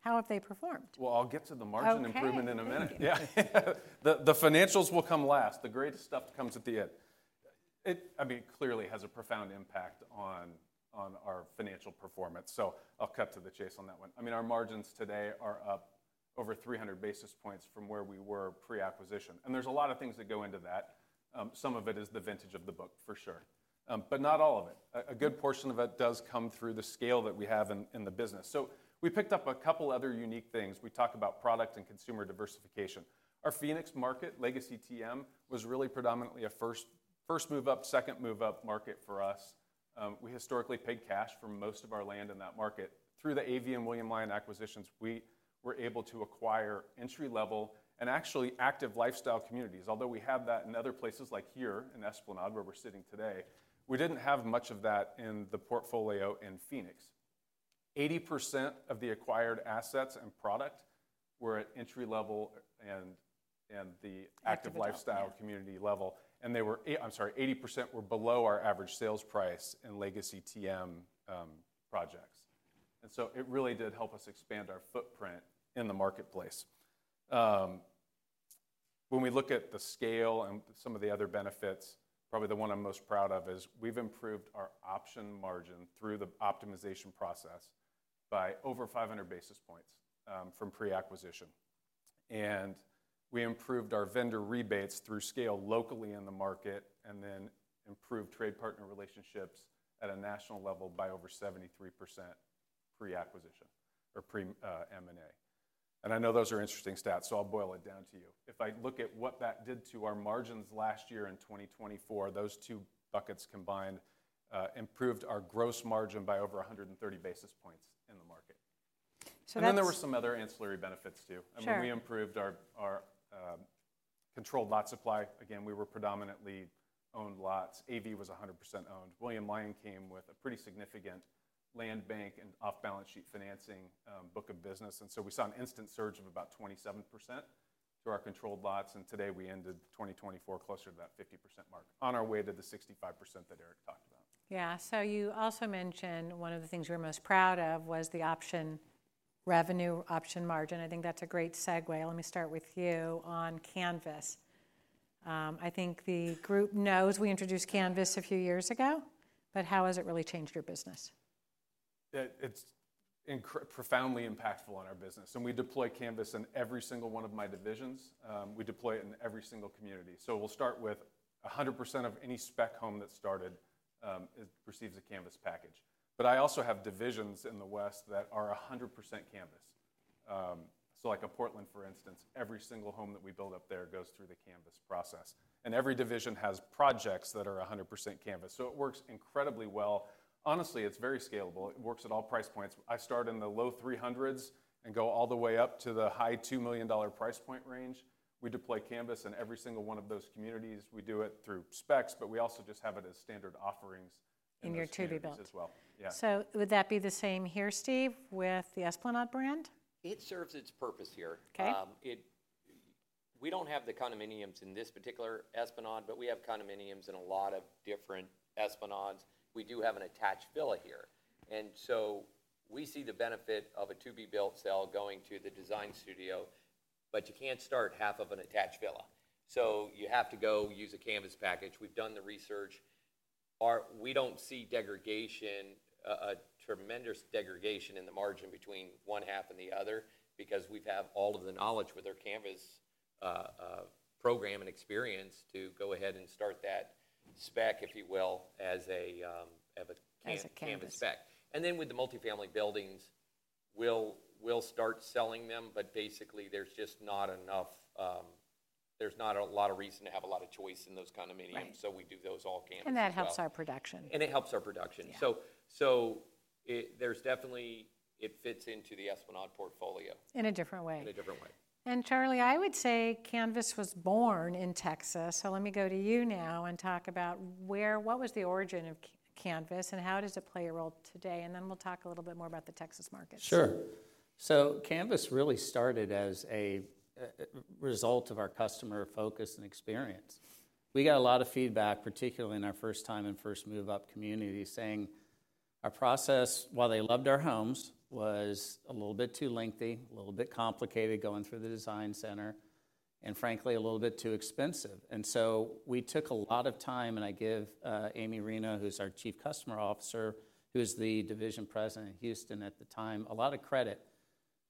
How have they performed? Well, I'll get to the margin improvement in a minute. Yeah. The financials will come last. The greatest stuff comes at the end. I mean, it clearly has a profound impact on our financial performance. So I'll cut to the chase on that one. I mean, our margins today are up over 300 basis poins from where we were pre-acquisition. There's a lot of things that go into that. Some of it is the vintage of the book, for sure, but not all of it. A good portion of it does come through the scale that we have in the business. So we picked up a couple of other unique things. We talk about product and consumer diversification. Our Phoenix market, legacy TM, was really predominantly a first move-up, second move-up market for us. We historically paid cash for most of our land in that market. Through the AV and William Lyon acquisitions, we were able to acquire entry-level and actually active lifestyle communities. Although we have that in other places like here in Esplanade, where we're sitting today, we didn't have much of that in the portfolio in Phoenix. 80% of the acquired assets and product were at entry-level and the active lifestyle community level. They were, I'm sorry, 80% were below our average sales price in legacy TM projects. So it really did help us expand our footprint in the marketplace. When we look at the scale and some of the other benefits, probably the one I'm most proud of is we've improved our option margin through the optimization process by over 500 basis points from pre-acquisition. We improved our vendor rebates through scale locally in the market and then improved trade partner relationships at a national level by over 73% pre-acquisition or pre-M&A. I know those are interesting stats, so I'll boil it down to you. If I look at what that did to our margins last year in 2024, those two buckets combined improved our gross margin by over 130 basis points in the market. Then there were some other ancillary benefits too. I mean, we improved our controlled lot supply. Again, we were predominantly owned lots. AV was 100% owned. William Lyon came with a pretty significant land bank and off-balance sheet financing book of business. And so we saw an instant surge of about 27% to our controlled lots. And today, we ended 2024 closer to that 50% mark on our way to the 65% that Erik talked about. Yeah. So you also mentioned one of the things you were most proud of was the option revenue option margin. I think that's a great segue. Let me start with you on Canvas. I think the group knows we introduced Canvas a few years ago, but how has it really changed your business? It's profoundly impactful on our business. And we deploy Canvas in every single one of my divisions. We deploy it in every single community. We'll start with 100% of any spec home that started receives a Canvas package. But I also have divisions in the West that are 100% Canvas. Like in Portland, for instance, every single home that we build up there goes through the Canvas process. Every division has projects that are 100% Canvas. It works incredibly well. Honestly, it's very scalable. It works at all price points. I start in the low 300s and go all the way up to the high $2 million price point range. We deploy Canvas in every single one of those communities. We do it through specs, but we also just have it as standard offerings in your to-be-built. As well. Yeah. Would that be the same here, Steve, with the Esplanade brand? It serves its purpose here. We don't have the condominiums in this particular Esplanade, but we have condominiums in a lot of different Esplanades. We do have an attached villa here, and so we see the benefit of a to-be-built sale going to the design studio, but you can't start half of an attached villa. So you have to go use a Canvas package. We've done the research. We don't see a tremendous degradation in the margin between one half and the other because we've had all of the knowledge with our Canvas program and experience to go ahead and start that spec, if you will, as a Canvas spec. And then with the multifamily buildings, we'll start selling them, but basically, there's just not a lot of reason to have a lot of choice in those condominiums. So we do those all Canvas. And that helps our production. And it helps our production. So there's definitely it fits into the Esplanade portfolio. In a different way. And Charlie, I would say Canvas was born in Texas. So let me go to you now and talk about what was the origin of Canvas and how does it play a role today? And then we'll talk a little bit more about the Texas market. Sure. So Canvas really started as a result of our customer focus and experience. We got a lot of feedback, particularly in our first-time and first-move-up community, saying our process, while they loved our homes, was a little bit too lengthy, a little bit complicated going through the design center, and frankly, a little bit too expensive. And so we took a lot of time, and I give Amy Rino, who's our Chief Customer Officer, who was the division president in Houston at the time, a lot of credit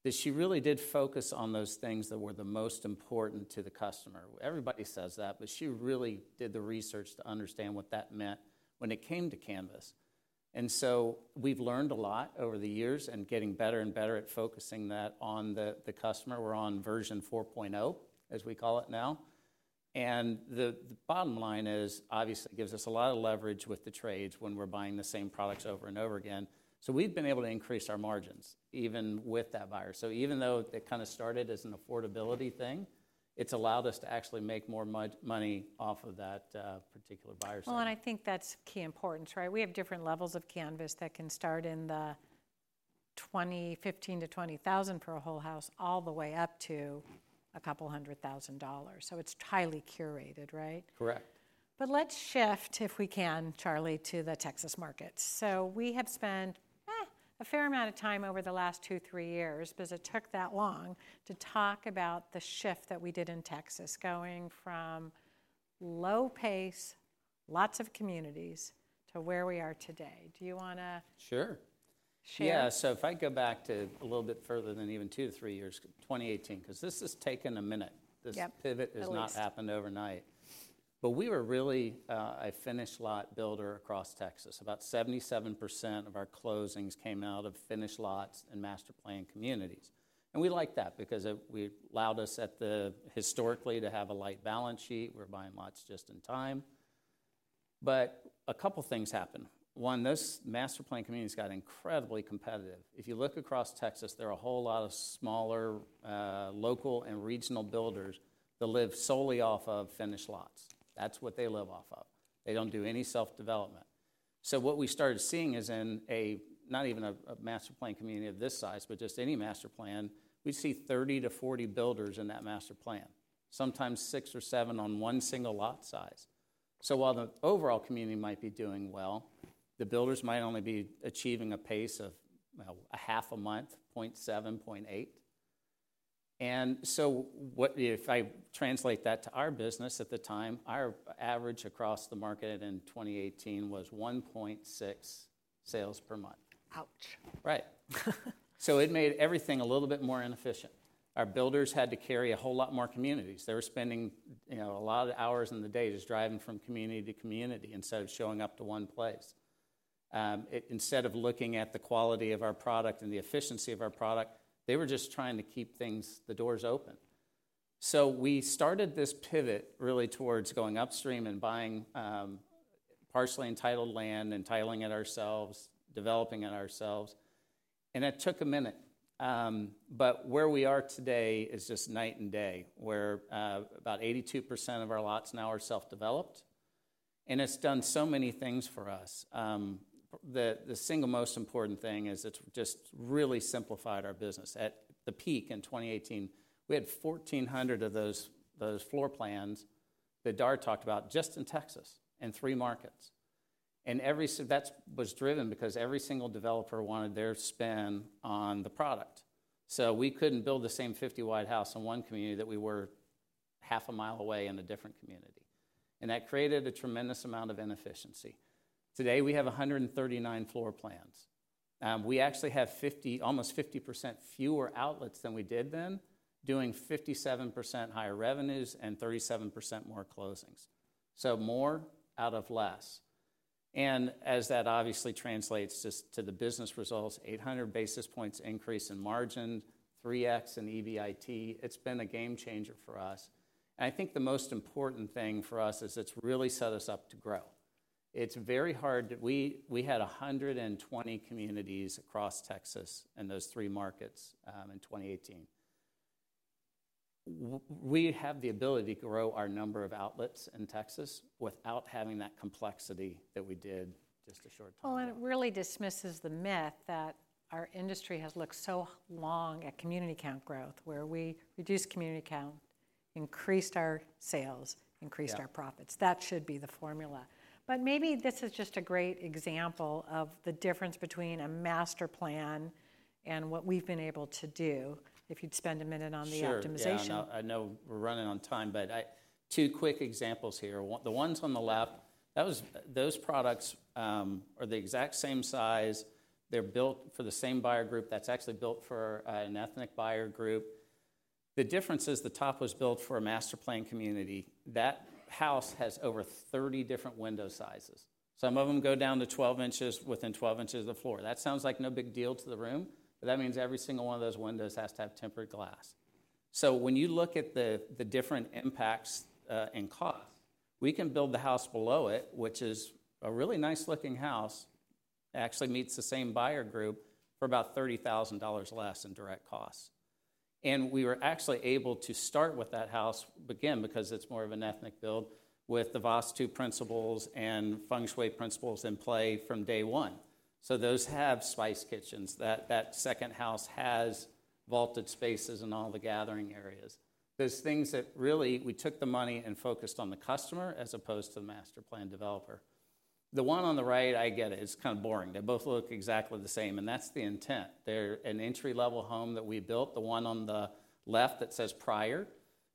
that she really did focus on those things that were the most important to the customer. Everybody says that, but she really did the research to understand what that meant when it came to Canvas. And so we've learned a lot over the years and getting better and better at focusing that on the customer. We're on version 4.0, as we call it now. And the bottom line is, obviously, it gives us a lot of leverage with the trades when we're buying the same products over and over again. So we've been able to increase our margins even with that buyer. So even though it kind of started as an affordability thing, it's allowed us to actually make more money off of that particular buyer side. Well, and I think that's key importance, right? We have different levels of Canvas that can start at $15,000-$20,000 for a whole house all the way up to a couple hundred thousand dollars. So it's highly curated, right? Correct. But let's shift, if we can, Charlie, to the Texas market. So we have spent a fair amount of time over the last two, three years because it took that long to talk about the shift that we did in Texas going from low-paced, lots of communities to where we are today. Do you want to? Sure. Yeah. So if I go back to a little bit further than even two to three years, 2018, because this has taken a minute. This pivot has not happened overnight, but we were really a finished lot builder across Texas. About 77% of our closings came out of finished lots and master plan communities. And we liked that because it allowed us historically to have a light balance sheet. We're buying lots just in time, but a couple of things happened. One, those master plan communities got incredibly competitive. If you look across Texas, there are a whole lot of smaller local and regional builders that live solely off of finished lots. That's what they live off of. They don't do any self-development. So what we started seeing is in not even a master plan community of this size, but just any master plan, we'd see 30-40 builders in that master plan, sometimes six or seven on one single lot size. So while the overall community might be doing well, the builders might only be achieving a pace of a half a month, 0.7, 0.8. And so if I translate that to our business at the time, our average across the market in 2018 was 1.6 sales per month. Ouch. Right. So it made everything a little bit more inefficient. Our builders had to carry a whole lot more communities. They were spending a lot of hours in the day just driving from community to community instead of showing up to one place. Instead of looking at the quality of our product and the efficiency of our product, they were just trying to keep the doors open. So we started this pivot really towards going upstream and buying partially entitled land, entitling it ourselves, developing it ourselves. And it took a minute. But where we are today is just night and day, where about 82% of our lots now are self-developed. And it's done so many things for us. The single most important thing is it's just really simplified our business. At the peak in 2018, we had 1,400 of those floor plans that Dar talked about just in Texas in three markets. And that was driven because every single developer wanted their spin on the product. So we couldn't build the same 50-wide house in one community that we were half a mile away in a different community. And that created a tremendous amount of inefficiency. Today, we have 139 floor plans. We actually have almost 50% fewer outlets than we did then, doing 57% higher revenues and 37% more closings. So more out of less. As that obviously translates just to the business results, 800 basis points increase in margin, 3x in EBIT. It's been a game changer for us. I think the most important thing for us is it's really set us up to grow. It's very hard. We had 120 communities across Texas in those three markets in 2018. We have the ability to grow our number of outlets in Texas without having that complexity that we did just a short time ago. It really dismisses the myth that our industry has looked so long at community count growth, where we reduced community count, increased our sales, increased our profits. That should be the formula. Maybe this is just a great example of the difference between a master plan and what we've been able to do. If you'd spend a minute on the optimization. Sure. I know we're running on time, but two quick examples here. The ones on the left, those products are the exact same size. They're built for the same buyer group. That's actually built for an ethnic buyer group. The difference is the top was built for a master plan community. That house has over 30 different window sizes. Some of them go down to 12 inches within 12 inches of the floor. That sounds like no big deal to the room, but that means every single one of those windows has to have tempered glass. So when you look at the different impacts and costs, we can build the house below it, which is a really nice-looking house, actually meets the same buyer group for about $30,000 less in direct costs. We were actually able to start with that house, again, because it's more of an ethnic build, with the Vastu principles and Feng Shui principles in play from day one. Those have spice kitchens. That second house has vaulted spaces and all the gathering areas. There's things that really we took the money and focused on the customer as opposed to the master plan developer. The one on the right, I get it. It's kind of boring. They both look exactly the same. That's the intent. They're an entry-level home that we built. The one on the left that says prior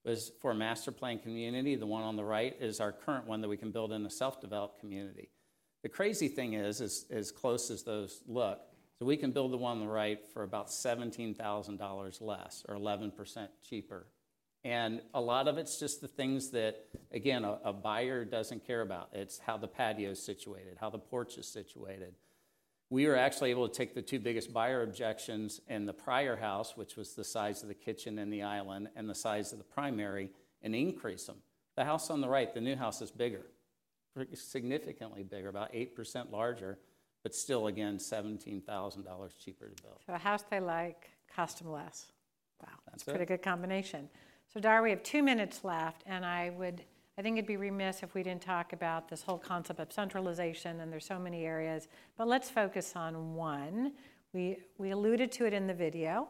was for a master plan community. The one on the right is our current one that we can build in a self-developed community. The crazy thing is, as close as those look, so we can build the one on the right for about $17,000 less or 11% cheaper. And a lot of it's just the things that, again, a buyer doesn't care about. It's how the patio is situated, how the porch is situated. We were actually able to take the two biggest buyer objections in the prior house, which was the size of the kitchen and the island and the size of the primary, and increase them. The house on the right, the new house is bigger, significantly bigger, about 8% larger, but still, again, $17,000 cheaper to build. So a house they like, custom less. Wow. That's right. Pretty good combination. So Dar, we have two minutes left. And I think it'd be remiss if we didn't talk about this whole concept of centralization. And there's so many areas. But let's focus on one. We alluded to it in the video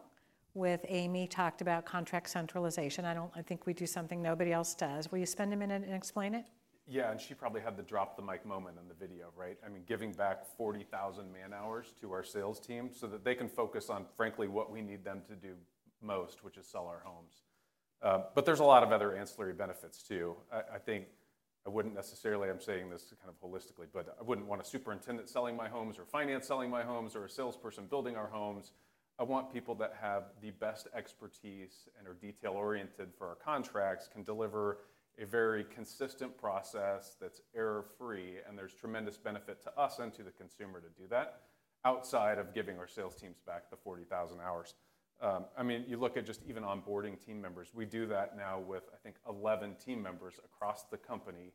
with Amy talked about contract centralization. I think we do something nobody else does. Will you spend a minute and explain it? Yeah. And she probably had the drop the mic moment in the video, right? I mean, giving back 40,000 man-hours to our sales team so that they can focus on, frankly, what we need them to do most, which is sell our homes. But there's a lot of other ancillary benefits too. I think I wouldn't necessarily, I'm saying this kind of holistically, but I wouldn't want a superintendent selling my homes or finance selling my homes or a salesperson building our homes. I want people that have the best expertise and are detail-oriented for our contracts can deliver a very consistent process that's error-free. And there's tremendous benefit to us and to the consumer to do that outside of giving our sales teams back the 40,000 hours. I mean, you look at just even onboarding team members. We do that now with, I think, 11 team members across the company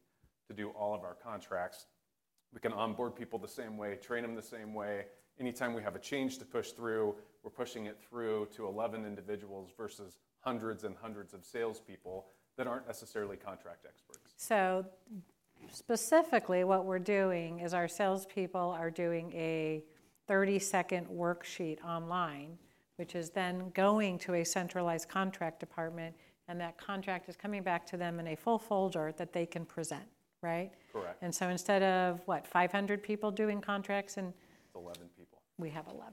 to do all of our contracts. We can onboard people the same way, train them the same way. Anytime we have a change to push through, we're pushing it through to 11 individuals versus hundreds and hundreds of salespeople that aren't necessarily contract experts. So specifically, what we're doing is our salespeople are doing a 30-second worksheet online, which is then going to a centralized contract department. And that contract is coming back to them in a full folder that they can present, right? Correct. And so instead of, what, 500 people doing contracts and 11 people. We have 11.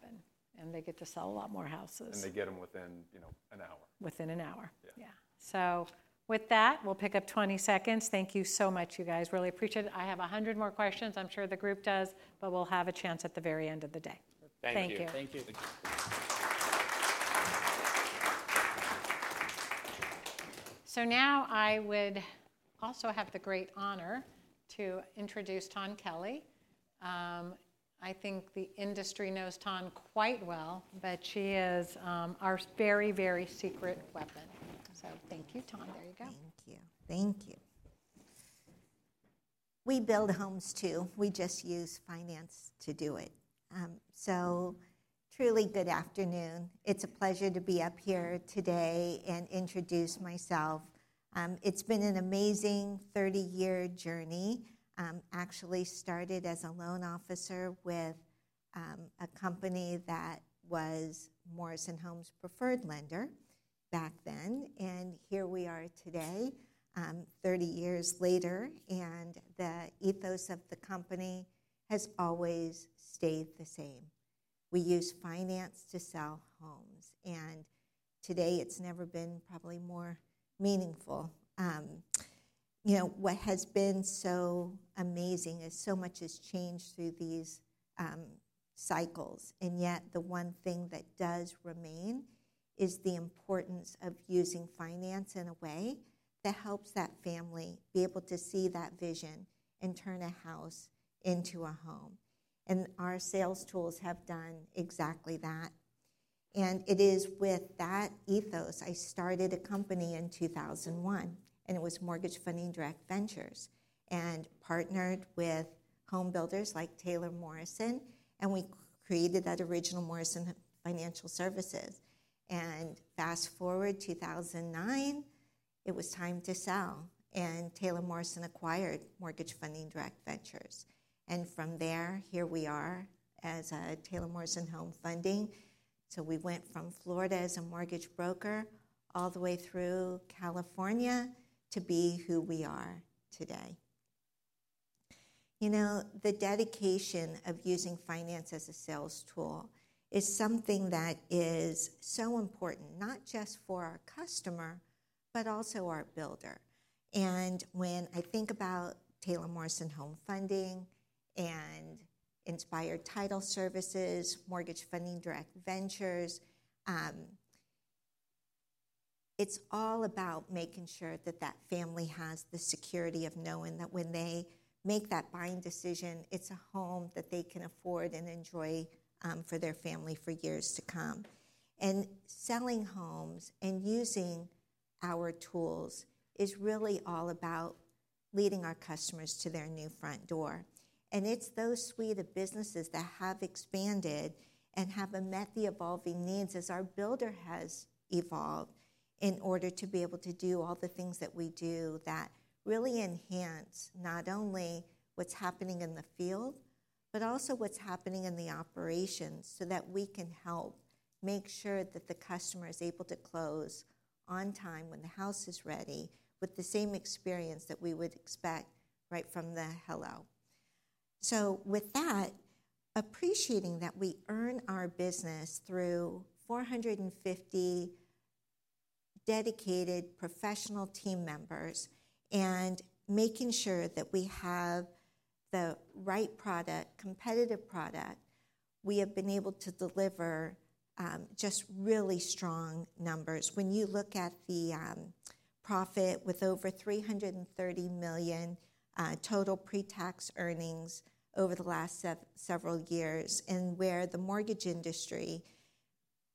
They get to sell a lot more houses. They get them within an hour. Within an hour. Yeah. With that, we'll pick up 20 seconds. Thank you so much, you guys. Really appreciate it. I have 100 more questions. I'm sure the group does, but we'll have a chance at the very end of the day. Thank you. Thank you. Thank you. Now I would also have the great honor to introduce Tawn Kelley. I think the industry knows Tawn quite well, but she is our very, very secret weapon. Thank you, Tawn. There you go. Thank you. Thank you. We build homes too. We just use finance to do it. Truly good afternoon. It's a pleasure to be up here today and introduce myself. It's been an amazing 30-year journey. I started as a loan officer with a company that was Morrison Homes' preferred lender back then. And here we are today, 30 years later. And the ethos of the company has always stayed the same. We use finance to sell homes. And today, it's never been probably more meaningful. What has been so amazing is so much has changed through these cycles. And yet the one thing that does remain is the importance of using finance in a way that helps that family be able to see that vision and turn a house into a home. And our sales tools have done exactly that. And it is with that ethos I started a company in 2001. And it was Mortgage Funding Direct Ventures and partnered with home builders like Taylor Morrison. And we created that original Morrison Financial Services. And fast forward to 2009, it was time to sell. Taylor Morrison acquired Mortgage Funding Direct Ventures. From there, here we are as a Taylor Morrison Home Funding. We went from Florida as a mortgage broker all the way through California to be who we are today. The dedication of using finance as a sales tool is something that is so important, not just for our customer, but also our builder. When I think about Taylor Morrison Home Funding and Inspired Title Services, Mortgage Funding Direct Ventures, it's all about making sure that that family has the security of knowing that when they make that buying decision, it's a home that they can afford and enjoy for their family for years to come. Selling homes and using our tools is really all about leading our customers to their new front door. It's those suite of businesses that have expanded and have met the evolving needs as our builder has evolved in order to be able to do all the things that we do that really enhance not only what's happening in the field, but also what's happening in the operations so that we can help make sure that the customer is able to close on time when the house is ready with the same experience that we would expect right from the hello. With that, appreciating that we earn our business through 450 dedicated professional team members and making sure that we have the right product, competitive product, we have been able to deliver just really strong numbers. When you look at the profit with over $330 million total pre-tax earnings over the last several years and where the mortgage industry,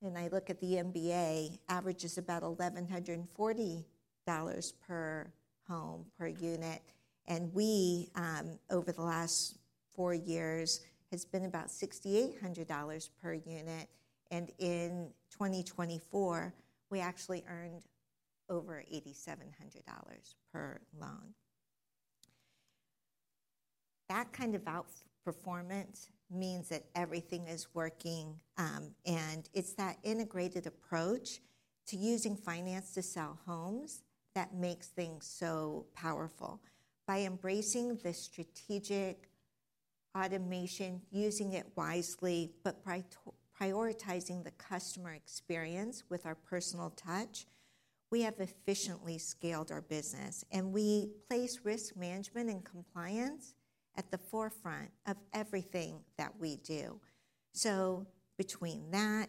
and I look at the MBA, averages about $1,140 per home per unit. And we, over the last four years, have been about $6,800 per unit. And in 2024, we actually earned over $8,700 per loan. That kind of outperformance means that everything is working. And it's that integrated approach to using finance to sell homes that makes things so powerful. By embracing the strategic automation, using it wisely, but prioritizing the customer experience with our personal touch, we have efficiently scaled our business. And we place risk management and compliance at the forefront of everything that we do. So between that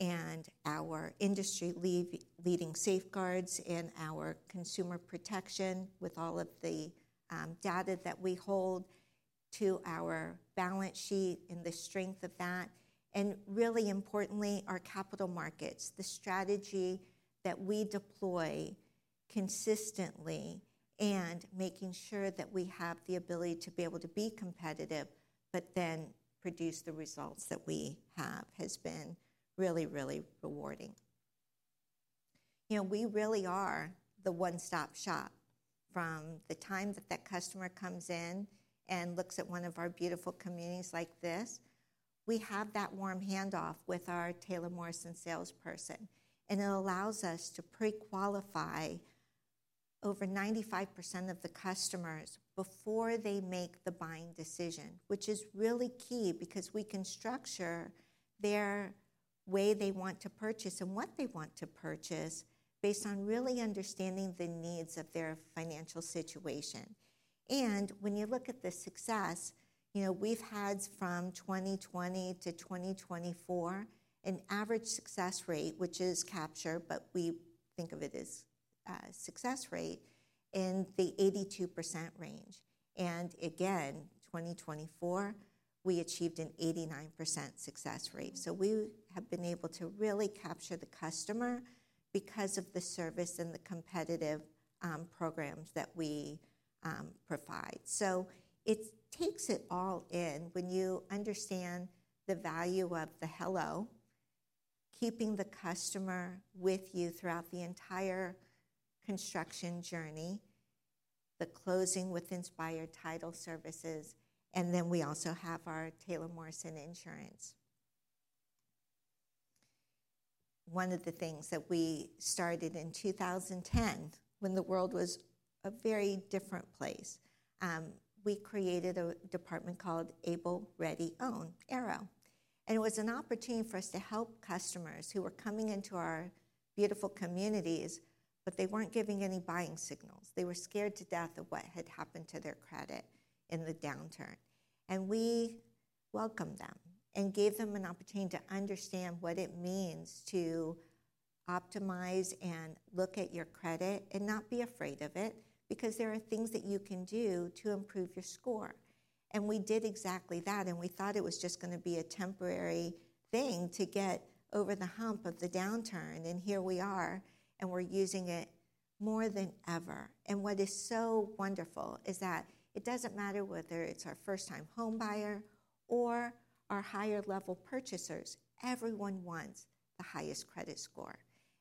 and our industry-leading safeguards and our consumer protection with all of the data that we hold to our balance sheet and the strength of that, and really importantly, our capital markets, the strategy that we deploy consistently and making sure that we have the ability to be able to be competitive, but then produce the results that we have has been really, really rewarding. We really are the one-stop shop. From the time that that customer comes in and looks at one of our beautiful communities like this, we have that warm handoff with our Taylor Morrison salesperson. And it allows us to pre-qualify over 95% of the customers before they make the buying decision, which is really key because we can structure their way they want to purchase and what they want to purchase based on really understanding the needs of their financial situation. And when you look at the success we've had from 2020 to 2024, an average success rate which is captured, but we think of it as success rate in the 82% range. And again, 2024, we achieved an 89% success rate. So we have been able to really capture the customer because of the service and the competitive programs that we provide. So it takes it all in when you understand the value of the hello, keeping the customer with you throughout the entire construction journey, the closing with Inspired Title Services. And then we also have our Taylor Morrison insurance. One of the things that we started in 2010, when the world was a very different place, we created a department called Able, Ready, Own, ARO. And it was an opportunity for us to help customers who were coming into our beautiful communities, but they weren't giving any buying signals. They were scared to death of what had happened to their credit in the downturn. And we welcomed them and gave them an opportunity to understand what it means to optimize and look at your credit and not be afraid of it because there are things that you can do to improve your score. And we did exactly that. And we thought it was just going to be a temporary thing to get over the hump of the downturn. And here we are. And we're using it more than ever. And what is so wonderful is that it doesn't matter whether it's our first-time home buyer or our higher-level purchasers. Everyone wants the highest credit score.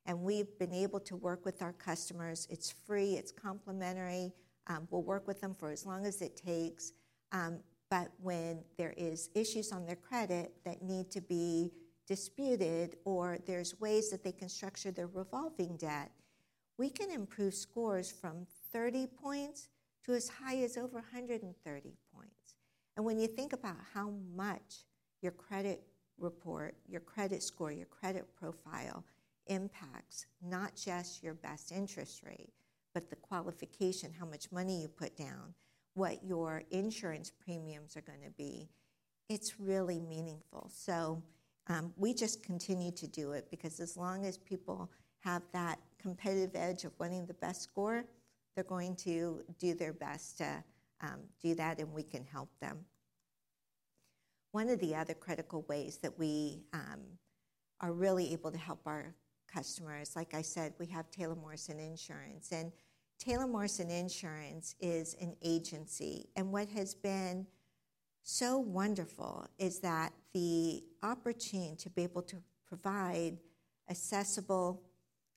And we've been able to work with our customers. It's free. It's complimentary. We'll work with them for as long as it takes. But when there are issues on their credit that need to be disputed or there are ways that they can structure their revolving debt, we can improve scores from 30 points to as high as over 130 points. And when you think about how much your credit report, your credit score, your credit profile impacts not just your best interest rate, but the qualification, how much money you put down, what your insurance premiums are going to be, it's really meaningful. So we just continue to do it because as long as people have that competitive edge of wanting the best score, they're going to do their best to do that. And we can help them. One of the other critical ways that we are really able to help our customers, like I said, we have Taylor Morrison Insurance. And Taylor Morrison Insurance is an agency. And what has been so wonderful is that the opportunity to be able to provide accessible,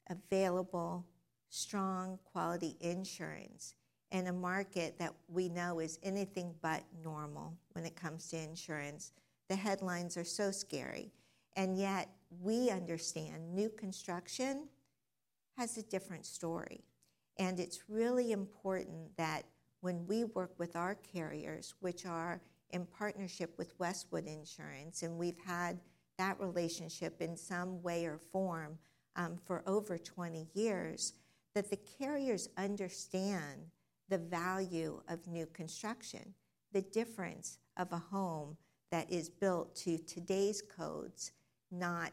available, strong, quality insurance in a market that we know is anything but normal when it comes to insurance. The headlines are so scary. And yet we understand new construction has a different story. And it's really important that when we work with our carriers, which are in partnership with Westwood Insurance, and we've had that relationship in some way or form for over 20 years, that the carriers understand the value of new construction, the difference of a home that is built to today's codes, not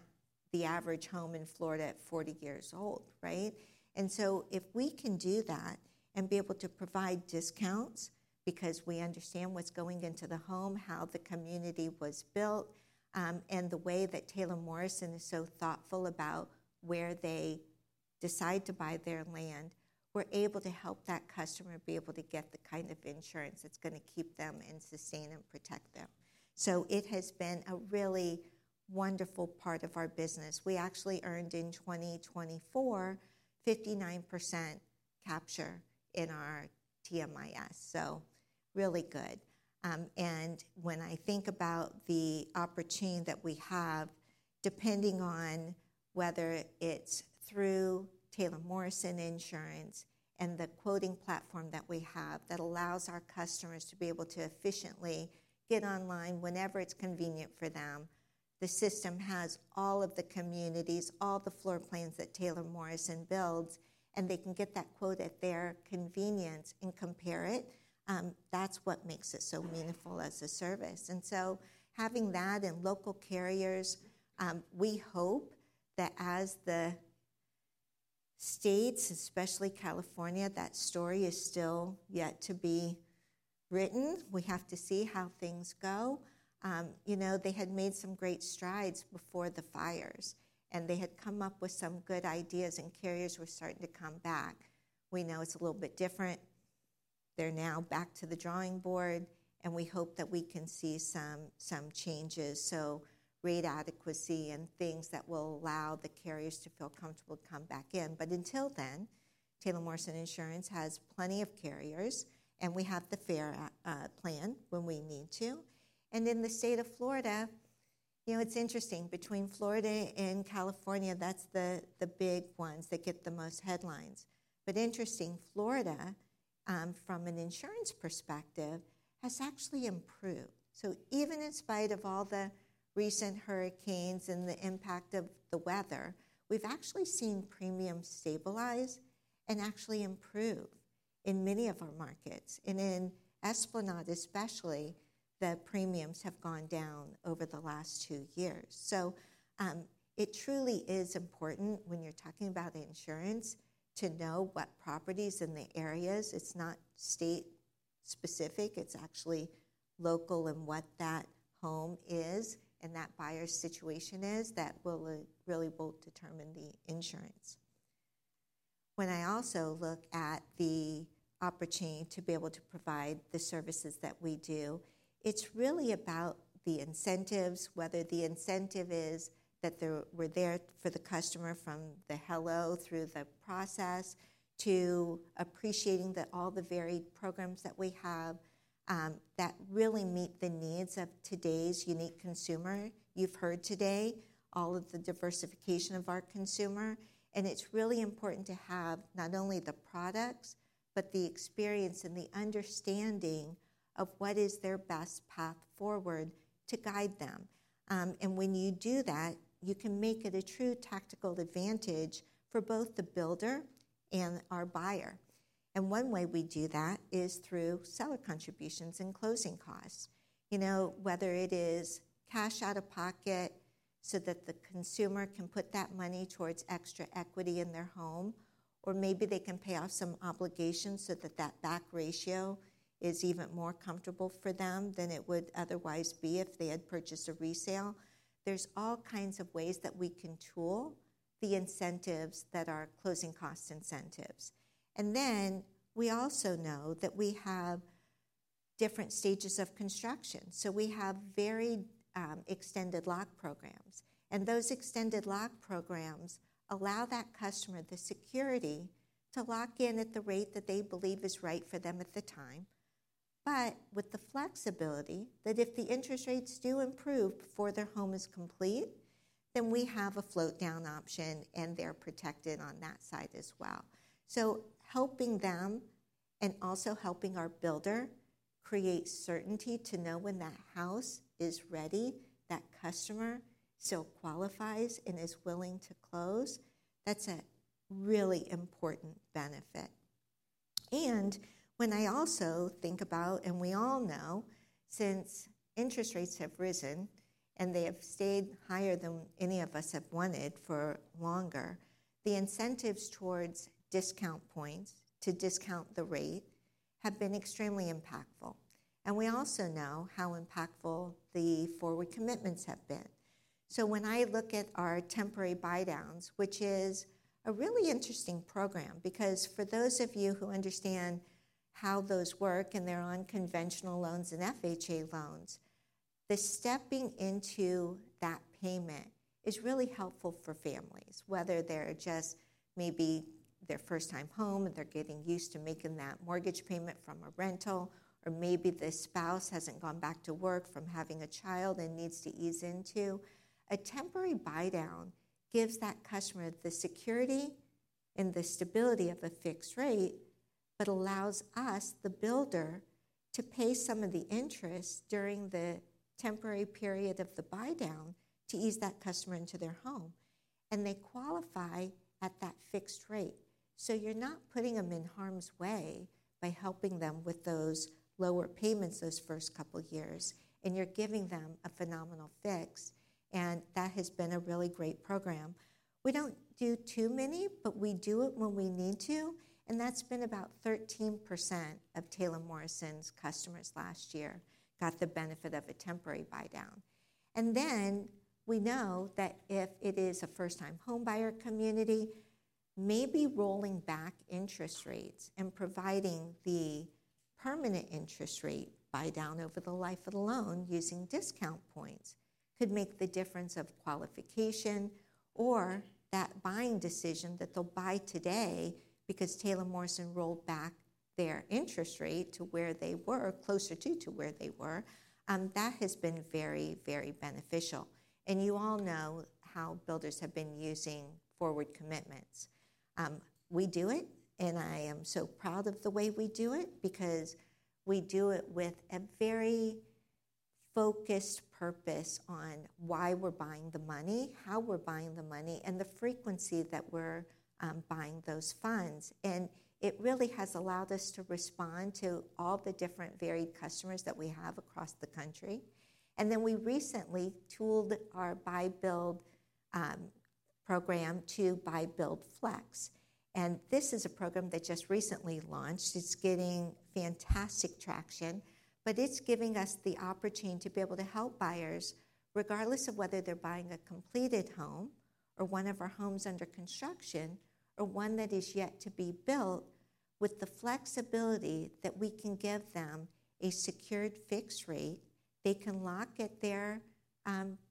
the average home in Florida at 40 years old, right? And so if we can do that and be able to provide discounts because we understand what's going into the home, how the community was built, and the way that Taylor Morrison is so thoughtful about where they decide to buy their land, we're able to help that customer be able to get the kind of insurance that's going to keep them and sustain and protect them. So it has been a really wonderful part of our business. We actually earned in 2024 59% capture in our TMIS. So really good. And when I think about the opportunity that we have, depending on whether it's through Taylor Morrison Insurance and the quoting platform that we have that allows our customers to be able to efficiently get online whenever it's convenient for them, the system has all of the communities, all the floor plans that Taylor Morrison builds, and they can get that quote at their convenience and compare it. That's what makes it so meaningful as a service. And so having that and local carriers, we hope that as the states, especially California, that story is still yet to be written. We have to see how things go. They had made some great strides before the fires. And they had come up with some good ideas and carriers were starting to come back. We know it's a little bit different. They're now back to the drawing board. We hope that we can see some changes, so rate adequacy and things that will allow the carriers to feel comfortable to come back in. But until then, Taylor Morrison Insurance has plenty of carriers. And we have the fair plan when we need to. And in the state of Florida, it's interesting. Between Florida and California, that's the big ones that get the most headlines. But interesting, Florida, from an insurance perspective, has actually improved. So even in spite of all the recent hurricanes and the impact of the weather, we've actually seen premiums stabilize and actually improve in many of our markets. And in Esplanade, especially, the premiums have gone down over the last two years. So it truly is important when you're talking about insurance to know what properties in the areas. It's not state-specific. It's actually local, and what that home is and that buyer's situation is that will really determine the insurance. When I also look at the opportunity to be able to provide the services that we do, it's really about the incentives, whether the incentive is that we're there for the customer from the hello through the process to appreciating all the varied programs that we have that really meet the needs of today's unique consumer. You've heard today all of the diversification of our consumer, and it's really important to have not only the products, but the experience and the understanding of what is their best path forward to guide them, and when you do that, you can make it a true tactical advantage for both the builder and our buyer. One way we do that is through seller contributions and closing costs, whether it is cash out of pocket so that the consumer can put that money towards extra equity in their home, or maybe they can pay off some obligations so that that back ratio is even more comfortable for them than it would otherwise be if they had purchased a resale. There's all kinds of ways that we can tool the incentives that are closing cost incentives. Then we also know that we have different stages of construction. We have very extended lock programs. And those extended lock programs allow that customer the security to lock in at the rate that they believe is right for them at the time, but with the flexibility that if the interest rates do improve before their home is complete, then we have a float-down option and they're protected on that side as well. So helping them and also helping our builder create certainty to know when that house is ready, that customer still qualifies and is willing to close, that's a really important benefit. And when I also think about, and we all know, since interest rates have risen and they have stayed higher than any of us have wanted for longer, the incentives towards discount points to discount the rate have been extremely impactful. And we also know how impactful the forward commitments have been. So when I look at our temporary buy-downs, which is a really interesting program because for those of you who understand how those work and they're on conventional loans and FHA loans, the stepping into that payment is really helpful for families, whether they're just maybe their first-time home and they're getting used to making that mortgage payment from a rental, or maybe the spouse hasn't gone back to work from having a child and needs to ease into. A temporary buy-down gives that customer the security and the stability of a fixed rate, but allows us, the builder, to pay some of the interest during the temporary period of the buy-down to ease that customer into their home. And they qualify at that fixed rate. So you're not putting them in harm's way by helping them with those lower payments those first couple of years. You're giving them a phenomenal fix. And that has been a really great program. We don't do too many, but we do it when we need to. And that's been about 13% of Taylor Morrison's customers last year got the benefit of a temporary buy-down. And then we know that if it is a first-time home buyer community, maybe rolling back interest rates and providing the permanent interest rate buy-down over the life of the loan using discount points could make the difference of qualification or that buying decision that they'll buy today because Taylor Morrison rolled back their interest rate to where they were closer to where they were. That has been very, very beneficial. And you all know how builders have been using forward commitments. We do it. I am so proud of the way we do it because we do it with a very focused purpose on why we're buying the money, how we're buying the money, and the frequency that we're buying those funds. It really has allowed us to respond to all the different varied customers that we have across the country. We recently tooled our Buy-Build program to Buy-Build Flex. This is a program that just recently launched. It's getting fantastic traction. But it's giving us the opportunity to be able to help buyers regardless of whether they're buying a completed home or one of our homes under construction or one that is yet to be built with the flexibility that we can give them a secured fixed rate. They can lock at their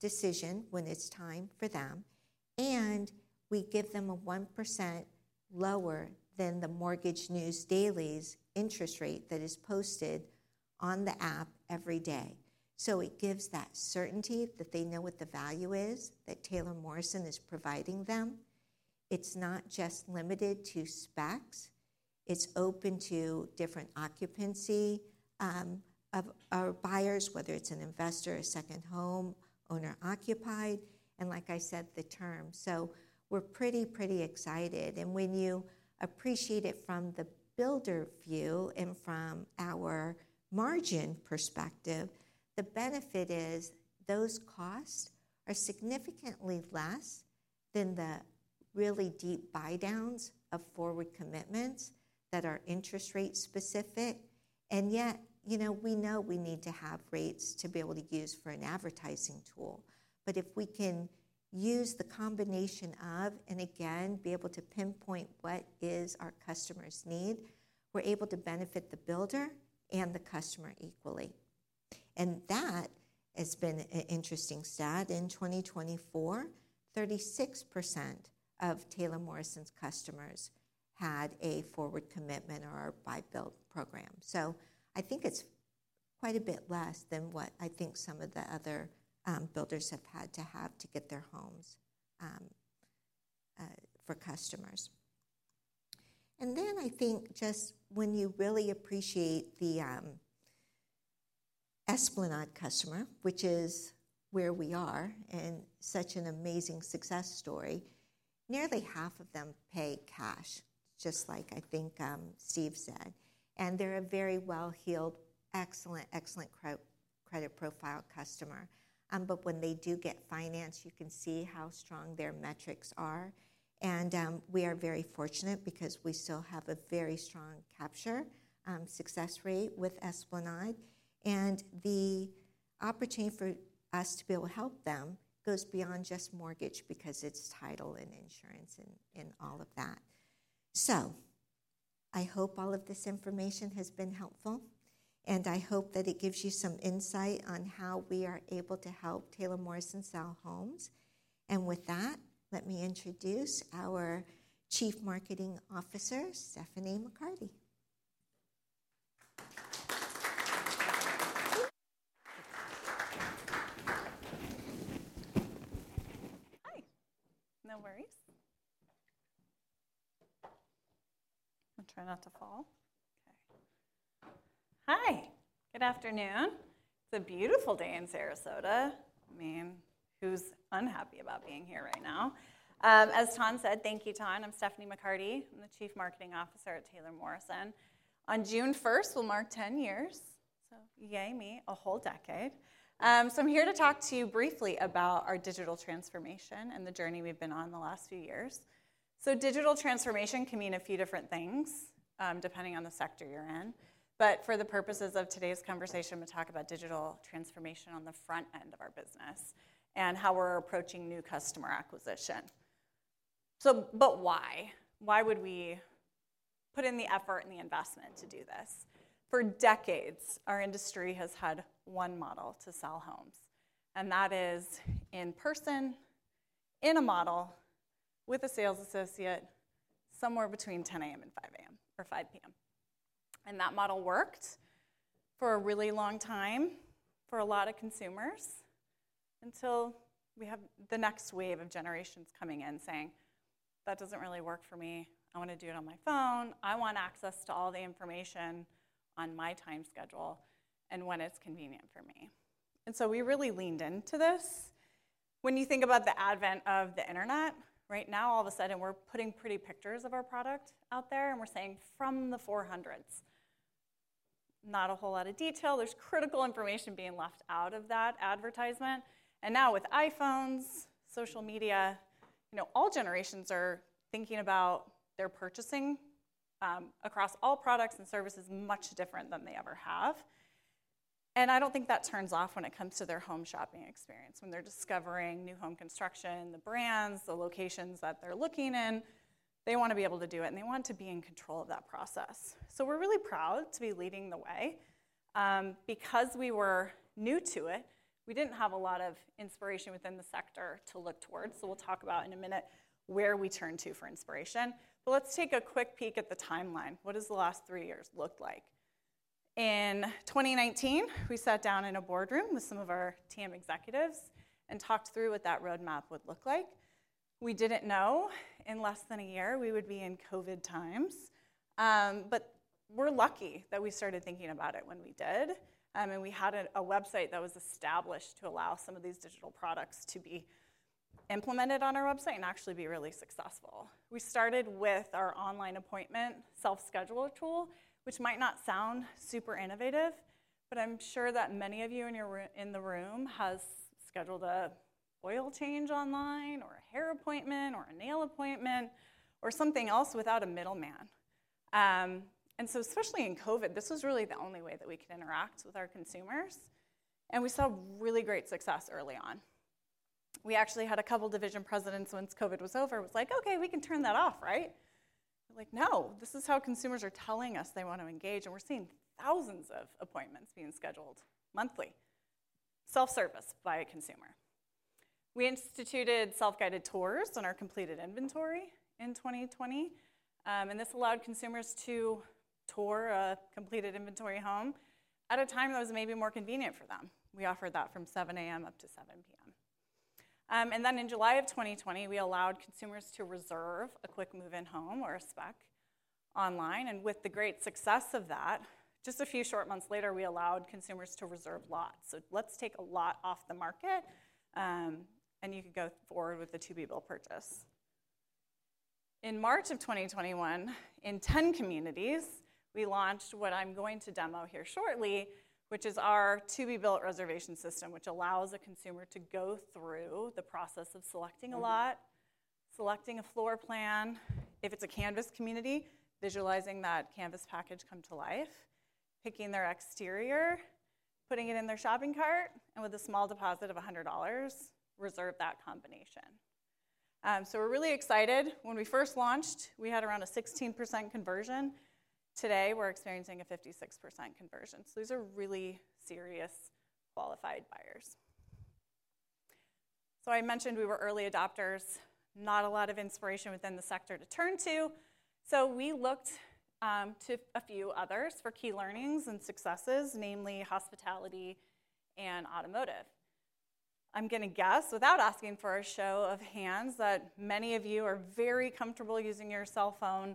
decision when it's time for them. And we give them a 1% lower than the Mortgage News Daily's interest rate that is posted on the app every day. So it gives that certainty that they know what the value is that Taylor Morrison is providing them. It's not just limited to specs. It's open to different occupancy of our buyers, whether it's an investor, a second home, owner-occupied, and like I said, the term. So we're pretty, pretty excited. And when you appreciate it from the builder view and from our margin perspective, the benefit is those costs are significantly less than the really deep buy-downs of forward commitments that are interest rate specific. And yet we know we need to have rates to be able to use for an advertising tool. But if we can use the combination of and again, be able to pinpoint what is our customer's need, we're able to benefit the builder and the customer equally. And that has been an interesting stat. In 2024, 36% of Taylor Morrison's customers had a forward commitment or a Buy-Build program. So I think it's quite a bit less than what I think some of the other builders have had to have to get their homes for customers. And then I think just when you really appreciate the Esplanade customer, which is where we are and such an amazing success story, nearly half of them pay cash, just like I think Steve said. And they're a very well-heeled, excellent, excellent credit profile customer. But when they do get financed, you can see how strong their metrics are. We are very fortunate because we still have a very strong capture success rate with Esplanade. The opportunity for us to be able to help them goes beyond just mortgage because it's title and insurance and all of that. I hope all of this information has been helpful. I hope that it gives you some insight on how we are able to help Taylor Morrison sell homes. With that, let me introduce our Chief Marketing Officer, Stephanie McCarty. Hi. No worries. I'll try not to fall. Okay. Hi. Good afternoon. It's a beautiful day in Sarasota. I mean, who's unhappy about being here right now? As Tom said, thank you, Tom. I'm Stephanie McCarty. I'm the Chief Marketing Officer at Taylor Morrison. On June 1st, we'll mark 10 years. Yay me, a whole decade. So I'm here to talk to you briefly about our digital transformation and the journey we've been on the last few years. So digital transformation can mean a few different things depending on the sector you're in. But for the purposes of today's conversation, we'll talk about digital transformation on the front end of our business and how we're approaching new customer acquisition. But why? Why would we put in the effort and the investment to do this? For decades, our industry has had one model to sell homes. And that is in person, in a model with a sales associate somewhere between 10:00 A.M. and 5:00 A.M. or 5:00 P.M. And that model worked for a really long time for a lot of consumers until we have the next wave of generations coming in saying, "That doesn't really work for me. I want to do it on my phone. I want access to all the information on my time schedule and when it's convenient for me." And so we really leaned into this. When you think about the advent of the internet, right now, all of a sudden, we're putting pretty pictures of our product out there. And we're saying from the 400s. Not a whole lot of detail. There's critical information being left out of that advertisement. And now with iPhones, social media, all generations are thinking about their purchasing across all products and services much different than they ever have. And I don't think that turns off when it comes to their home shopping experience. When they're discovering new home construction, the brands, the locations that they're looking in, they want to be able to do it. And they want to be in control of that process. So we're really proud to be leading the way. Because we were new to it, we didn't have a lot of inspiration within the sector to look towards. So we'll talk about in a minute where we turn to for inspiration. But let's take a quick peek at the timeline. What has the last three years looked like? In 2019, we sat down in a boardroom with some of our TM executives and talked through what that roadmap would look like. We didn't know in less than a year we would be in COVID times. But we're lucky that we started thinking about it when we did, and we had a website that was established to allow some of these digital products to be implemented on our website and actually be really successful. We started with our online appointment self-schedule tool, which might not sound super innovative, but I'm sure that many of you in the room have scheduled an oil change online or a hair appointment or a nail appointment or something else without a middleman. And so especially in COVID, this was really the only way that we could interact with our consumers. And we saw really great success early on. We actually had a couple of division presidents once COVID was over. It was like, "Okay, we can turn that off, right?" We're like, "No, this is how consumers are telling us they want to engage." And we're seeing thousands of appointments being scheduled monthly. Self-service by a consumer. We instituted self-guided tours on our completed inventory in 2020. And this allowed consumers to tour a completed inventory home at a time that was maybe more convenient for them. We offered that from 7:00 A.M. up to 7:00 P.M. And then in July of 2020, we allowed consumers to reserve a quick move-in home or a spec online. And with the great success of that, just a few short months later, we allowed consumers to reserve lots. So let's take a lot off the market. And you can go forward with the to-be-built purchase. In March of 2021, in 10 communities, we launched what I'm going to demo here shortly, which is our to-be-built reservation system, which allows a consumer to go through the process of selecting a lot, selecting a floor plan. If it's a Canvas community, visualizing that Canvas package come to life, picking their exterior, putting it in their shopping cart, and with a small deposit of $100, reserve that combination. So we're really excited. When we first launched, we had around a 16% conversion. Today, we're experiencing a 56% conversion. So these are really serious qualified buyers. So I mentioned we were early adopters, not a lot of inspiration within the sector to turn to. So we looked to a few others for key learnings and successes, namely hospitality and automotive. I'm going to guess, without asking for a show of hands, that many of you are very comfortable using your cell phone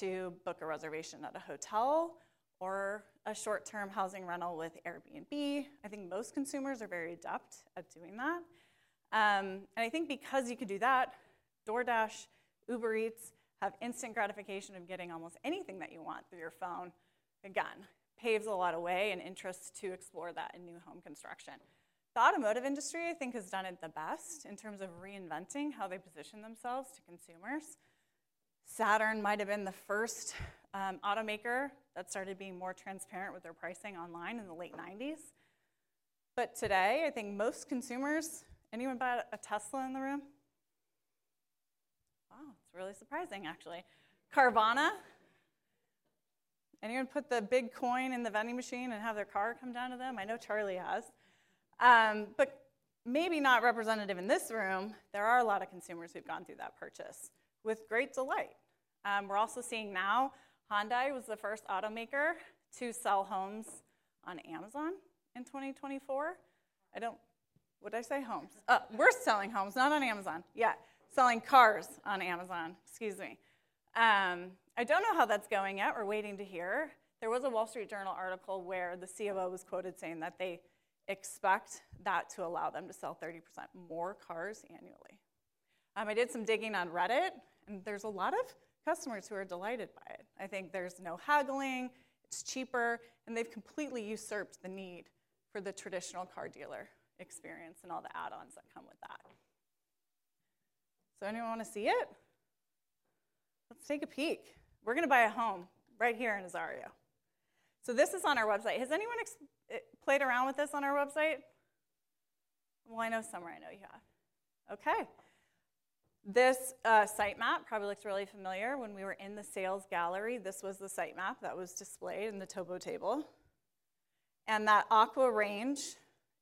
to book a reservation at a hotel or a short-term housing rental with Airbnb. I think most consumers are very adept at doing that. And I think because you could do that, DoorDash, Uber Eats have instant gratification of getting almost anything that you want through your phone. Again, paves a lot of way and interest to explore that in new home construction. The automotive industry, I think, has done it the best in terms of reinventing how they position themselves to consumers. Saturn might have been the first automaker that started being more transparent with their pricing online in the late '90s. But today, I think most consumers, anyone bought a Tesla in the room? Wow, it's really surprising, actually. Carvana? Anyone put the big coin in the vending machine and have their car come down to them? I know Charlie has. But maybe not representative in this room, there are a lot of consumers who've gone through that purchase with great delight. We're also seeing now Hyundai was the first automaker to sell homes on Amazon in 2024. Would I say homes? We're selling homes, not on Amazon. Yeah, selling cars on Amazon. Excuse me. I don't know how that's going yet. We're waiting to hear. There was a Wall Street Journal article where the CFO was quoted saying that they expect that to allow them to sell 30% more cars annually. I did some digging on Reddit, and there's a lot of customers who are delighted by it. I think there's no haggling. It's cheaper, and they've completely usurped the need for the traditional car dealer experience and all the add-ons that come with that. So anyone want to see it? Let's take a peek. We're going to buy a home right here in Azario. So this is on our website. Has anyone played around with this on our website? Well, I know you have. Okay. This site map probably looks really familiar. When we were in the sales gallery, this was the site map that was displayed in the topo table, and that Aqua Range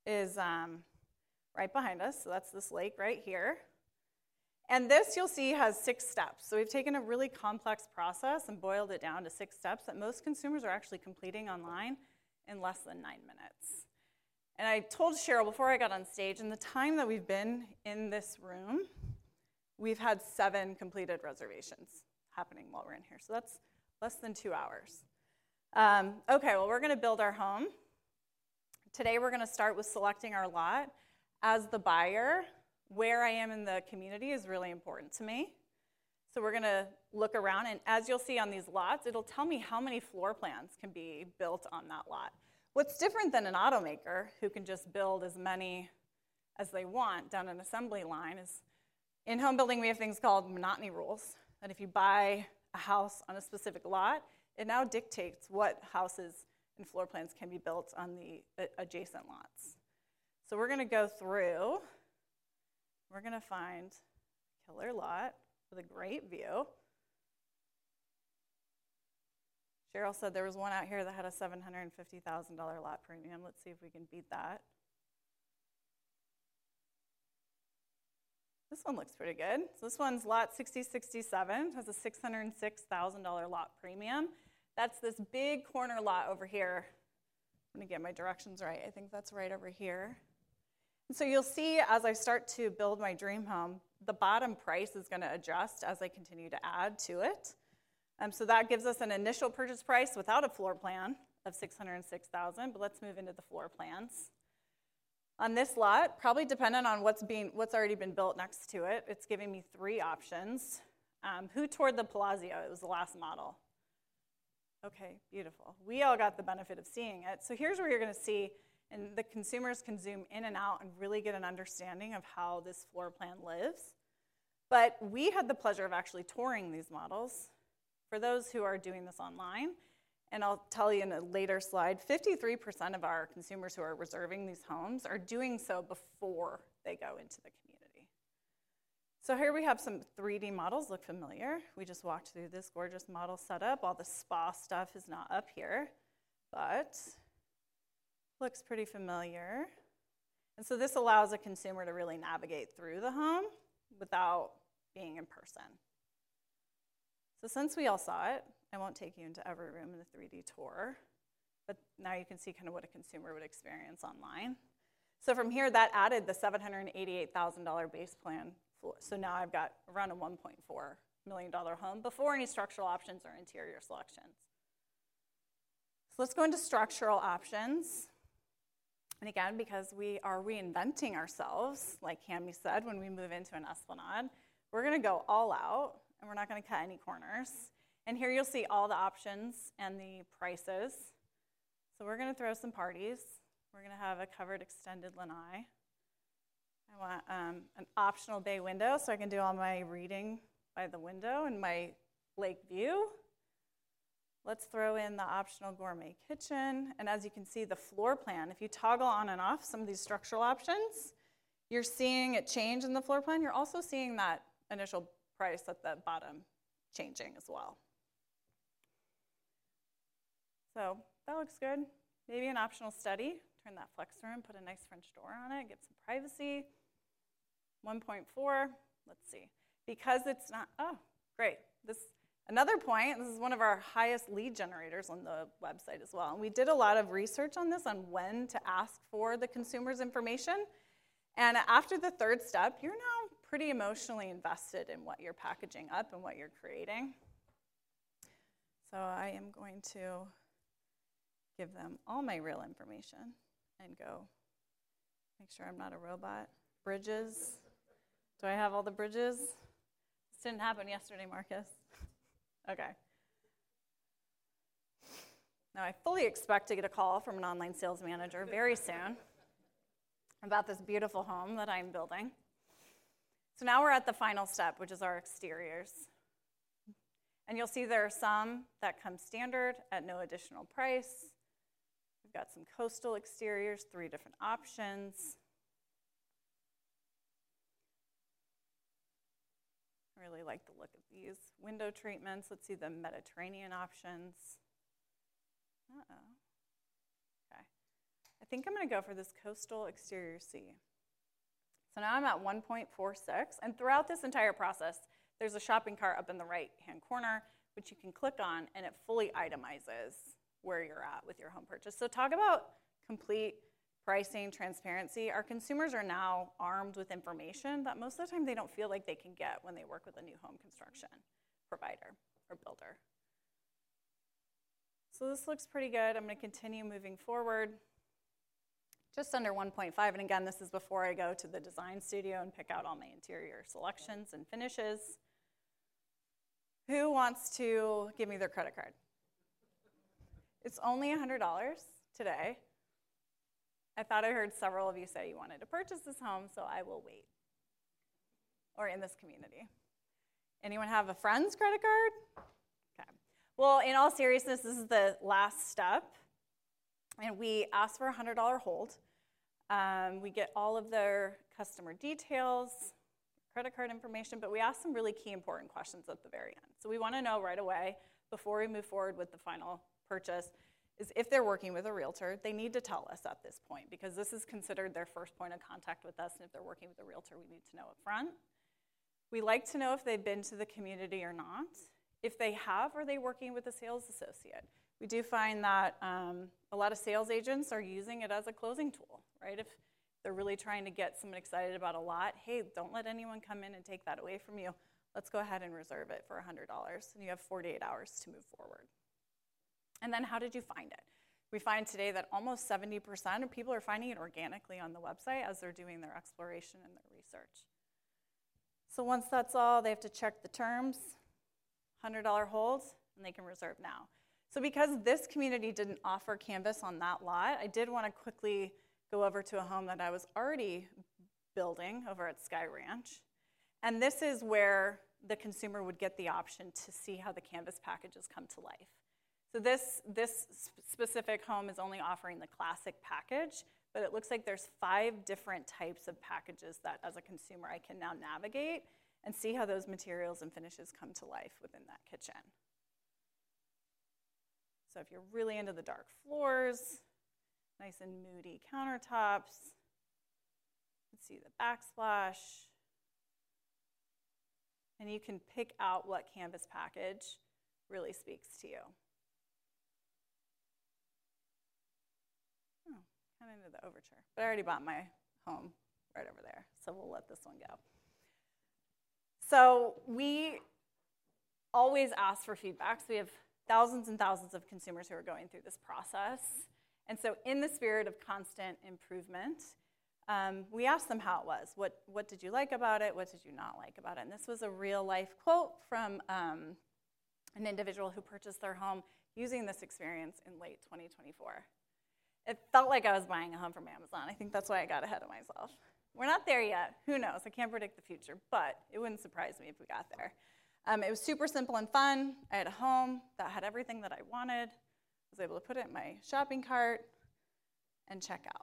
is right behind us. That's this lake right here. And this, you'll see, has six steps. We've taken a really complex process and boiled it down to six steps that most consumers are actually completing online in less than nine minutes. And I told Sheryl before I got on stage, in the time that we've been in this room, we've had seven completed reservations happening while we're in here. That's less than two hours. Okay, well, we're going to build our home. Today, we're going to start with selecting our lot. As the buyer, where I am in the community is really important to me. We're going to look around. And as you'll see on these lots, it'll tell me how many floor plans can be built on that lot. What's different than an automaker who can just build as many as they want down an assembly line is in home building, we have things called monotony rules. And if you buy a house on a specific lot, it now dictates what houses and floor plans can be built on the adjacent lots. So we're going to go through. We're going to find killer lot with a great view. Sheryl said there was one out here that had a $750,000 lot premium. Let's see if we can beat that. This one looks pretty good. So this one's Lot 6067. It has a $606,000 lot premium. That's this big corner lot over here. I'm going to get my directions right. I think that's right over here. And so you'll see as I start to build my dream home, the bottom price is going to adjust as I continue to add to it. So that gives us an initial purchase price without a floor plan of $606,000. But let's move into the floor plans. On this lot, probably dependent on what's already been built next to it, it's giving me three options. Who toured the Palazzo? It was the last model. Okay, beautiful. We all got the benefit of seeing it. So here's where you're going to see the consumers can zoom in and out and really get an understanding of how this floor plan lives. But we had the pleasure of actually touring these models for those who are doing this online. I'll tell you in a later slide, 53% of our consumers who are reserving these homes are doing so before they go into the community. So here we have some 3D models. Look familiar. We just walked through this gorgeous model setup. All the spa stuff is not up here, but looks pretty familiar. And so this allows a consumer to really navigate through the home without being in person. So since we all saw it, I won't take you into every room in the 3D tour. But now you can see kind of what a consumer would experience online. So from here, that added the $788,000 base plan floor. So now I've got around a $1.4 million home before any structural options or interior selections. So let's go into structural options. And again, because we are reinventing ourselves, like Cammie said, when we move into an Esplanade, we're going to go all out, and we're not going to cut any corners. And here you'll see all the options and the prices. So we're going to throw some parties. We're going to have a covered extended lanai. I want an optional bay window so I can do all my reading by the window and my lake view. Let's throw in the optional gourmet kitchen. And as you can see, the floor plan, if you toggle on and off some of these structural options, you're seeing a change in the floor plan. You're also seeing that initial price at the bottom changing as well. So that looks good. Maybe an optional study. Turn that flex room, put a nice French door on it, get some privacy. $1.4. Let's see. Because it's not. Oh, great. Another point, this is one of our highest lead generators on the website as well. And we did a lot of research on this on when to ask for the consumer's information. And after the third step, you're now pretty emotionally invested in what you're packaging up and what you're creating. So I am going to give them all my real information and go make sure I'm not a robot. Bridges. Do I have all the bridges? This didn't happen yesterday, Marcus. Okay. Now I fully expect to get a call from an online sales manager very soon about this beautiful home that I'm building. So now we're at the final step, which is our exteriors. And you'll see there are some that come standard at no additional price. We've got some coastal exteriors, three different options. I really like the look of these window treatments. Let's see the Mediterranean options. I think I'm going to go for this coastal exterior sea. So now I'm at $1.46. And throughout this entire process, there's a shopping cart up in the right-hand corner, which you can click on, and it fully itemizes where you're at with your home purchase. So talk about complete pricing transparency. Our consumers are now armed with information that most of the time they don't feel like they can get when they work with a new home construction provider or builder. So this looks pretty good. I'm going to continue moving forward. Just under $1.5. And again, this is before I go to the design studio and pick out all my interior selections and finishes. Who wants to give me their credit card? It's only $100 today. I thought I heard several of you say you wanted to purchase this home, so I will wait or in this community. Anyone have a friend's credit card? Okay. Well, in all seriousness, this is the last step, and we ask for a $100 hold. We get all of their customer details, credit card information, but we ask some really key important questions at the very end. So we want to know right away, before we move forward with the final purchase, is if they're working with a realtor; they need to tell us at this point because this is considered their first point of contact with us, and if they're working with a realtor, we need to know upfront. We like to know if they've been to the community or not. If they have, are they working with a sales associate? We do find that a lot of sales agents are using it as a closing tool, right? If they're really trying to get someone excited about a lot, hey, don't let anyone come in and take that away from you. Let's go ahead and reserve it for $100, and you have 48 hours to move forward, and then how did you find it? We find today that almost 70% of people are finding it organically on the website as they're doing their exploration and their research. So once that's all, they have to check the terms, $100 holds, and they can reserve now. So because this community didn't offer Canvas on that lot, I did want to quickly go over to a home that I was already building over at Sky Ranch. This is where the consumer would get the option to see how the Canvas packages come to life. This specific home is only offering the Classic package, but it looks like there's five different types of packages that, as a consumer, I can now navigate and see how those materials and finishes come to life within that kitchen. If you're really into the dark floors, nice and moody countertops, let's see the backsplash. You can pick out what Canvas package really speaks to you. Oh, kind of into the Overture. I already bought my home right over there, so we'll let this one go. We always ask for feedback. We have thousands and thousands of consumers who are going through this process. In the spirit of constant improvement, we asked them how it was. What did you like about it? What did you not like about it, and this was a real-life quote from an individual who purchased their home using this experience in late 2024. It felt like I was buying a home from Amazon. I think that's why I got ahead of myself. We're not there yet. Who knows? I can't predict the future, but it wouldn't surprise me if we got there. It was super simple and fun. I had a home that had everything that I wanted. I was able to put it in my shopping cart and check out,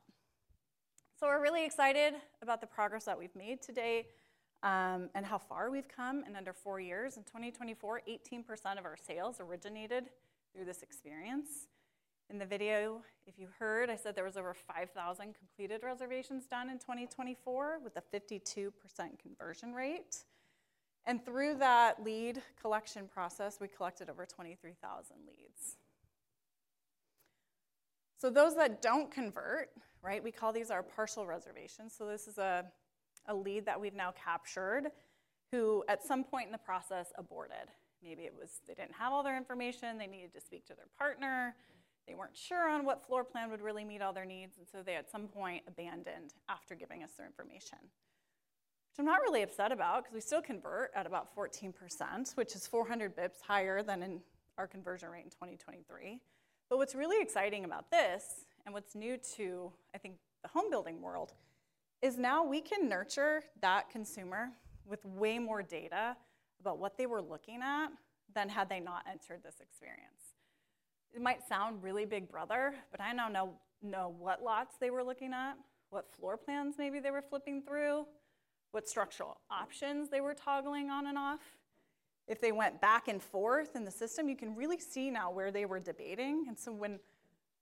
so we're really excited about the progress that we've made today and how far we've come, and under four years in 2024, 18% of our sales originated through this experience. In the video, if you heard, I said there was over 5,000 completed reservations done in 2024 with a 52% conversion rate. Through that lead collection process, we collected over 23,000 leads. So those that don't convert, right, we call these our partial reservations. So this is a lead that we've now captured who at some point in the process aborted. Maybe it was they didn't have all their information. They needed to speak to their partner. They weren't sure on what floor plan would really meet all their needs. And so they at some point abandoned after giving us their information. Which I'm not really upset about because we still convert at about 14%, which is 400 basis points higher than our conversion rate in 2023. But what's really exciting about this and what's new to, I think, the home building world is now we can nurture that consumer with way more data about what they were looking at than had they not entered this experience. It might sound really big brother, but I now know what lots they were looking at, what floor plans maybe they were flipping through, what structural options they were toggling on and off. If they went back and forth in the system, you can really see now where they were debating. And so when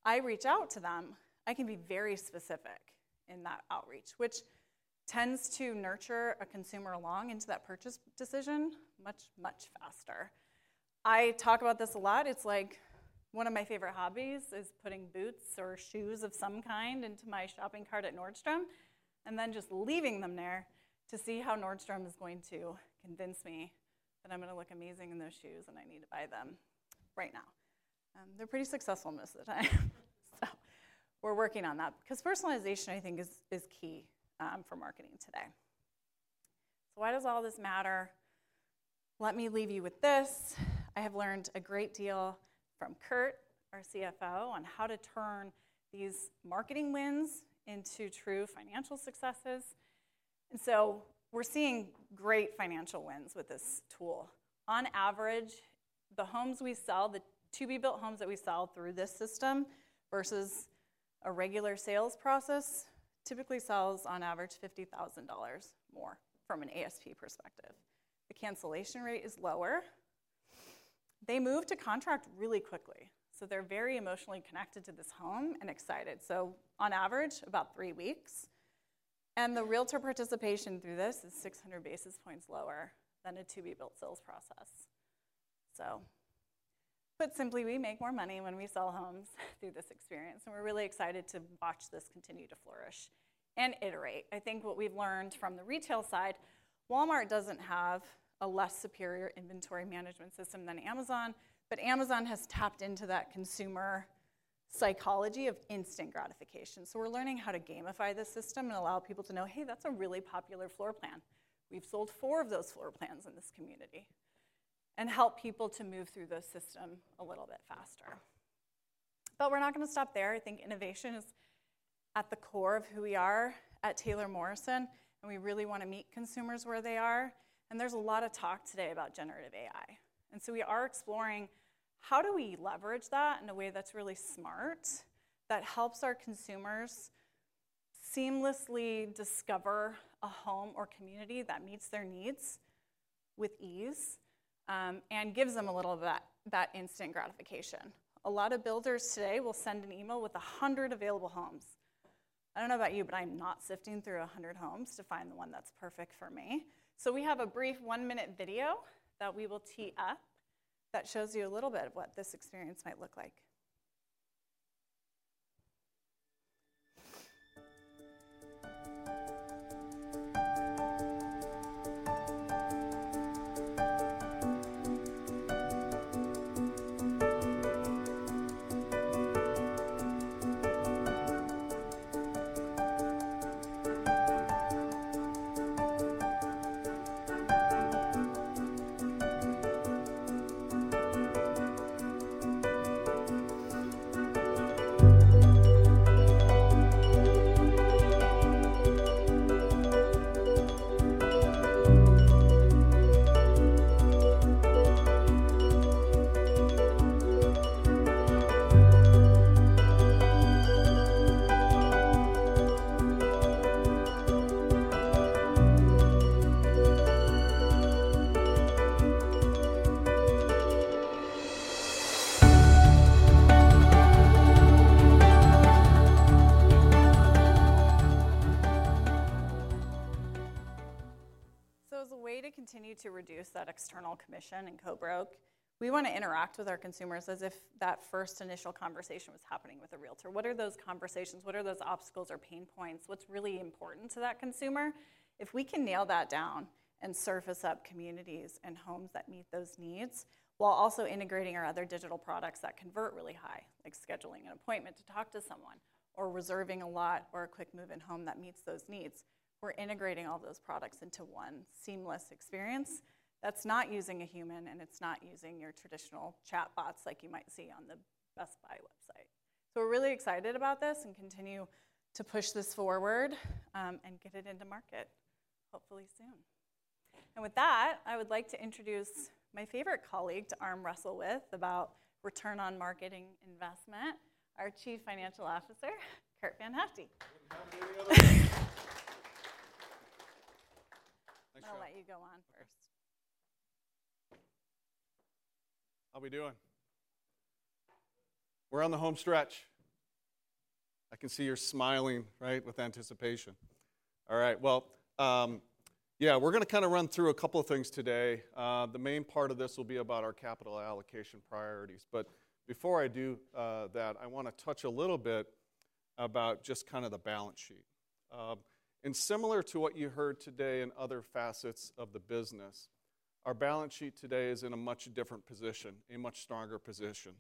I reach out to them, I can be very specific in that outreach, which tends to nurture a consumer along into that purchase decision much, much faster. I talk about this a lot. It's like one of my favorite hobbies is putting boots or shoes of some kind into my shopping cart at Nordstrom and then just leaving them there to see how Nordstrom is going to convince me that I'm going to look amazing in those shoes and I need to buy them right now. They're pretty successful most of the time. So we're working on that because personalization, I think, is key for marketing today. So why does all this matter? Let me leave you with this. I have learned a great deal from Curt, our CFO, on how to turn these marketing wins into true financial successes. And so we're seeing great financial wins with this tool. On average, the homes we sell, the to-be-built homes that we sell through this system versus a regular sales process typically sells on average $50,000 more from an ASP perspective. The cancellation rate is lower. They move to contract really quickly. So they're very emotionally connected to this home and excited. So on average, about three weeks. And the realtor participation through this is 600 basis points lower than a to-be-built sales process. So put simply, we make more money when we sell homes through this experience. We're really excited to watch this continue to flourish and iterate. I think what we've learned from the retail side, Walmart doesn't have a less superior inventory management system than Amazon, but Amazon has tapped into that consumer psychology of instant gratification. So we're learning how to gamify the system and allow people to know, hey, that's a really popular floor plan. We've sold four of those floor plans in this community and help people to move through the system a little bit faster. But we're not going to stop there. I think innovation is at the core of who we are at Taylor Morrison, and we really want to meet consumers where they are. There's a lot of talk today about generative AI. And so we are exploring how do we leverage that in a way that's really smart, that helps our consumers seamlessly discover a home or community that meets their needs with ease and gives them a little of that instant gratification. A lot of builders today will send an email with 100 available homes. I don't know about you, but I'm not sifting through 100 homes to find the one that's perfect for me. So we have a brief one-minute video that we will tee up that shows you a little bit of what this experience might look like. So as a way to continue to reduce that external commission and co-broke, we want to interact with our consumers as if that first initial conversation was happening with a realtor. What are those conversations? What are those obstacles or pain points? What's really important to that consumer? If we can nail that down and surface up communities and homes that meet those needs while also integrating our other digital products that convert really high, like scheduling an appointment to talk to someone or reserving a lot or a quick move-in home that meets those needs, we're integrating all those products into one seamless experience that's not using a human, and it's not using your traditional chatbots like you might see on the Best Buy website. So we're really excited about this and continue to push this forward and get it into market hopefully soon. And with that, I would like to introduce my favorite colleague to arm wrestle with about return on marketing investment, our Chief Financial Officer, Curt VanHyfte. I'll let you go on first. How are we doing? We're on the home stretch. I can see you're smiling, right, with anticipation. All right. Yeah, we're going to kind of run through a couple of things today. The main part of this will be about our capital allocation priorities. But before I do that, I want to touch a little bit about just kind of the balance sheet. And similar to what you heard today in other facets of the business, our balance sheet today is in a much different position, a much stronger position.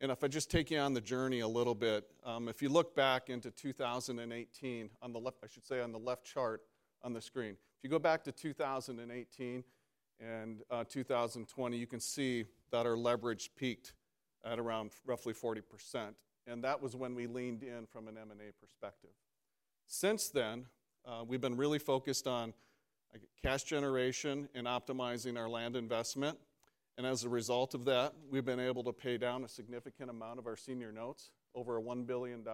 And if I just take you on the journey a little bit, if you look back into 2018, on the left, I should say on the left chart on the screen, if you go back to 2018 and 2020, you can see that our leverage peaked at around roughly 40%. And that was when we leaned in from an M&A perspective. Since then, we've been really focused on cash generation and optimizing our land investment. And as a result of that, we've been able to pay down a significant amount of our senior notes, over $1 billion,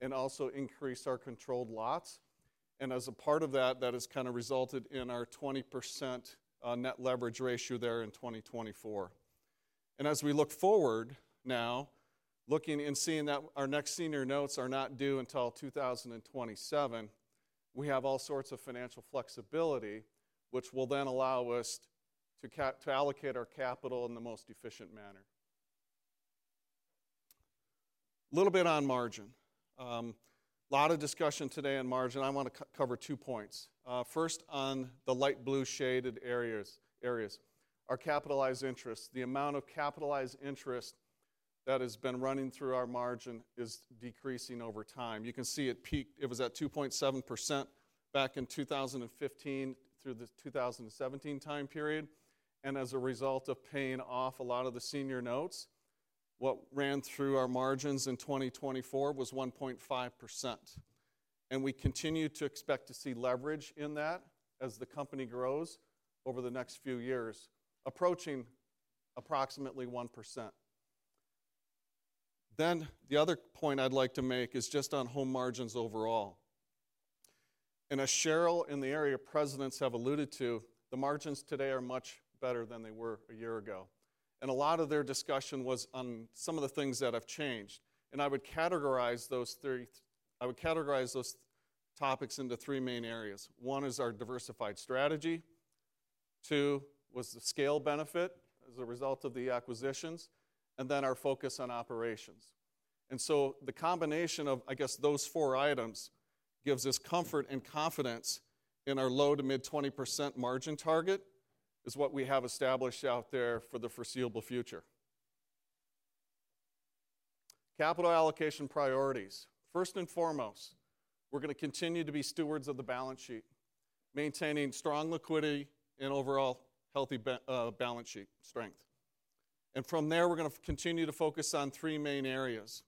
and also increase our controlled lots. And as a part of that, that has kind of resulted in our 20% net leverage ratio there in 2024. And as we look forward now, looking and seeing that our next senior notes are not due until 2027, we have all sorts of financial flexibility, which will then allow us to allocate our capital in the most efficient manner. A little bit on margin. A lot of discussion today on margin. I want to cover two points. First, on the light blue shaded areas, our capitalized interest, the amount of capitalized interest that has been running through our margin is decreasing over time. You can see it peaked. It was at 2.7% back in 2015 through the 2017 time period. And as a result of paying off a lot of the senior notes, what ran through our margins in 2024 was 1.5%. And we continue to expect to see leverage in that as the company grows over the next few years, approaching approximately 1%. Then the other point I'd like to make is just on home margins overall. And as Sheryl and the area presidents have alluded to, the margins today are much better than they were a year ago. And a lot of their discussion was on some of the things that have changed. And I would categorize those topics into three main areas. One is our diversified strategy. Two was the scale benefit as a result of the acquisitions, and then our focus on operations. And so the combination of, I guess, those four items gives us comfort and confidence in our low- to mid-20% margin target, which is what we have established out there for the foreseeable future. Capital allocation priorities. First and foremost, we're going to continue to be stewards of the balance sheet, maintaining strong liquidity and overall healthy balance sheet strength. And from there, we're going to continue to focus on three main areas.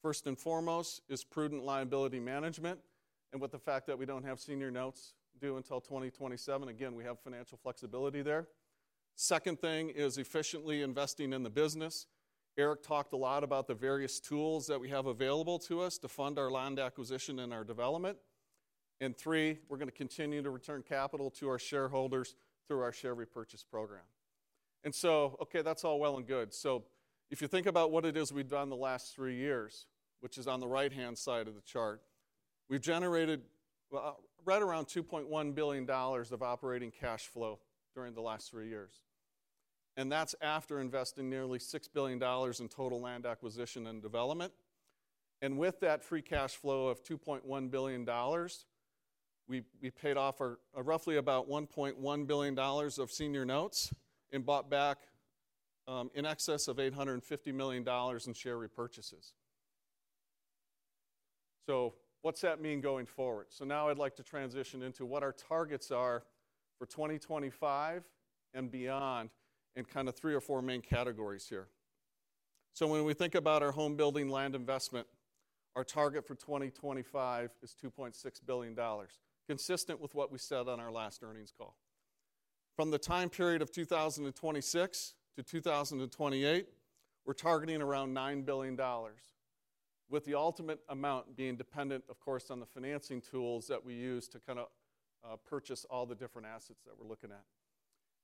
First and foremost is prudent liability management, with the fact that we don't have senior notes due until 2027. Again, we have financial flexibility there. Second thing is efficiently investing in the business. Erik talked a lot about the various tools that we have available to us to fund our land acquisition and our development. And three, we're going to continue to return capital to our shareholders through our share repurchase program. Okay, that's all well and good. So if you think about what it is we've done the last three years, which is on the right-hand side of the chart, we've generated right around $2.1 billion of operating cash flow during the last three years. That's after investing nearly $6 billion in total land acquisition and development. With that free cash flow of $2.1 billion, we paid off roughly about $1.1 billion of senior notes and bought back in excess of $850 million in share repurchases. What's that mean going forward? Now I'd like to transition into what our targets are for 2025 and beyond and kind of three or four main categories here. When we think about our home building land investment, our target for 2025 is $2.6 billion, consistent with what we said on our last earnings call. From the time period of 2026 to 2028, we're targeting around $9 billion, with the ultimate amount being dependent, of course, on the financing tools that we use to kind of purchase all the different assets that we're looking at.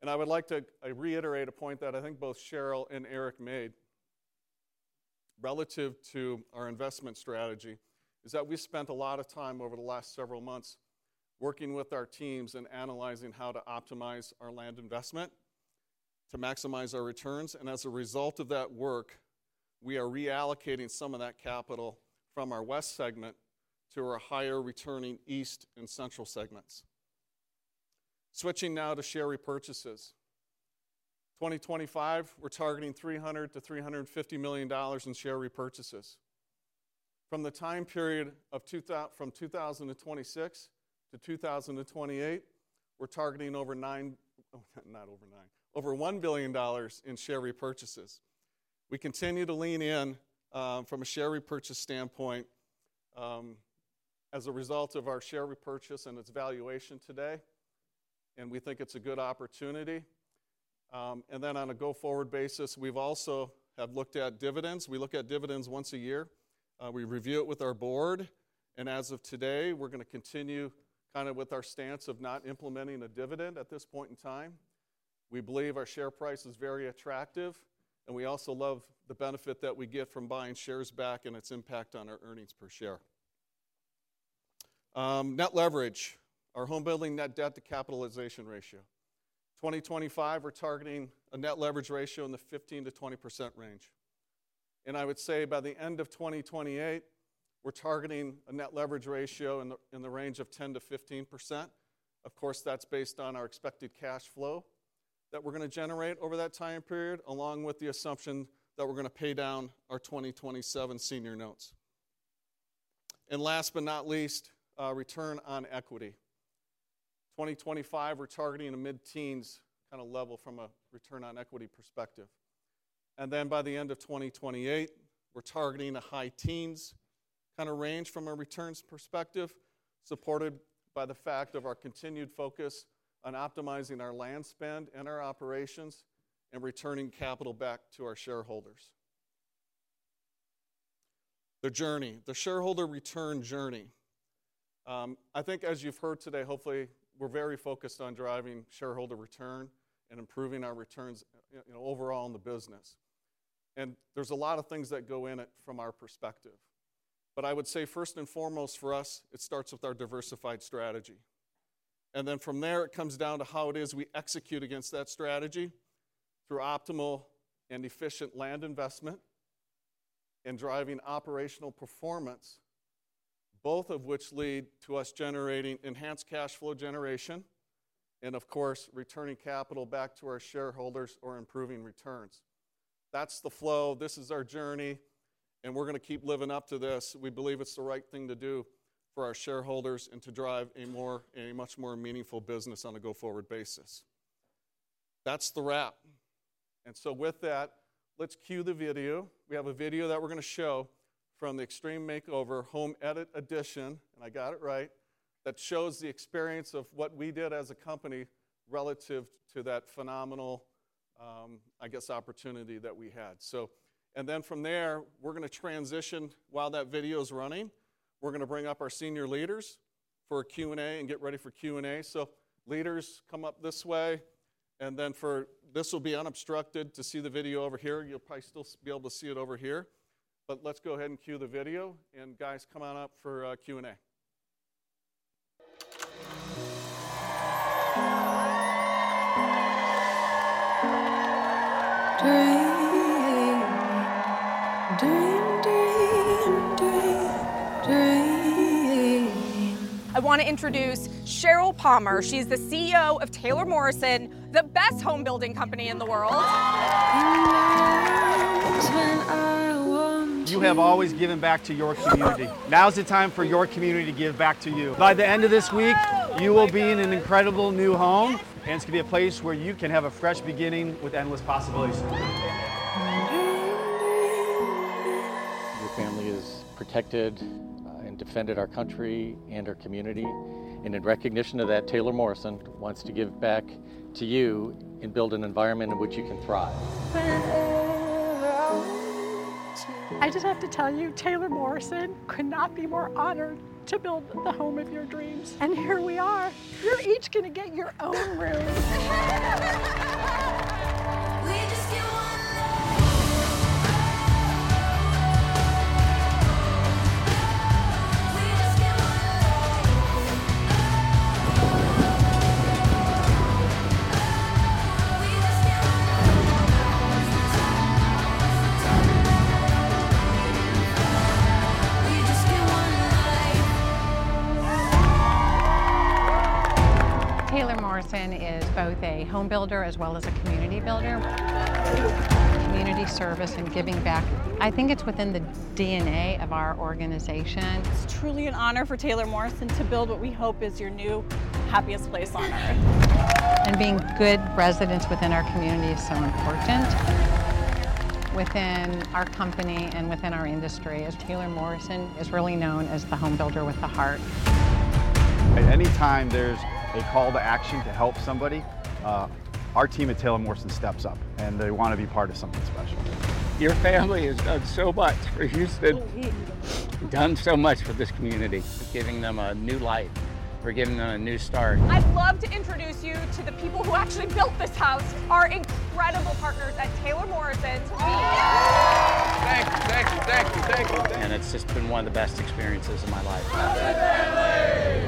And I would like to reiterate a point that I think both Sheryl and Erik made relative to our investment strategy is that we spent a lot of time over the last several months working with our teams and analyzing how to optimize our land investment to maximize our returns. And as a result of that work, we are reallocating some of that capital from our West segment to our higher returning East and Central segments. Switching now to share repurchases. 2025, we're targeting $300 million-$350 million in share repurchases. From the time period of 2026 to 2028, we're targeting over nine, not over nine, over $1 billion in share repurchases. We continue to lean in from a share repurchase standpoint as a result of our share repurchase and its valuation today. And we think it's a good opportunity. And then on a go forward basis, we've also looked at dividends. We look at dividends once a year. We review it with our board. And as of today, we're going to continue kind of with our stance of not implementing a dividend at this point in time. We believe our share price is very attractive, and we also love the benefit that we get from buying shares back and its impact on our earnings per share. Net leverage, our home building net debt to capitalization ratio. 2025, we're targeting a net leverage ratio in the 15%-20% range. I would say by the end of 2028, we're targeting a net leverage ratio in the range of 10%-15%. Of course, that's based on our expected cash flow that we're going to generate over that time period, along with the assumption that we're going to pay down our 2027 senior notes. Last but not least, return on equity. 2025, we're targeting a mid-teens kind of level from a return on equity perspective. Then by the end of 2028, we're targeting a high teens kind of range from a returns perspective, supported by the fact of our continued focus on optimizing our land spend and our operations and returning capital back to our shareholders. The journey, the shareholder return journey. I think as you've heard today, hopefully we're very focused on driving shareholder return and improving our returns overall in the business. And there's a lot of things that go in it from our perspective. But I would say first and foremost for us, it starts with our diversified strategy. And then from there, it comes down to how it is we execute against that strategy through optimal and efficient land investment and driving operational performance, both of which lead to us generating enhanced cash flow generation and, of course, returning capital back to our shareholders or improving returns. That's the flow. This is our journey, and we're going to keep living up to this. We believe it's the right thing to do for our shareholders and to drive a much more meaningful business on a go forward basis. That's the wrap. And so with that, let's cue the video. We have a video that we're going to show from the Extreme Makeover: Home Edition, and I got it right, that shows the experience of what we did as a company relative to that phenomenal, I guess, opportunity that we had. So, and then from there, we're going to transition while that video is running. We're going to bring up our senior leaders for a Q&A and get ready for Q&A. So leaders come up this way. And then for this will be unobstructed to see the video over here. You'll probably still be able to see it over here. But let's go ahead and cue the video. And guys, come on up for a Q&A. I want to introduce Sheryl Palmer. She's the CEO of Taylor Morrison, the best home building company in the world. You have always given back to your community. Now's the time for your community to give back to you. By the end of this week, you will be in an incredible new home, and it's going to be a place where you can have a fresh beginning with endless possibilities. Your family has protected and defended our country and our community, and in recognition of that, Taylor Morrison wants to give back to you and build an environment in which you can thrive. I just have to tell you, Taylor Morrison could not be more honored to build the home of your dreams, and here we are. You're each going to get your own room. Taylor Morrison is both a home builder as well as a community builder. Community service and giving back, I think it's within the DNA of our organization. It's truly an honor for Taylor Morrison to build what we hope is your new happiest place on earth. And being good residents within our community is so important. Within our company and within our industry, Taylor Morrison is really known as the home builder with the heart. At any time there's a call to action to help somebody, our team at Taylor Morrison steps up and they want to be part of something special. Your family has done so much for Houston. You've done so much for this community. We're giving them a new life. We're giving them a new start. I'd love to introduce you to the people who actually built this house, our incredible partners at Taylor Morrison. Thank you. Thank you. Thank you. Thank you. And it's just been one of the best experiences of my life. We actually have our internal mantra, and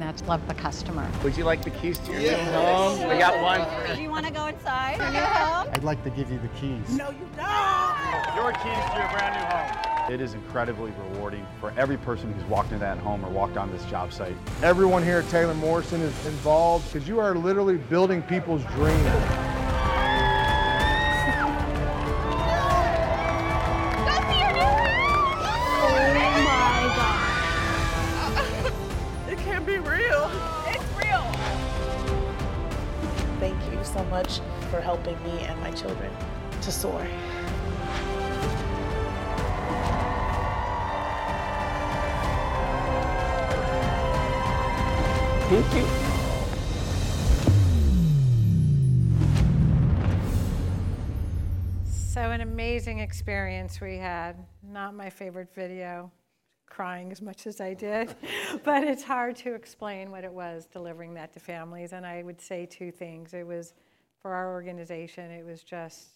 that's Love the Customer. Would you like the keys to your new home? We got one. Do you want to go inside your new home? I'd like to give you the keys. No, you don't. Your keys to your brand new home. It is incredibly rewarding for every person who's walked into that home or walked on this job site. Everyone here at Taylor Morrison is involved because you are literally building people's dreams. That's your new house. Oh my God. It can't be real. It's real. Thank you so much for helping me and my children to soar. Thank you. So, an amazing experience we had. Not my favorite video, crying as much as I did, but it's hard to explain what it was delivering that to families. And I would say two things. It was for our organization. It was just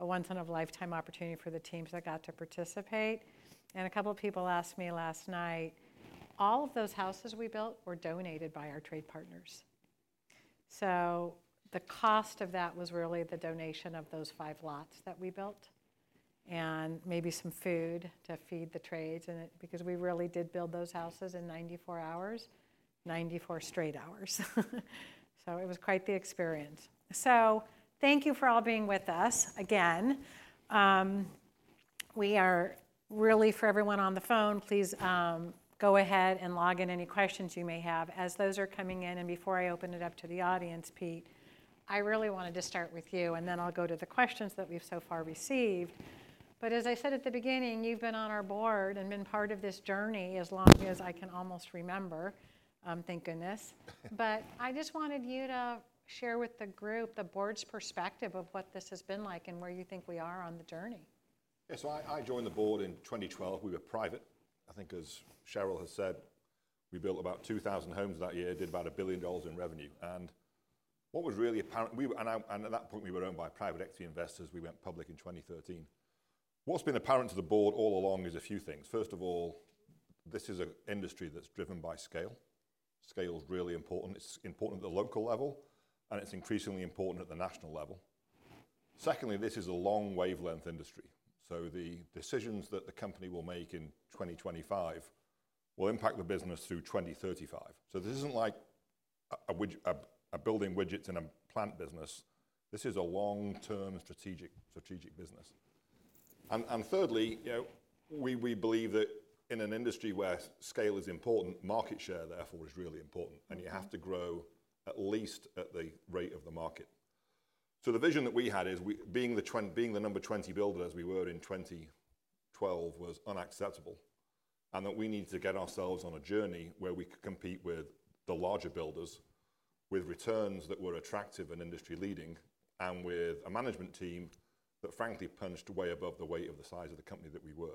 a once-in-a-lifetime opportunity for the teams that got to participate, and a couple of people asked me last night, all of those houses we built were donated by our trade partners, so the cost of that was really the donation of those five lots that we built and maybe some food to feed the trades because we really did build those houses in 94 hours, 94 straight hours, so it was quite the experience, so thank you for all being with us again. We are really, for everyone on the phone, please go ahead and log in any questions you may have as those are coming in, and before I open it up to the audience, Pete, I really wanted to start with you, and then I'll go to the questions that we've so far received. But as I said at the beginning, you've been on our board and been part of this journey as long as I can almost remember. Thank goodness. But I just wanted you to share with the group the board's perspective of what this has been like and where you think we are on the journey. Yeah. So I joined the board in 2012. We were private. I think, as Sheryl has said, we built about 2,000 homes that year, did about $1 billion in revenue. And what was really apparent, and at that point, we were owned by private equity investors. We went public in 2013. What's been apparent to the board all along is a few things. First of all, this is an industry that's driven by scale. Scale is really important. It's important at the local level, and it's increasingly important at the national level. Secondly, this is a long wavelength industry. So the decisions that the company will make in 2025 will impact the business through 2035, so this isn't like a building widgets in a plant business. This is a long-term strategic business, and thirdly, we believe that in an industry where scale is important, market share, therefore, is really important, and you have to grow at least at the rate of the market, so the vision that we had is being the number 20 builder as we were in 2012 was unacceptable and that we needed to get ourselves on a journey where we could compete with the larger builders with returns that were attractive and industry-leading and with a management team that, frankly, punched way above the weight of the size of the company that we were.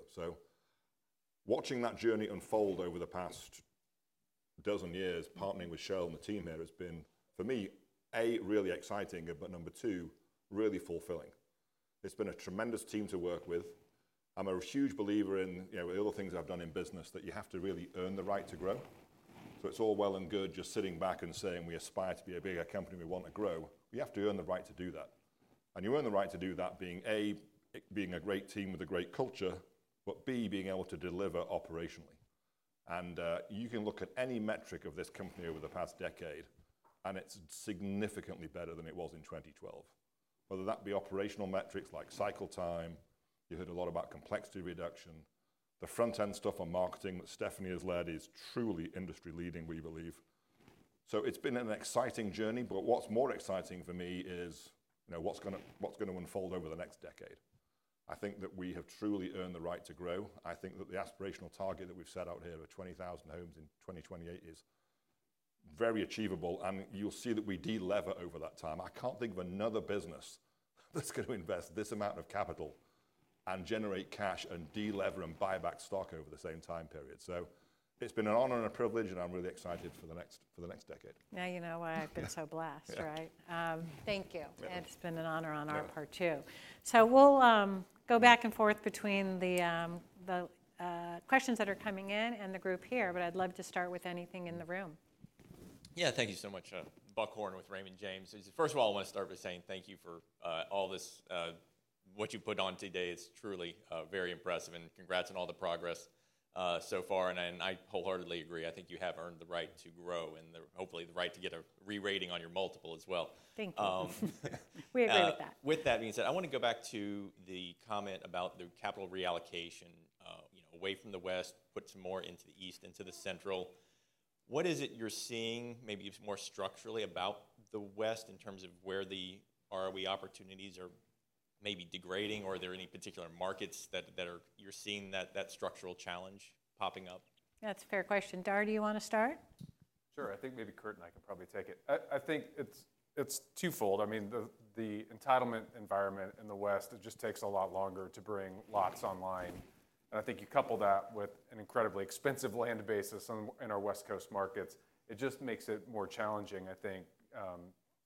Watching that journey unfold over the past dozen years, partnering with Sheryl and the team here has been, for me, A, really exciting, but number two, really fulfilling. It's been a tremendous team to work with. I'm a huge believer in the other things I've done in business that you have to really earn the right to grow. It's all well and good just sitting back and saying, "We aspire to be a bigger company. We want to grow." You have to earn the right to do that. You earn the right to do that being A, being a great team with a great culture, but B, being able to deliver operationally. You can look at any metric of this company over the past decade, and it's significantly better than it was in 2012. Whether that be operational metrics like cycle time, you heard a lot about complexity reduction. The front-end stuff on marketing that Stephanie has led is truly industry-leading, we believe. So it's been an exciting journey, but what's more exciting for me is what's going to unfold over the next decade. I think that we have truly earned the right to grow. I think that the aspirational target that we've set out here of 20,000 homes in 2028 is very achievable, and you'll see that we delever over that time. I can't think of another business that's going to invest this amount of capital and generate cash and delever and buy back stock over the same time period. So it's been an honor and a privilege, and I'm really excited for the next decade. Now you know why I've been so blessed, right? Thank you. It's been an honor on our part too. So we'll go back and forth between the questions that are coming in and the group here, but I'd love to start with anything in the room. Yeah, thank you so much. Buck Horne with Raymond James. First of all, I want to start by saying thank you for all this, what you put on today. It's truly very impressive, and congrats on all the progress so far. And I wholeheartedly agree. I think you have earned the right to grow and hopefully the right to get a re-rating on your multiple as well. Thank you. We agree with that. With that being said, I want to go back to the comment about the capital reallocation away from the West, put some more into the East, into the Central. What is it you're seeing, maybe more structurally about the West in terms of where the ROE opportunities are maybe degrading, or are there any particular markets that you're seeing that structural challenge popping up? That's a fair question. Dar, do you want to start? Sure. I think maybe Curt and I can probably take it. I think it's twofold. I mean, the entitlement environment in the West, it just takes a lot longer to bring lots online. And I think you couple that with an incredibly expensive land basis in our West Coast markets. It just makes it more challenging, I think,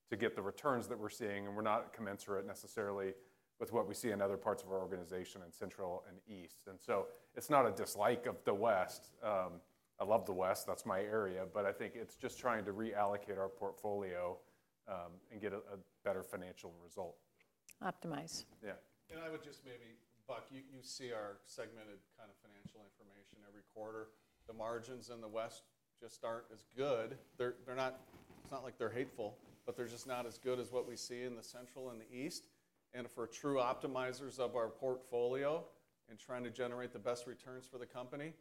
to get the returns that we're seeing. And we're not commensurate necessarily with what we see in other parts of our organization in Central and East. And so it's not a dislike of the West. I love the West. That's my area. But I think it's just trying to reallocate our portfolio and get a better financial result. Optimize. Yeah. And I would just maybe, Buck, you see our segmented kind of financial information every quarter. The margins in the West just aren't as good. It's not like they're hateful, but they're just not as good as what we see in the Central and the East. And for true optimizers of our portfolio and trying to generate the best returns for the company,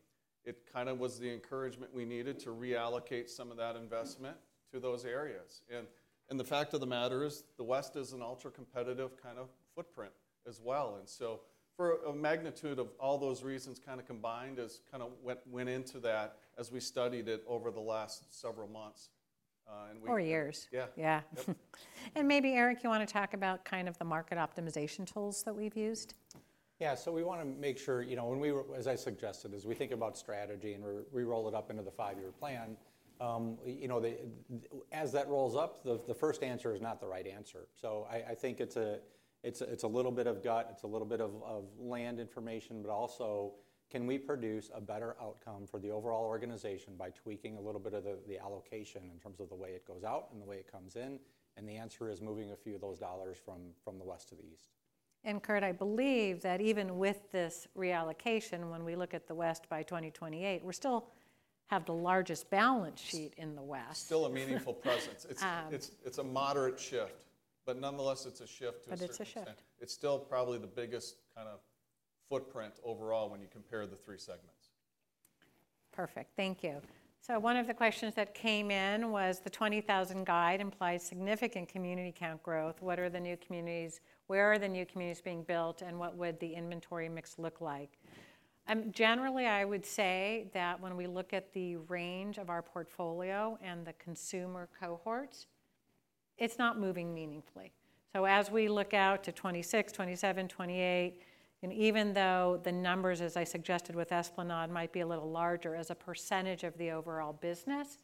it kind of was the encouragement we needed to reallocate some of that investment to those areas. And the fact of the matter is the West is an ultra-competitive kind of footprint as well. And so for a magnitude of all those reasons kind of combined is kind of went into that as we studied it over the last several months. Or years. Yeah. And maybe, Erik, you want to talk about kind of the market optimization tools that we've used? Yeah. So we want to make sure when we, as I suggested, as we think about strategy and we roll it up into the five-year plan, as that rolls up, the first answer is not the right answer. So I think it's a little bit of gut, it's a little bit of land information, but also, can we produce a better outcome for the overall organization by tweaking a little bit of the allocation in terms of the way it goes out and the way it comes in? And the answer is moving a few of those dollars from the West to the East. And Curt, I believe that even with this reallocation, when we look at the West by 2028, we still have the largest balance sheet in the West. Still a meaningful presence. It's a moderate shift, but nonetheless, it's a shift to a segment. But it's a shift. It's still probably the biggest kind of footprint overall when you compare the three segments. Perfect. Thank you. So one of the questions that came in was the 20,000 guide implies significant community count growth. What are the new communities? Where are the new communities being built? And what would the inventory mix look like? Generally, I would say that when we look at the range of our portfolio and the consumer cohorts, it's not moving meaningfully. So as we look out to 2026, 2027, 2028, and even though the numbers, as I suggested with Esplanade, might be a little larger as a percentage of the overall business,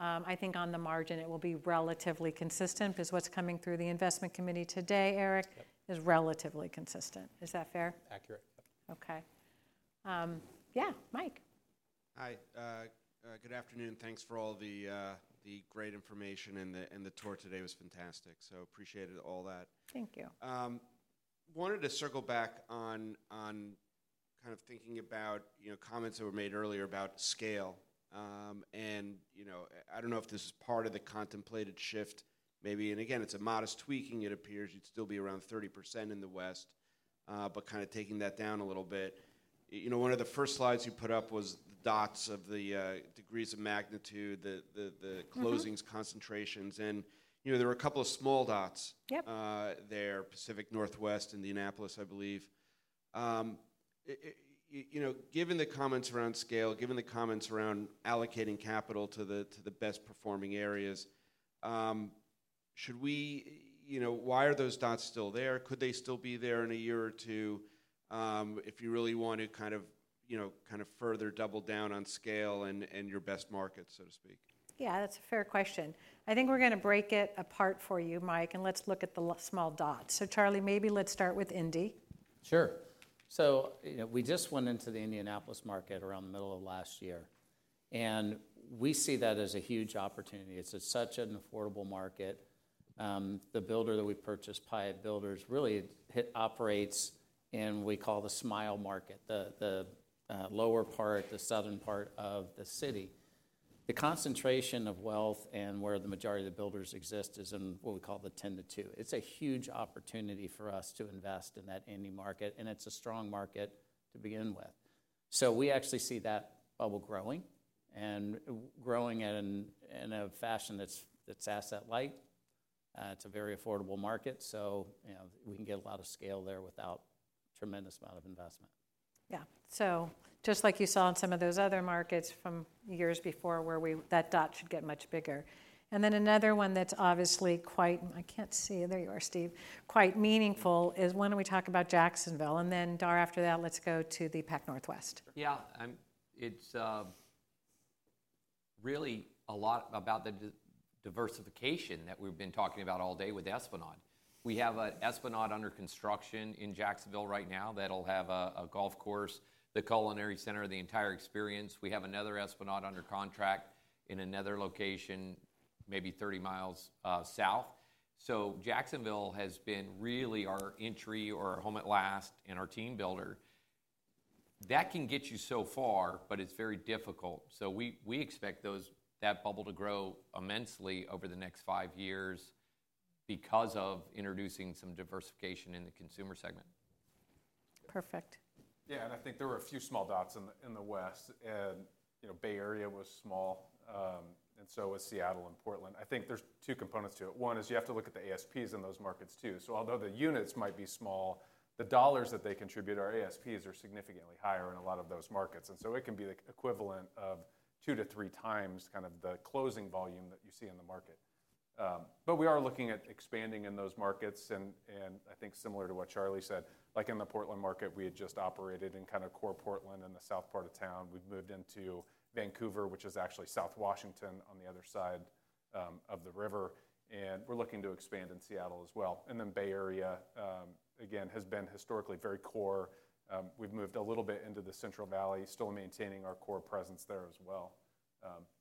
I think on the margin, it will be relatively consistent because what's coming through the investment committee today, Erik, is relatively consistent. Is that fair? Accurate. Okay. Yeah. Mike. Hi. Good afternoon. Thanks for all the great information and the tour today was fantastic. So appreciated all that. Thank you. I wanted to circle back on kind of thinking about comments that were made earlier about scale. I don't know if this is part of the contemplated shift, maybe. Again, it's a modest tweaking. It appears you'd still be around 30% in the West, but kind of taking that down a little bit. One of the first slides you put up was the dots of the degrees of magnitude, the closings concentrations. There were a couple of small dots there, Pacific Northwest and Indianapolis, I believe. Given the comments around scale, given the comments around allocating capital to the best performing areas, why are those dots still there? Could they still be there in a year or two if you really want to kind of further double down on scale and your best market, so to speak? Yeah, that's a fair question. I think we're going to break it apart for you, Mike, and let's look at the small dots. So Charlie, maybe let's start with Indie. Sure. So we just went into the Indianapolis market around the middle of last year, and we see that as a huge opportunity. It's such an affordable market. The builder that we purchased, Pyatt Builders, really operates in what we call the smile market, the lower part, the southern part of the city. The concentration of wealth and where the majority of the builders exist is in what we call the 10 to 2. It's a huge opportunity for us to invest in that Indy market, and it's a strong market to begin with. So we actually see that bubble growing and growing in a fashion that's asset-light. It's a very affordable market, so we can get a lot of scale there without a tremendous amount of investment. Yeah. So just like you saw in some of those other markets from years before where that dot should get much bigger. And then another one that's obviously quite. I can't see you. There you are, Steve. Quite meaningful is when we talk about Jacksonville. And then, Dar, after that, let's go to the Pac Northwest. Yeah. It's really a lot about the diversification that we've been talking about all day with Esplanade. We have an Esplanade under construction in Jacksonville right now that'll have a golf course, the culinary center, the entire experience. We have another Esplanade under contract in another location, maybe 30 mi south. So Jacksonville has been really our entry or home at last and our team builder. That can get you so far, but it's very difficult. So we expect that bubble to grow immensely over the next five years because of introducing some diversification in the consumer segment. Perfect. Yeah. And I think there were a few small dots in the West. Bay Area was small, and so was Seattle and Portland. I think there's two components to it. One is you have to look at the ASPs in those markets too. So although the units might be small, the dollars that they contribute. Our ASPs are significantly higher in a lot of those markets. And so it can be the equivalent of two to three times kind of the closing volume that you see in the market. But we are looking at expanding in those markets. And I think similar to what Charlie said, like in the Portland market, we had just operated in kind of core Portland and the south part of town. We've moved into Vancouver, which is actually South Washington on the other side of the river. And we're looking to expand in Seattle as well. And then Bay Area, again, has been historically very core. We've moved a little bit into the Central Valley, still maintaining our core presence there as well.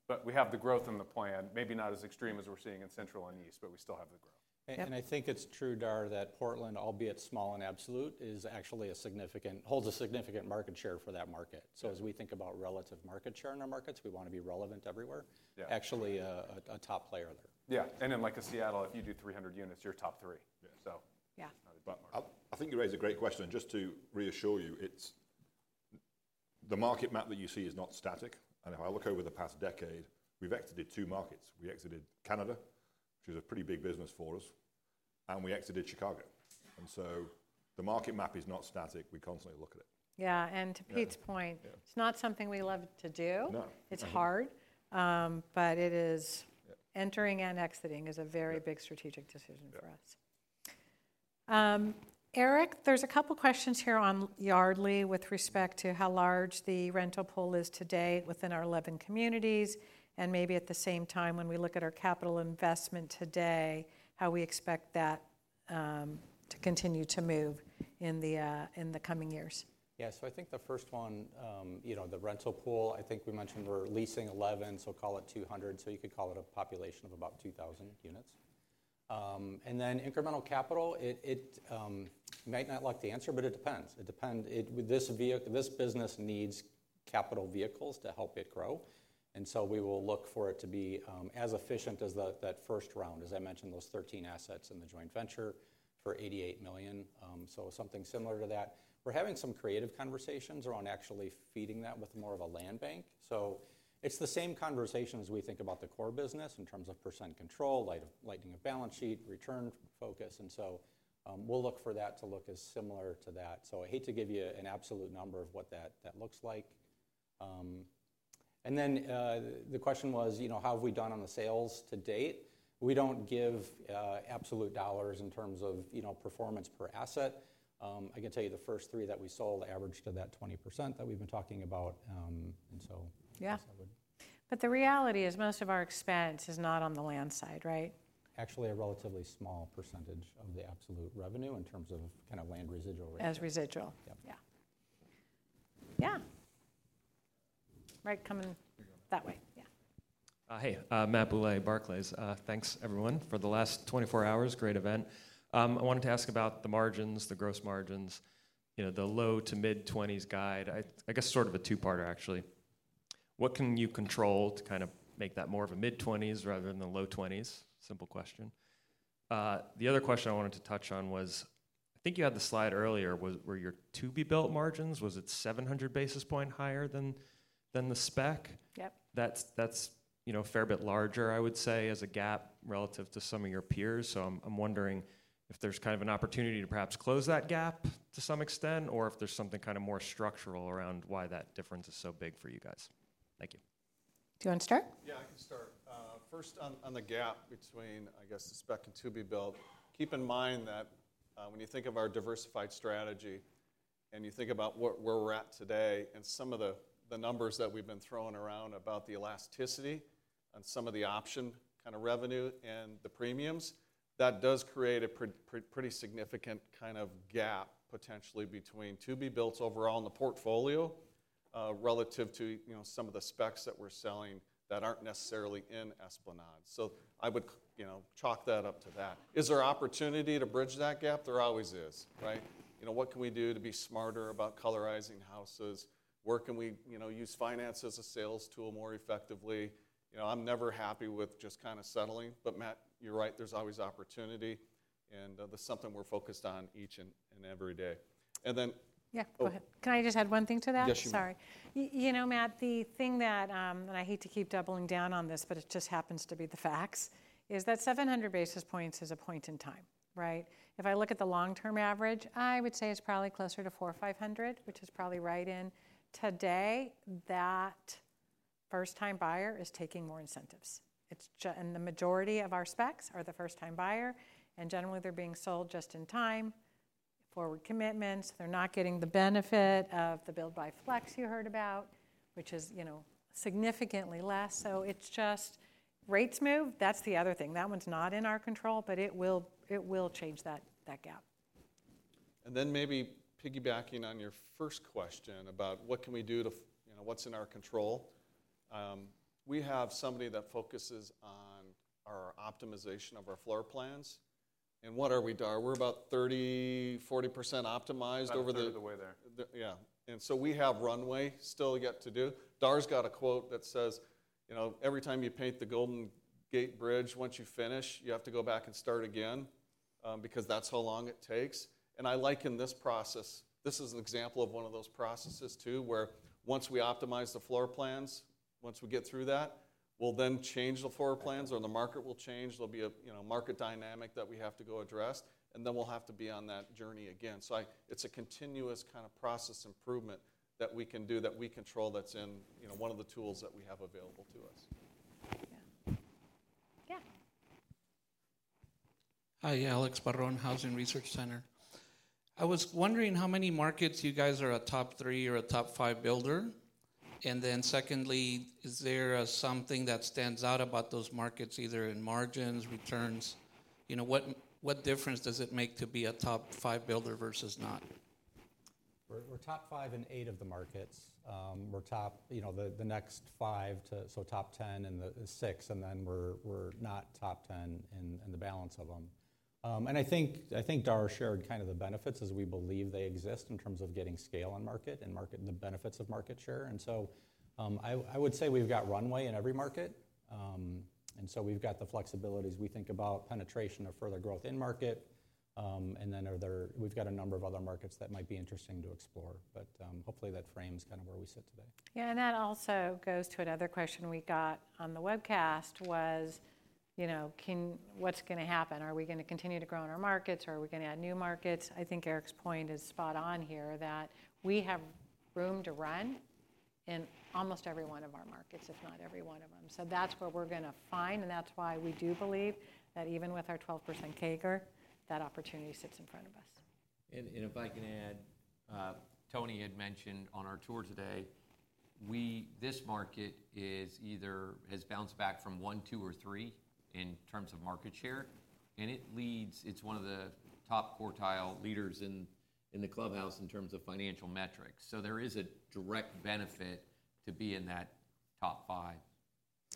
But we have the growth in the plan, maybe not as extreme as we're seeing in Central and East, but we still have the growth. And I think it's true, Dar, that Portland, albeit small in absolute, holds a significant market share for that market. As we think about relative market share in our markets, we want to be relevant everywhere, actually a top player there. Yeah. And then like a Seattle, if you do 300 units, you're top three. So not a bust market. I think you raise a great question. And just to reassure you, the market map that you see is not static. And if I look over the past decade, we've exited two markets. We exited Canada, which is a pretty big business for us, and we exited Chicago. And so the market map is not static. We constantly look at it. Yeah. And to Pete's point, it's not something we love to do. It's hard. But entering and exiting is a very big strategic decision for us. Erik, there's a couple of questions here on Yardly with respect to how large the rental pool is today within our 11 communities. And maybe at the same time, when we look at our capital investment today, how we expect that to continue to move in the coming years. Yeah. So I think the first one, the rental pool, I think we mentioned we're leasing 11, so call it 200. So you could call it a population of about 2,000 units. And then incremental capital, it might not be easy to answer, but it depends. This business needs capital vehicles to help it grow. And so we will look for it to be as efficient as that first round, as I mentioned, those 13 assets in the joint venture for $88 million. So something similar to that. We're having some creative conversations around actually feeding that with more of a land bank. So it's the same conversations we think about the core business in terms of percent control, lightening of balance sheet, return focus. And so we'll look for that to look as similar to that. So I hate to give you an absolute number of what that looks like. And then the question was, how have we done on the sales to date? We don't give absolute dollars in terms of performance per asset. I can tell you the first three that we sold averaged to that 20% that we've been talking about. And so that's how we're doing. Yeah. But the reality is most of our expense is not on the land side, right? Actually, a relatively small percentage of the absolute revenue in terms of kind of land residual revenue. As residual. Yeah. Yeah. Right. Coming that way. Yeah. Hey, Matt Bouley, Barclays. Thanks, everyone, for the last 24 hours. Great event. I wanted to ask about the margins, the gross margins, the low- to mid-20s guide. I guess sort of a two-parter, actually. What can you control to kind of make that more of a mid-20s rather than a low-20s? Simple question. The other question I wanted to touch on was, I think you had the slide earlier where your to-be-built margins, was it 700 basis points higher than the spec? Yep. That's a fair bit larger, I would say, as a gap relative to some of your peers. So I'm wondering if there's kind of an opportunity to perhaps close that gap to some extent, or if there's something kind of more structural around why that difference is so big for you guys. Thank you. Do you want to start? Yeah, I can start. First, on the gap between, I guess, the spec and to-be-built, keep in mind that when you think of our diversified strategy and you think about where we're at today and some of the numbers that we've been throwing around about the elasticity and some of the option kind of revenue and the premiums, that does create a pretty significant kind of gap potentially between to-be-builts overall in the portfolio relative to some of the specs that we're selling that aren't necessarily in Esplanade. So I would chalk that up to that. Is there opportunity to bridge that gap? There always is, right? What can we do to be smarter about colorizing houses? Where can we use finance as a sales tool more effectively? I'm never happy with just kind of settling. But Matt, you're right. There's always opportunity. And that's something we're focused on each and every day. And then. Yeah, go ahead. Can I just add one thing to that? Sorry. You know, Matt, the thing that I hate to keep doubling down on this, but it just happens to be the facts, is that 700 basis points is a point in time, right? If I look at the long-term average, I would say it's probably closer to 4,500, which is probably right in today that first-time buyer is taking more incentives. And the majority of our specs are the first-time buyer. And generally, they're being sold just in time, forward commitments. They're not getting the benefit of the Buy-Build Flex you heard about, which is significantly less. So it's just rates move. That's the other thing. That one's not in our control, but it will change that gap. And then maybe piggybacking on your first question about what can we do to what's in our control, we have somebody that focuses on our optimization of our floor plans. And what are we, Dar? We're about 30%-40% optimized over the. About halfway there. Yeah. And so we have runway still yet to do. Dar's got a quote that says, "Every time you paint the Golden Gate Bridge, once you finish, you have to go back and start again because that's how long it takes." And I liken this process. This is an example of one of those processes too, where once we optimize the floor plans, once we get through that, we'll then change the floor plans or the market will change. There'll be a market dynamic that we have to go address. And then we'll have to be on that journey again. So it's a continuous kind of process improvement that we can do that we control that's in one of the tools that we have available to us. Yeah. Yeah. Hi, Alex Barron, Housing Research Center. I was wondering how many markets you guys are a top three or a top five builder. And then secondly, is there something that stands out about those markets, either in margins, returns? What difference does it make to be a top five builder versus not? We're top five in eight of the markets. We're top 10 in the next six, and then we're not top 10 in the balance of them. And I think Dar shared kind of the benefits as we believe they exist in terms of getting scale on market and the benefits of market share. And so I would say we've got runway in every market. And so we've got the flexibilities we think about, penetration of further growth in market. And then we've got a number of other markets that might be interesting to explore. But hopefully that frames kind of where we sit today. Yeah. And that also goes to another question we got on the webcast was, what's going to happen? Are we going to continue to grow in our markets or are we going to add new markets? I think Erik's point is spot on here that we have room to run in almost every one of our markets, if not every one of them. So that's where we're going to find. And that's why we do believe that even with our 12% CAGR, that opportunity sits in front of us. And if I can add, Tony had mentioned on our tour today, this market has bounced back from one, two, or three in terms of market share. And it's one of the top quartile leaders in the clubhouse in terms of financial metrics. So there is a direct benefit to being in that top five.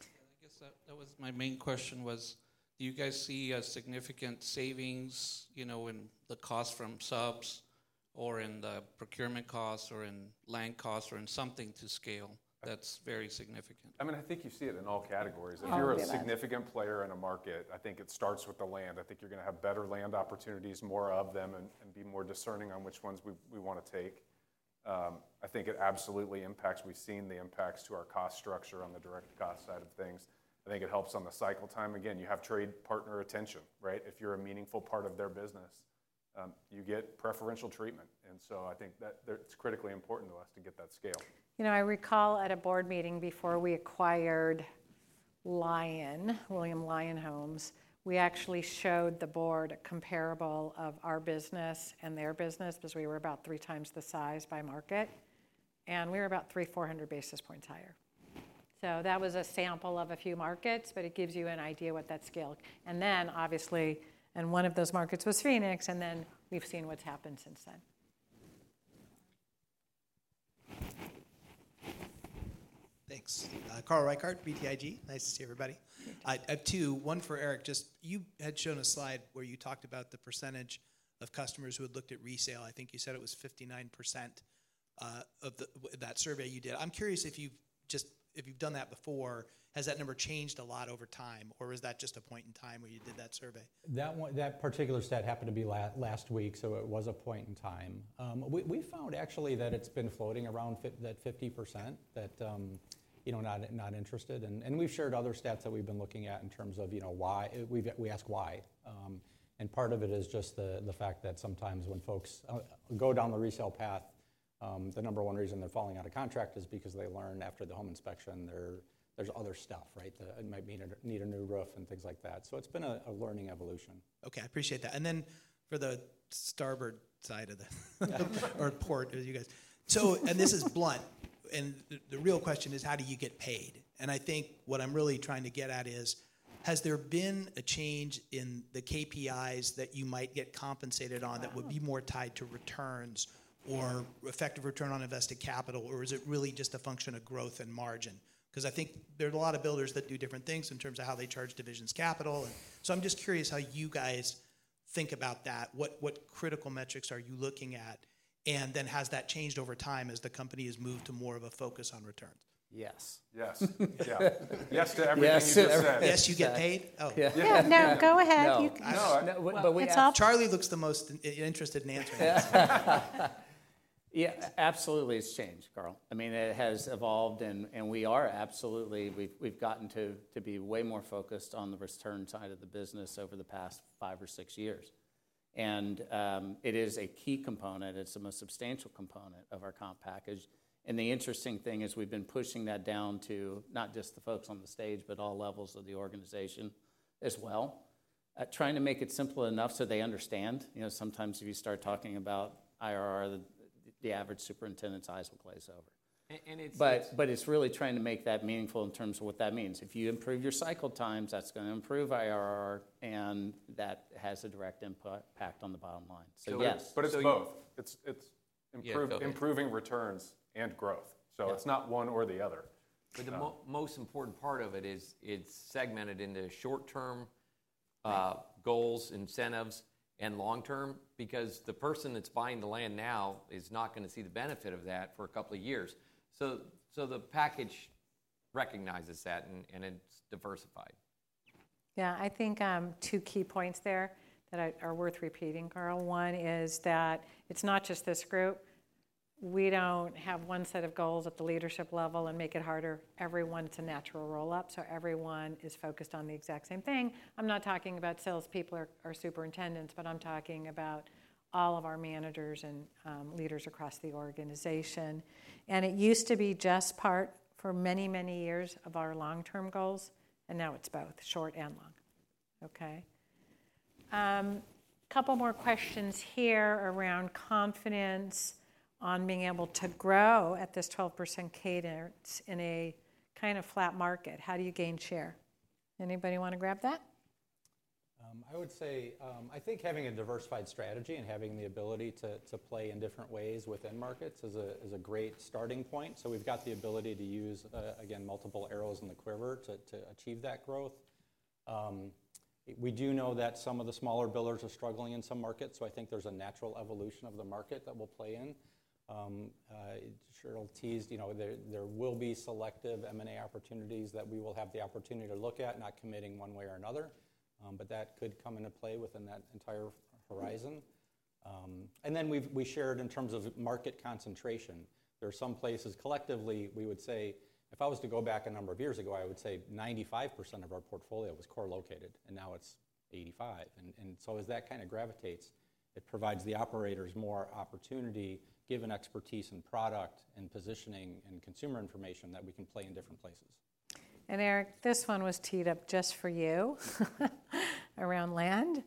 Yeah. I guess that was my main question was, do you guys see a significant savings in the cost from subs or in the procurement costs or in land costs or in something to scale that's very significant? I mean, I think you see it in all categories. If you're a significant player in a market, I think it starts with the land. I think you're going to have better land opportunities, more of them, and be more discerning on which ones we want to take. I think it absolutely impacts. We've seen the impacts to our cost structure on the direct cost side of things. I think it helps on the cycle time. Again, you have trade partner attention, right? If you're a meaningful part of their business, you get preferential treatment. And so I think that it's critically important to us to get that scale. You know, I recall at a board meeting before we acquired William Lyon Homes, we actually showed the board a comparable of our business and their business because we were about three times the size by market. And we were about 3,400 basis points higher. So that was a sample of a few markets, but it gives you an idea of what that scale. And then obviously, one of those markets was Phoenix. And then we've seen what's happened since then. Thanks. Carl Reichardt, BTIG. Nice to see everybody. I have two. One for Erik. Just you had shown a slide where you talked about the percentage of customers who had looked at resale. I think you said it was 59% of that survey you did. I'm curious if you've done that before, has that number changed a lot over time, or is that just a point in time where you did that survey? That particular stat happened to be last week, so it was a point in time. We found actually that it's been floating around that 50% that not interested. We've shared other stats that we've been looking at in terms of why we ask why. Part of it is just the fact that sometimes when folks go down the resale path, the number one reason they're falling out of contract is because they learn after the home inspection there's other stuff, right? It might need a new roof and things like that. So it's been a learning evolution. Okay. I appreciate that. And then for the starboard side of the or port, you guys. And this is blunt. And the real question is, how do you get paid? And I think what I'm really trying to get at is, has there been a change in the KPIs that you might get compensated on that would be more tied to returns or effective return on invested capital, or is it really just a function of growth and margin? Because I think there are a lot of builders that do different things in terms of how they charge divisions capital. And so I'm just curious how you guys think about that. What critical metrics are you looking at? And then has that changed over time as the company has moved to more of a focus on returns? Yes. Yes. Yeah. Yes to everything you said. Yes, you get paid? Oh. Yeah. No, go ahead. You can start. Charlie looks the most interested in answering this. Yeah. Absolutely, it's changed, Carl. I mean, it has evolved. And we are absolutely. We've gotten to be way more focused on the return side of the business over the past five or six years. And it is a key component. It's the most substantial component of our comp package. And the interesting thing is we've been pushing that down to not just the folks on the stage, but all levels of the organization as well, trying to make it simple enough so they understand. Sometimes if you start talking about IRR, the average superintendent's eyes will glaze over. But it's really trying to make that meaningful in terms of what that means. If you improve your cycle times, that's going to improve IRR, and that has a direct impact on the bottom line. So yes. But it's both. It's improving returns and growth. So it's not one or the other. But the most important part of it is it's segmented into short-term goals, incentives, and long-term because the person that's buying the land now is not going to see the benefit of that for a couple of years. So the package recognizes that, and it's diversified. Yeah. I think two key points there that are worth repeating, Carl. One is that it's not just this group. We don't have one set of goals at the leadership level and make it harder. Everyone's a natural roll-up. So everyone is focused on the exact same thing. I'm not talking about salespeople or superintendents, but I'm talking about all of our managers and leaders across the organization. And it used to be just part for many, many years of our long-term goals. And now it's both short and long. Okay. A couple more questions here around confidence on being able to grow at this 12% cadence in a kind of flat market. How do you gain share? Anybody want to grab that? I would say I think having a diversified strategy and having the ability to play in different ways within markets is a great starting point. So we've got the ability to use, again, multiple arrows in the quiver to achieve that growth. We do know that some of the smaller builders are struggling in some markets. So I think there's a natural evolution of the market that will play in. As Sheryl teased, there will be selective M&A opportunities that we will have the opportunity to look at, not committing one way or another. But that could come into play within that entire horizon. Then we shared in terms of market concentration. There are some places collectively we would say if I was to go back a number of years ago I would say 95% of our portfolio was core located. And now it's 85%. And so as that kind of gravitates it provides the operators more opportunity given expertise and product and positioning and consumer information that we can play in different places. And Erik, this one was teed up just for you around land.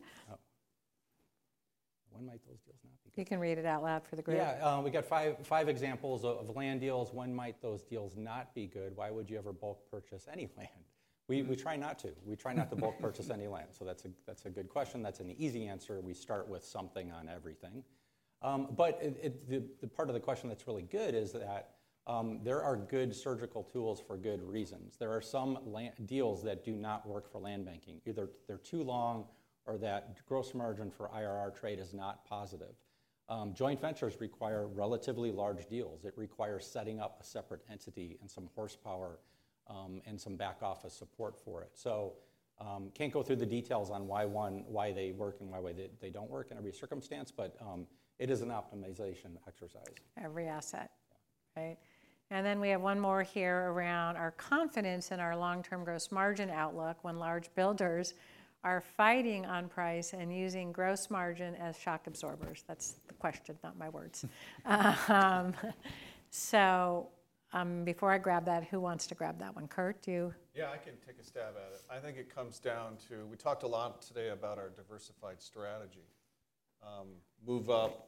When might those deals not be good? You can read it out loud for the group. Yeah. We got five examples of land deals. When might those deals not be good? Why would you ever bulk purchase any land? We try not to. We try not to bulk purchase any land. So that's a good question. That's an easy answer. We start with something on everything. But the part of the question that's really good is that there are good surgical tools for good reasons. There are some deals that do not work for land banking. Either they're too long or that gross margin for IRR trade is not positive. Joint ventures require relatively large deals. It requires setting up a separate entity and some horsepower and some back-office support for it. So can't go through the details on why they work and why they don't work in every circumstance, but it is an optimization exercise. Every asset, right? And then we have one more here around our confidence in our long-term gross margin outlook when large builders are fighting on price and using gross margin as shock absorbers. That's the question, not my words. So before I grab that, who wants to grab that one? Curt, do you? Yeah, I can take a stab at it. I think it comes down to we talked a lot today about our diversified strategy, move-up,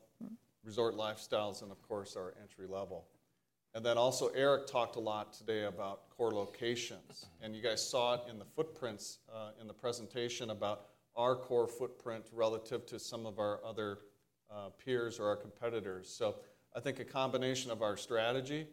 resort lifestyles, and of course, our entry level. And then also Erik talked a lot today about core locations. And you guys saw it in the footprints in the presentation about our core footprint relative to some of our other peers or our competitors. So I think a combination of our strategy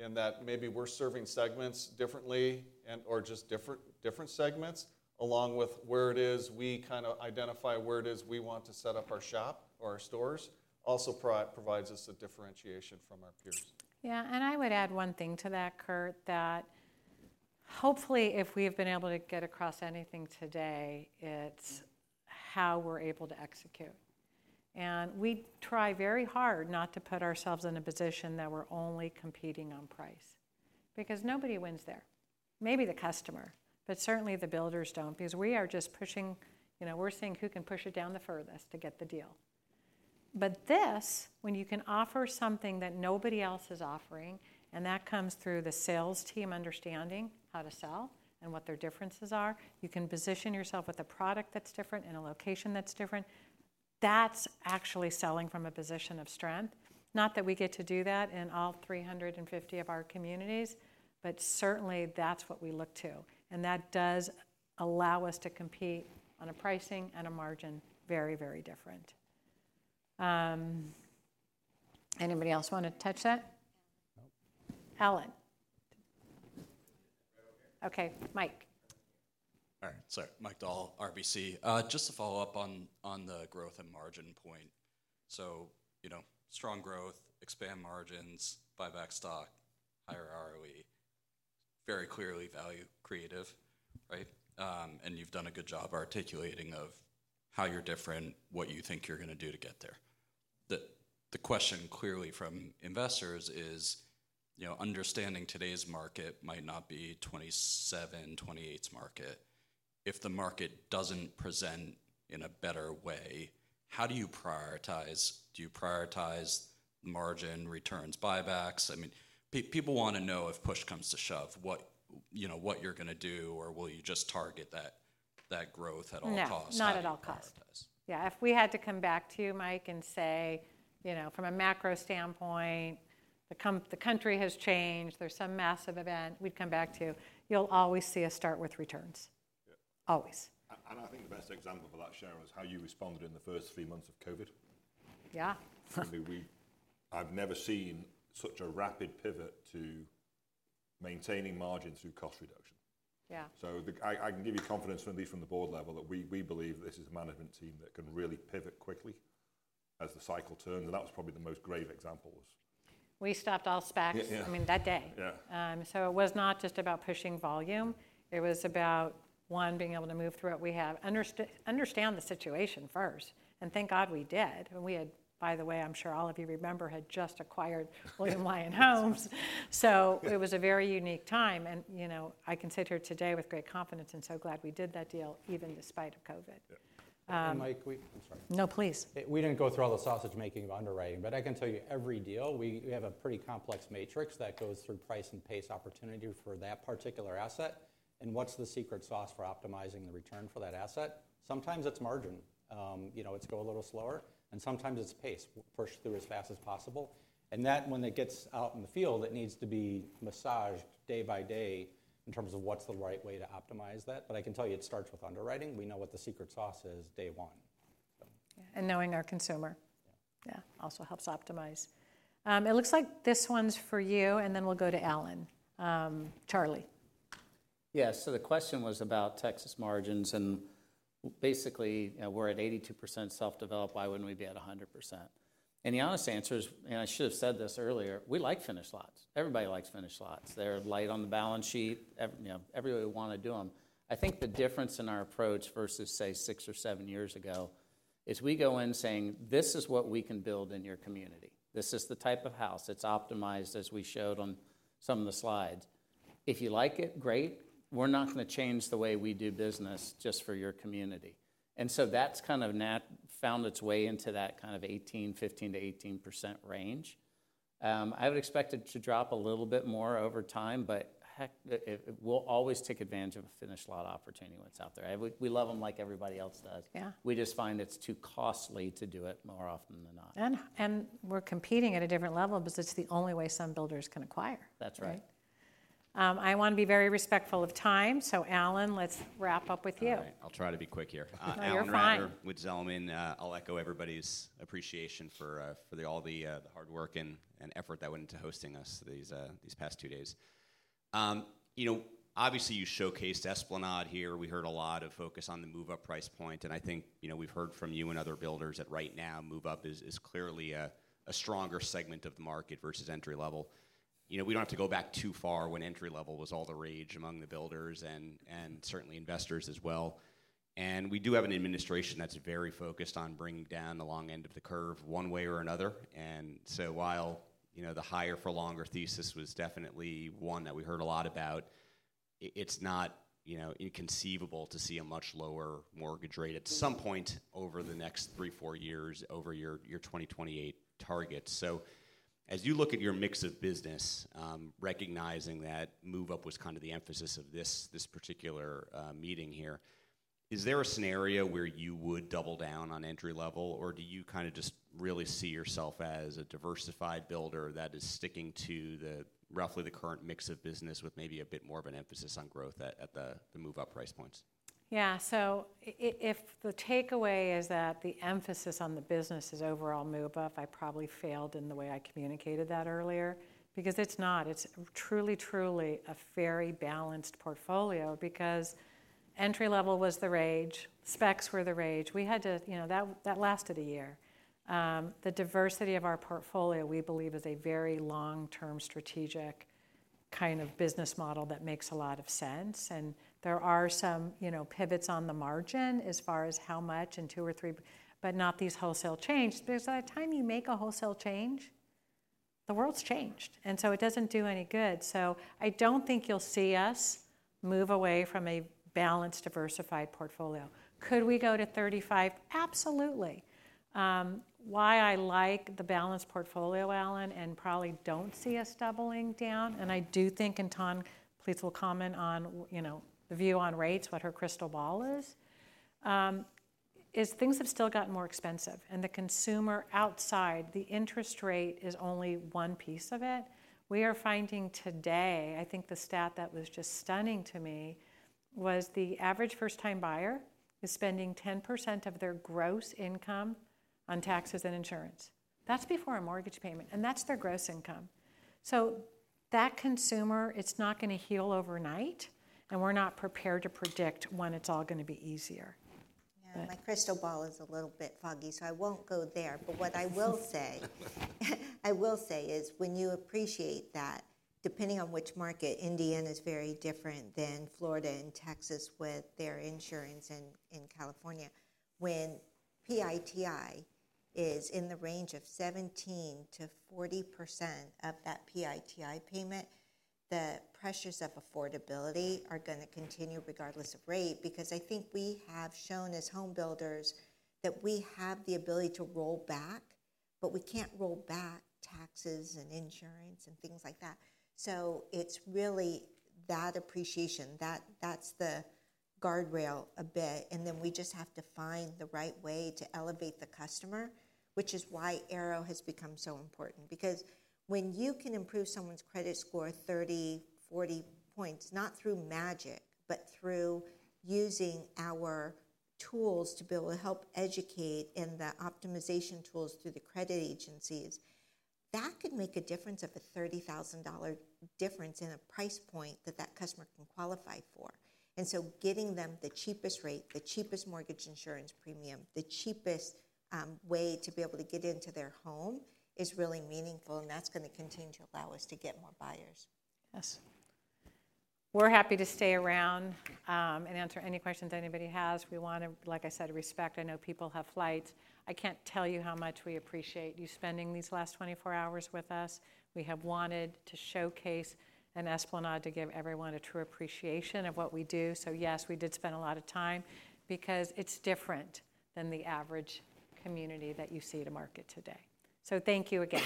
and that maybe we're serving segments differently and/or just different segments, along with where it is we kind of identify where it is we want to set up our shop or our stores, also provides us a differentiation from our peers. Yeah. And I would add one thing to that, Curt, that hopefully if we have been able to get across anything today, it's how we're able to execute. And we try very hard not to put ourselves in a position that we're only competing on price because nobody wins there. Maybe the customer, but certainly the builders don't because we are just pushing. We're seeing who can push it down the furthest to get the deal. But this, when you can offer something that nobody else is offering, and that comes through the sales team understanding how to sell and what their differences are, you can position yourself with a product that's different in a location that's different. That's actually selling from a position of strength. Not that we get to do that in all 350 of our communities, but certainly that's what we look to. And that does allow us to compete on a pricing and a margin very, very different. Anybody else want to tou]ch that? Ellen. Okay. Mike. All right. Sorry. Mike Dahl, RBC. Just to follow up on the growth and margin point. So strong growth, expand margins, buy back stock, higher ROE, very clearly value-creating, right? And you've done a good job articulating how you're different, what you think you're going to do to get there. The question clearly from investors is understanding today's market might not be 2027, 2028's market. If the market doesn't present in a better way, how do you prioritize? Do you prioritize margin, returns, buybacks? I mean, people want to know if push comes to shove, what you're going to do, or will you just target that growth at all costs? Not at all costs. Yeah. If we had to come back to you, Mike, and say, from a macro standpoint, the country has changed, there's some massive event, we'd come back to you, you'll always see a start with returns. Always. And I think the best example for that, Sheryl, is how you responded in the first three months of COVID. Yeah. I've never seen such a rapid pivot to maintaining margin through cost reduction. Yeah. So I can give you confidence from the board level that we believe this is a management team that can really pivot quickly as the cycle turns. And that was probably the most grave example. We stopped all SPACs, I mean, that day. So it was not just about pushing volume. It was about, one, being able to move through what we have, understand the situation first. And thank God we did. And we had, by the way, I'm sure all of you remember, had just acquired William Lyon Homes. So it was a very unique time. And I consider today with great confidence and so glad we did that deal even despite COVID. Mike, we-I'm sorry. No, please. We didn't go through all the sausage-making of underwriting. But I can tell you every deal, we have a pretty complex matrix that goes through price and pace opportunity for that particular asset. And what's the secret sauce for optimizing the return for that asset? Sometimes it's margin. It's go a little slower. And sometimes it's pace, push through as fast as possible. And that, when it gets out in the field, it needs to be massaged day by day in terms of what's the right way to optimize that. But I can tell you it starts with underwriting. We know what the secret sauce is day one. Yeah. And knowing our consumer. Yeah. Also helps optimize. It looks like this one's for you, and then we'll go to Ellen. Charlie. Yeah. So the question was about Texas margins. And basically, we're at 82% self-developed. Why wouldn't we be at 100%? The honest answer is, and I should have said this earlier, we like finished lots. Everybody likes finished lots. They're light on the balance sheet. Everybody would want to do them. I think the difference in our approach versus, say, six or seven years ago is we go in saying, "This is what we can build in your community. This is the type of house. It's optimized," as we showed on some of the slides. If you like it, great. We're not going to change the way we do business just for your community. And so that's kind of found its way into that kind of 15%-18% range. I would expect it to drop a little bit more over time, but we'll always take advantage of a finished lot opportunity when it's out there. We love them like everybody else does. We just find it's too costly to d o it more often than not, and we're competing at a different level because it's the only way some builders can acquire. That's right. I want to be very respectful of time, so Ellen, let's wrap up with you. I'll try to be quick here. You're fine. With Zelman, I'll echo everybody's appreciation for all the hard work and effort that went into hosting us these past two days. Obviously, you showcased Esplanade here. We heard a lot of focus on the move-up price point, and I think we've heard from you and other builders that right now, move-up is clearly a stronger segment of the market versus entry level. We don't have to go back too far when entry level was all the rage among the builders and certainly investors as well. And we do have an administration that's very focused on bringing down the long end of the curve one way or another. And so while the higher-for-longer thesis was definitely one that we heard a lot about, it's not inconceivable to see a much lower mortgage rate at some point over the next three, four years, over your 2028 targets. So as you look at your mix of business, recognizing that move-up was kind of the emphasis of this particular meeting here, is there a scenario where you would double down on entry level, or do you kind of just really see yourself as a diversified builder that is sticking to roughly the current mix of business with maybe a bit more of an emphasis on growth at the move-up price points? Yeah. So if the takeaway is that the emphasis on the business is overall move-up, I probably failed in the way I communicated that earlier because it's not. It's truly, truly a very balanced portfolio because entry level was the rage. Specs were the rage. We had to - that lasted a year. The diversity of our portfolio, we believe, is a very long-term strategic kind of business model that makes a lot of sense. And there are some pivots on the margin as far as how much and two or three, but not these wholesale changes. There's a time you make a wholesale change. The world's changed. And so it doesn't do any good. So I don't think you'll see us move away from a balanced diversified portfolio. Could we go to 35? Absolutely. Why I like the balanced portfolio, Ellen, and probably don't see us doubling down, and I do think, and Tom, please will comment on the view on rates, what her crystal ball is, is things have still gotten more expensive, and the consumer outside the interest rate is only one piece of it. We are finding today, I think the stat that was just stunning to me was the average first-time buyer is spending 10% of their gross income on taxes and insurance. That's before a mortgage payment, and that's their gross income. So that consumer, it's not going to heal overnight, and we're not prepared to predict when it's all going to be easier. My crystal ball is a little bit foggy, so I won't go there. But what I will say, I will say is when you appreciate that, depending on which market, Indiana is very different than Florida and Texas with their insurance and in California. When PITI is in the range of 17%-40% of that PITI payment, the pressures of affordability are going to continue regardless of rate because I think we have shown as home builders that we have the ability to roll back, but we can't roll back taxes and insurance and things like that. So it's really that appreciation. That's the guardrail a bit. And then we just have to find the right way to elevate the customer, which is why ARO has become so important. Because when you can improve someone's credit score 30, 40 points, not through magic, but through using our tools to be able to help educate in the optimization tools through the credit agencies, that could make a difference of a $30,000 difference in a price point that that customer can qualify for, and so getting them the cheapest rate, the cheapest mortgage insurance premium, the cheapest way to be able to get into their home is really meaningful, and that's going to continue to allow us to get more buyers. Yes. We're happy to stay around and answer any questions anybody has. We want to, like I said, respect. I know people have flights. I can't tell you how much we appreciate you spending these last 24 hours with us. We have wanted to showcase an Esplanade to give everyone a true appreciation of what we do. So yes, we did spend a lot of time because it's different than the average community that you see at a market today. So thank you again.